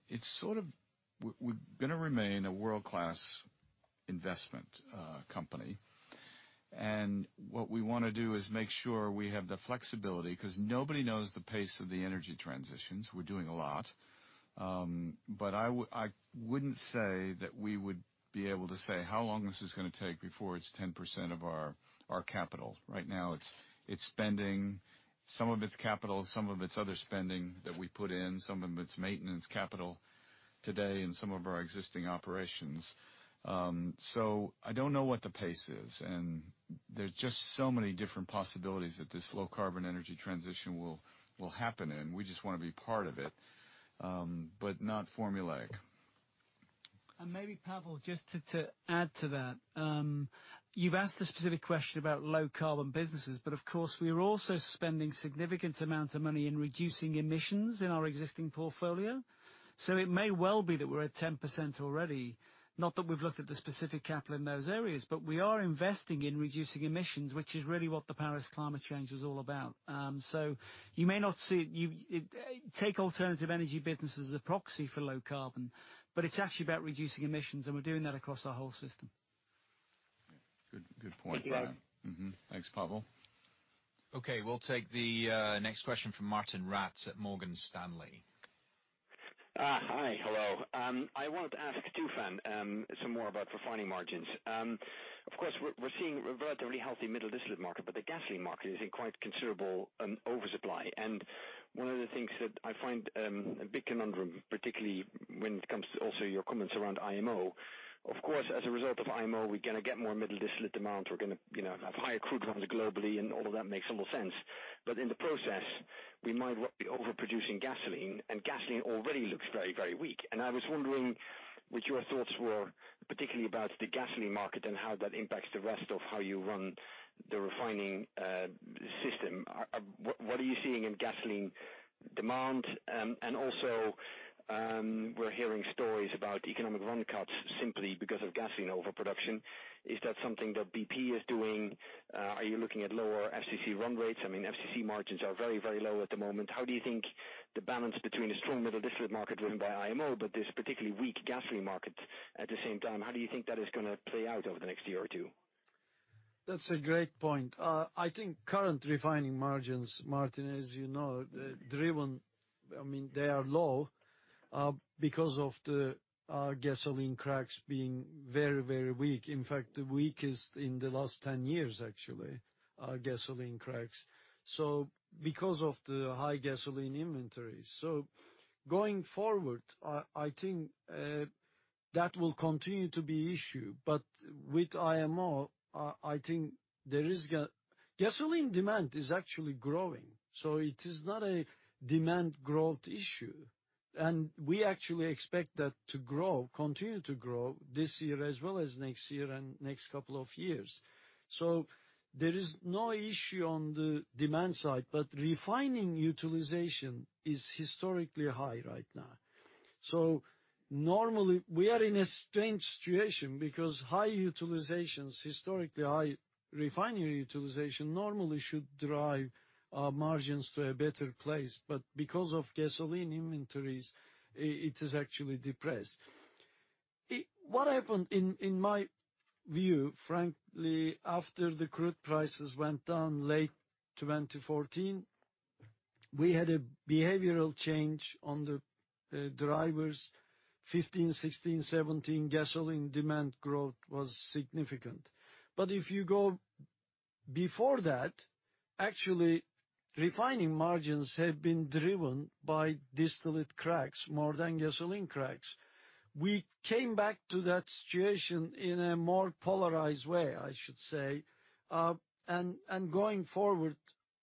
going to remain a world-class investment company. What we want to do is make sure we have the flexibility, because nobody knows the pace of the energy transitions. We're doing a lot. I wouldn't say that we would be able to say how long this is going to take before it's 10% of our capital. Right now, it's spending some of its capital, some of its other spending that we put in, some of its maintenance capital today in some of our existing operations. I don't know what the pace is, and there's just so many different possibilities that this low-carbon energy transition will happen in. We just want to be part of it, but not formulaic. Maybe Pavel, just to add to that. You've asked a specific question about low-carbon businesses, but of course, we are also spending significant amounts of money in reducing emissions in our existing portfolio. It may well be that we're at 10% already, not that we've looked at the specific capital in those areas, but we are investing in reducing emissions, which is really what the Paris Climate Change was all about. You may not see it. Take alternative energy business as a proxy for low carbon, but it's actually about reducing emissions, and we're doing that across our whole system. Good point, Brian. Thank you. Thanks, Pavel. We'll take the next question from Martijn Rats at Morgan Stanley. Hi. Hello. I want to ask Tufan some more about refining margins. Of course, we're seeing a relatively healthy middle-distillate market, but the gasoline market is in quite considerable oversupply. One of the things that I find a big conundrum, particularly when it comes to also your comments around IMO. Of course, as a result of IMO, we're going to get more middle-distillate demand. We're going to have higher crude runs globally. All of that makes a lot of sense. In the process, we might be overproducing gasoline. Gasoline already looks very weak. I was wondering what your thoughts were, particularly about the gasoline market and how that impacts the rest of how you run the refining system. What are you seeing in gasoline demand? Also, we're hearing stories about economic run cuts simply because of gasoline overproduction. Is that something that BP is doing? Are you looking at lower FCC run rates? I mean, FCC margins are very low at the moment. How do you think the balance between a strong middle-distillate market driven by IMO, but this particularly weak gasoline market at the same time, how do you think that is going to play out over the next year or two? That's a great point. I think current refining margins, Martijn, as you know, they are low because of the gasoline cracks being very weak. In fact, the weakest in the last 10 years, actually, gasoline cracks. Because of the high gasoline inventory. Going forward, I think that will continue to be issue. With IMO, I think gasoline demand is actually growing. It is not a demand growth issue. We actually expect that to continue to grow this year as well as next year and next couple of years. There is no issue on the demand side, but refining utilization is historically high right now. Normally, we are in a strange situation because high utilizations, historically high refinery utilization normally should drive our margins to a better place. But because of gasoline inventories, it is actually depressed. What happened, in my view, frankly, after the crude prices went down late 2014, we had a behavioral change on the drivers. 2015, 2016, 2017, gasoline demand growth was significant. If you go before that, actually refining margins have been driven by distillate cracks more than gasoline cracks. We came back to that situation in a more polarized way, I should say. Going forward,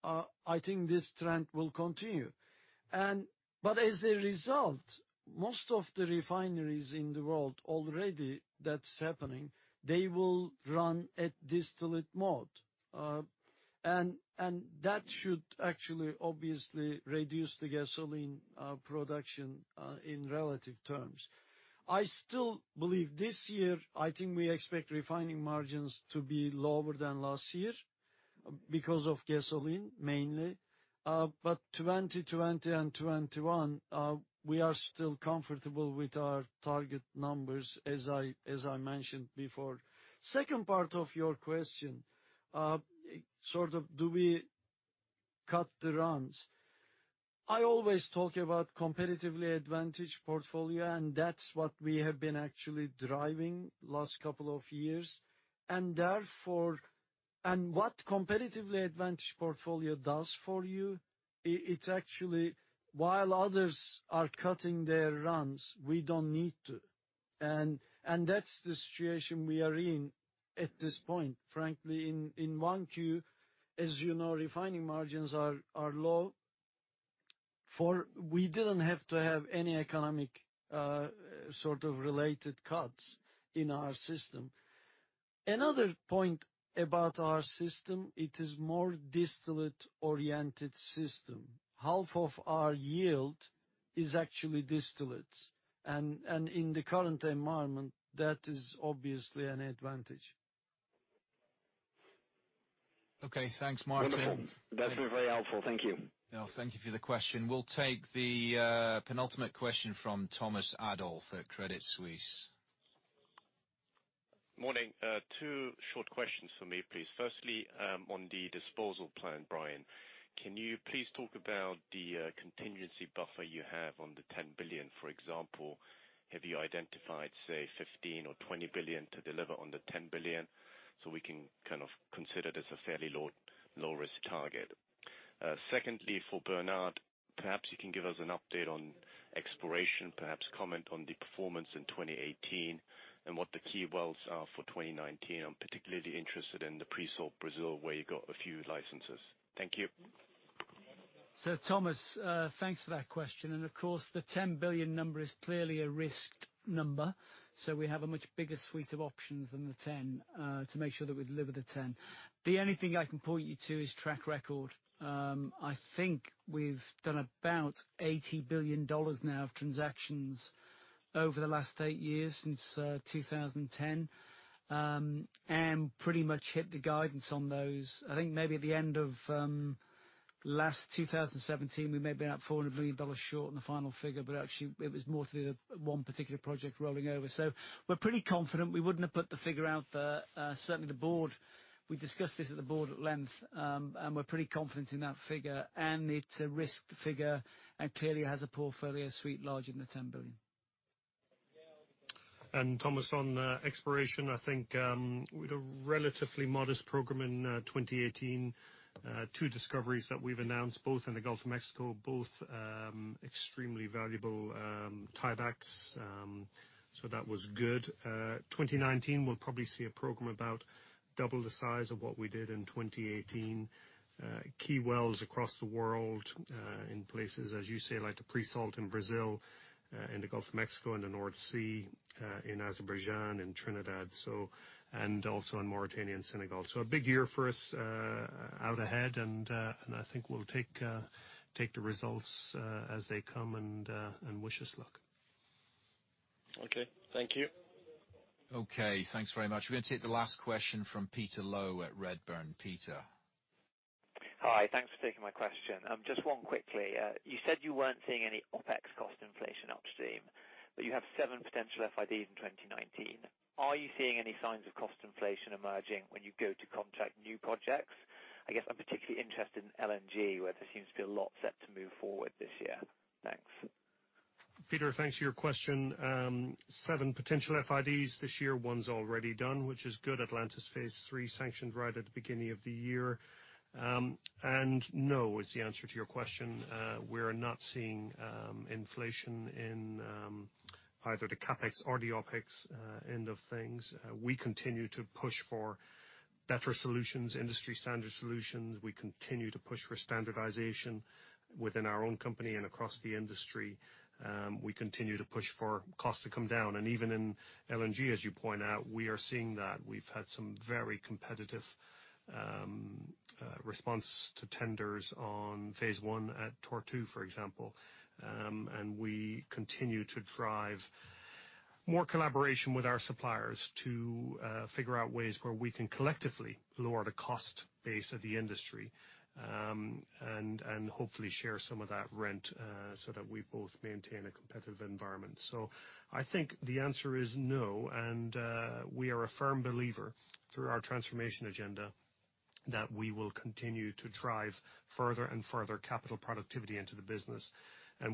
I think this trend will continue. As a result, most of the refineries in the world already that's happening, they will run at distillate mode. That should actually obviously reduce the gasoline production in relative terms. I still believe this year, I think we expect refining margins to be lower than last year because of gasoline mainly. 2020 and 2021, we are still comfortable with our target numbers as I mentioned before. Second part of your question, sort of do we cut the runs? I always talk about competitively advantaged portfolio, that's what we have been actually driving last couple of years. What competitively advantaged portfolio does for you, it's actually while others are cutting their runs, we don't need to. That's the situation we are in at this point, frankly, in 1Q, as you know, refining margins are low. We didn't have to have any economic sort of related cuts in our system. Another point about our system, it is more distillate-oriented system. Half of our yield is actually distillates. In the current environment, that is obviously an advantage. Okay, thanks, Martijn. Wonderful. That was very helpful. Thank you. Thank you for the question. We'll take the penultimate question from Thomas Adolff at Credit Suisse. Morning. Two short questions from me, please. Firstly, on the disposal plan, Brian. Can you please talk about the contingency buffer you have on the $10 billion? For example, have you identified, say, $15 billion or $20 billion to deliver on the $10 billion so we can kind of consider it as a fairly low-risk target? Secondly, for Bernard, perhaps you can give us an update on exploration, perhaps comment on the performance in 2018, and what the key wells are for 2019. I'm particularly interested in the pre-salt Brazil, where you got a few licenses. Thank you. Thomas, thanks for that question. Of course, the $10 billion number is clearly a risked number. We have a much bigger suite of options than the $10 to make sure that we deliver the $10. The only thing I can point you to is track record. I think we've done about $80 billion now of transactions over the last eight years, since 2010, and pretty much hit the guidance on those. I think maybe at the end of last 2017, we may have been up $400 million short in the final figure, actually, it was more to do with one particular project rolling over. We're pretty confident. We wouldn't have put the figure out there. Certainly, the board, we discussed this at the board at length, and we're pretty confident in that figure and it's a risked figure and clearly has a portfolio suite larger than the 10 billion. Thomas, on exploration, I think, with a relatively modest program in 2018, two discoveries that we've announced both in the Gulf of Mexico, both extremely valuable tiebacks. That was good. In 2019, we'll probably see a program about double the size of what we did in 2018. Key wells across the world, in places, as you say, like the pre-salt in Brazil, in the Gulf of Mexico, in the North Sea, in Azerbaijan, in Trinidad, and also in Mauritania and Senegal. A big year for us out ahead, and I think we'll take the results as they come, and wish us luck. Okay. Thank you. Okay. Thanks very much. We're going to take the last question from Peter Low at Redburn. Peter. Hi. Thanks for taking my question. Just one quickly. You said you weren't seeing any OpEx cost inflation upstream, but you have seven potential FIDs in 2019. Are you seeing any signs of cost inflation emerging when you go to contract new projects? I guess I'm particularly interested in LNG, where there seems to be a lot set to move forward this year. Thanks. Peter, thanks for your question. Seven potential FIDs this year. One's already done, which is good. Atlantis Phase 3 sanctioned right at the beginning of the year. No is the answer to your question. We're not seeing inflation in either the CapEx or the OpEx end of things. We continue to push for better solutions, industry standard solutions. We continue to push for standardization within our own company and across the industry. We continue to push for costs to come down. Even in LNG, as you point out, we are seeing that. We've had some very competitive response to tenders on phase one at Tortue, for example. We continue to drive more collaboration with our suppliers to figure out ways where we can collectively lower the cost base of the industry. Hopefully share some of that rent, so that we both maintain a competitive environment. I think the answer is no, we are a firm believer through our transformation agenda that we will continue to drive further and further capital productivity into the business.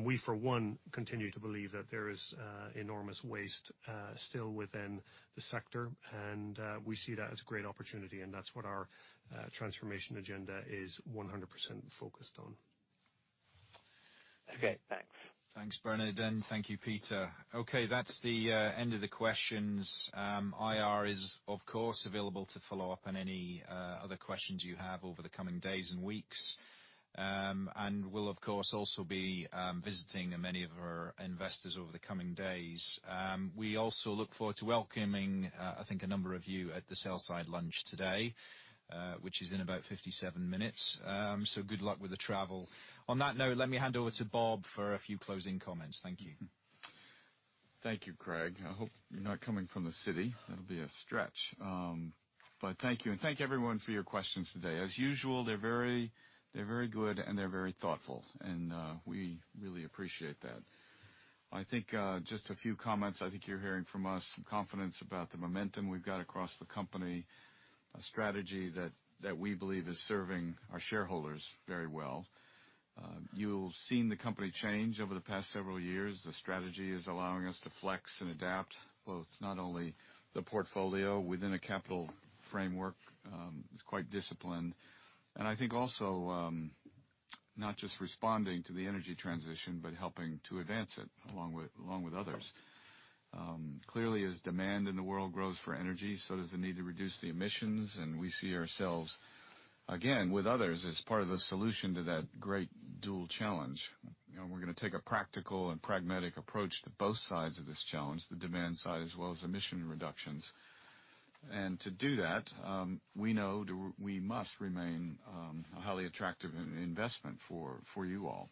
We, for one, continue to believe that there is enormous waste still within the sector. We see that as a great opportunity, and that's what our transformation agenda is 100% focused on. Okay, thanks. Thanks, Bernard, and thank you, Peter. That's the end of the questions. IR is, of course, available to follow up on any other questions you have over the coming days and weeks. We'll, of course, also be visiting many of our investors over the coming days. We also look forward to welcoming, I think, a number of you at the sell-side lunch today, which is in about 57 minutes. Good luck with the travel. On that note, let me hand over to Bob for a few closing comments. Thank you. Thank you, Craig. I hope you're not coming from the city. That'll be a stretch. Thank you, and thank you everyone for your questions today. As usual, they're very good, and they're very thoughtful. We really appreciate that. I think just a few comments. I think you're hearing from us some confidence about the momentum we've got across the company, a strategy that we believe is serving our shareholders very well. You've seen the company change over the past several years. The strategy is allowing us to flex and adapt both not only the portfolio within a capital framework, it's quite disciplined. I think also, not just responding to the energy transition, but helping to advance it along with others. Clearly, as demand in the world grows for energy, so does the need to reduce the emissions, and we see ourselves, again, with others, as part of the solution to that great dual challenge. We're going to take a practical and pragmatic approach to both sides of this challenge, the demand side, as well as emission reductions. To do that, we know we must remain a highly attractive investment for you all.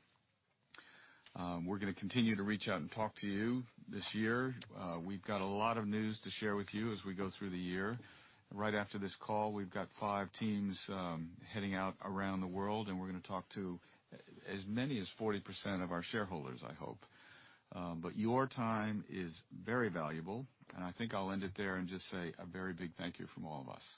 We're going to continue to reach out and talk to you this year. We've got a lot of news to share with you as we go through the year. Right after this call, we've got five teams heading out around the world, and we're going to talk to as many as 40% of our shareholders, I hope. Your time is very valuable, and I think I'll end it there and just say a very big thank you from all of us.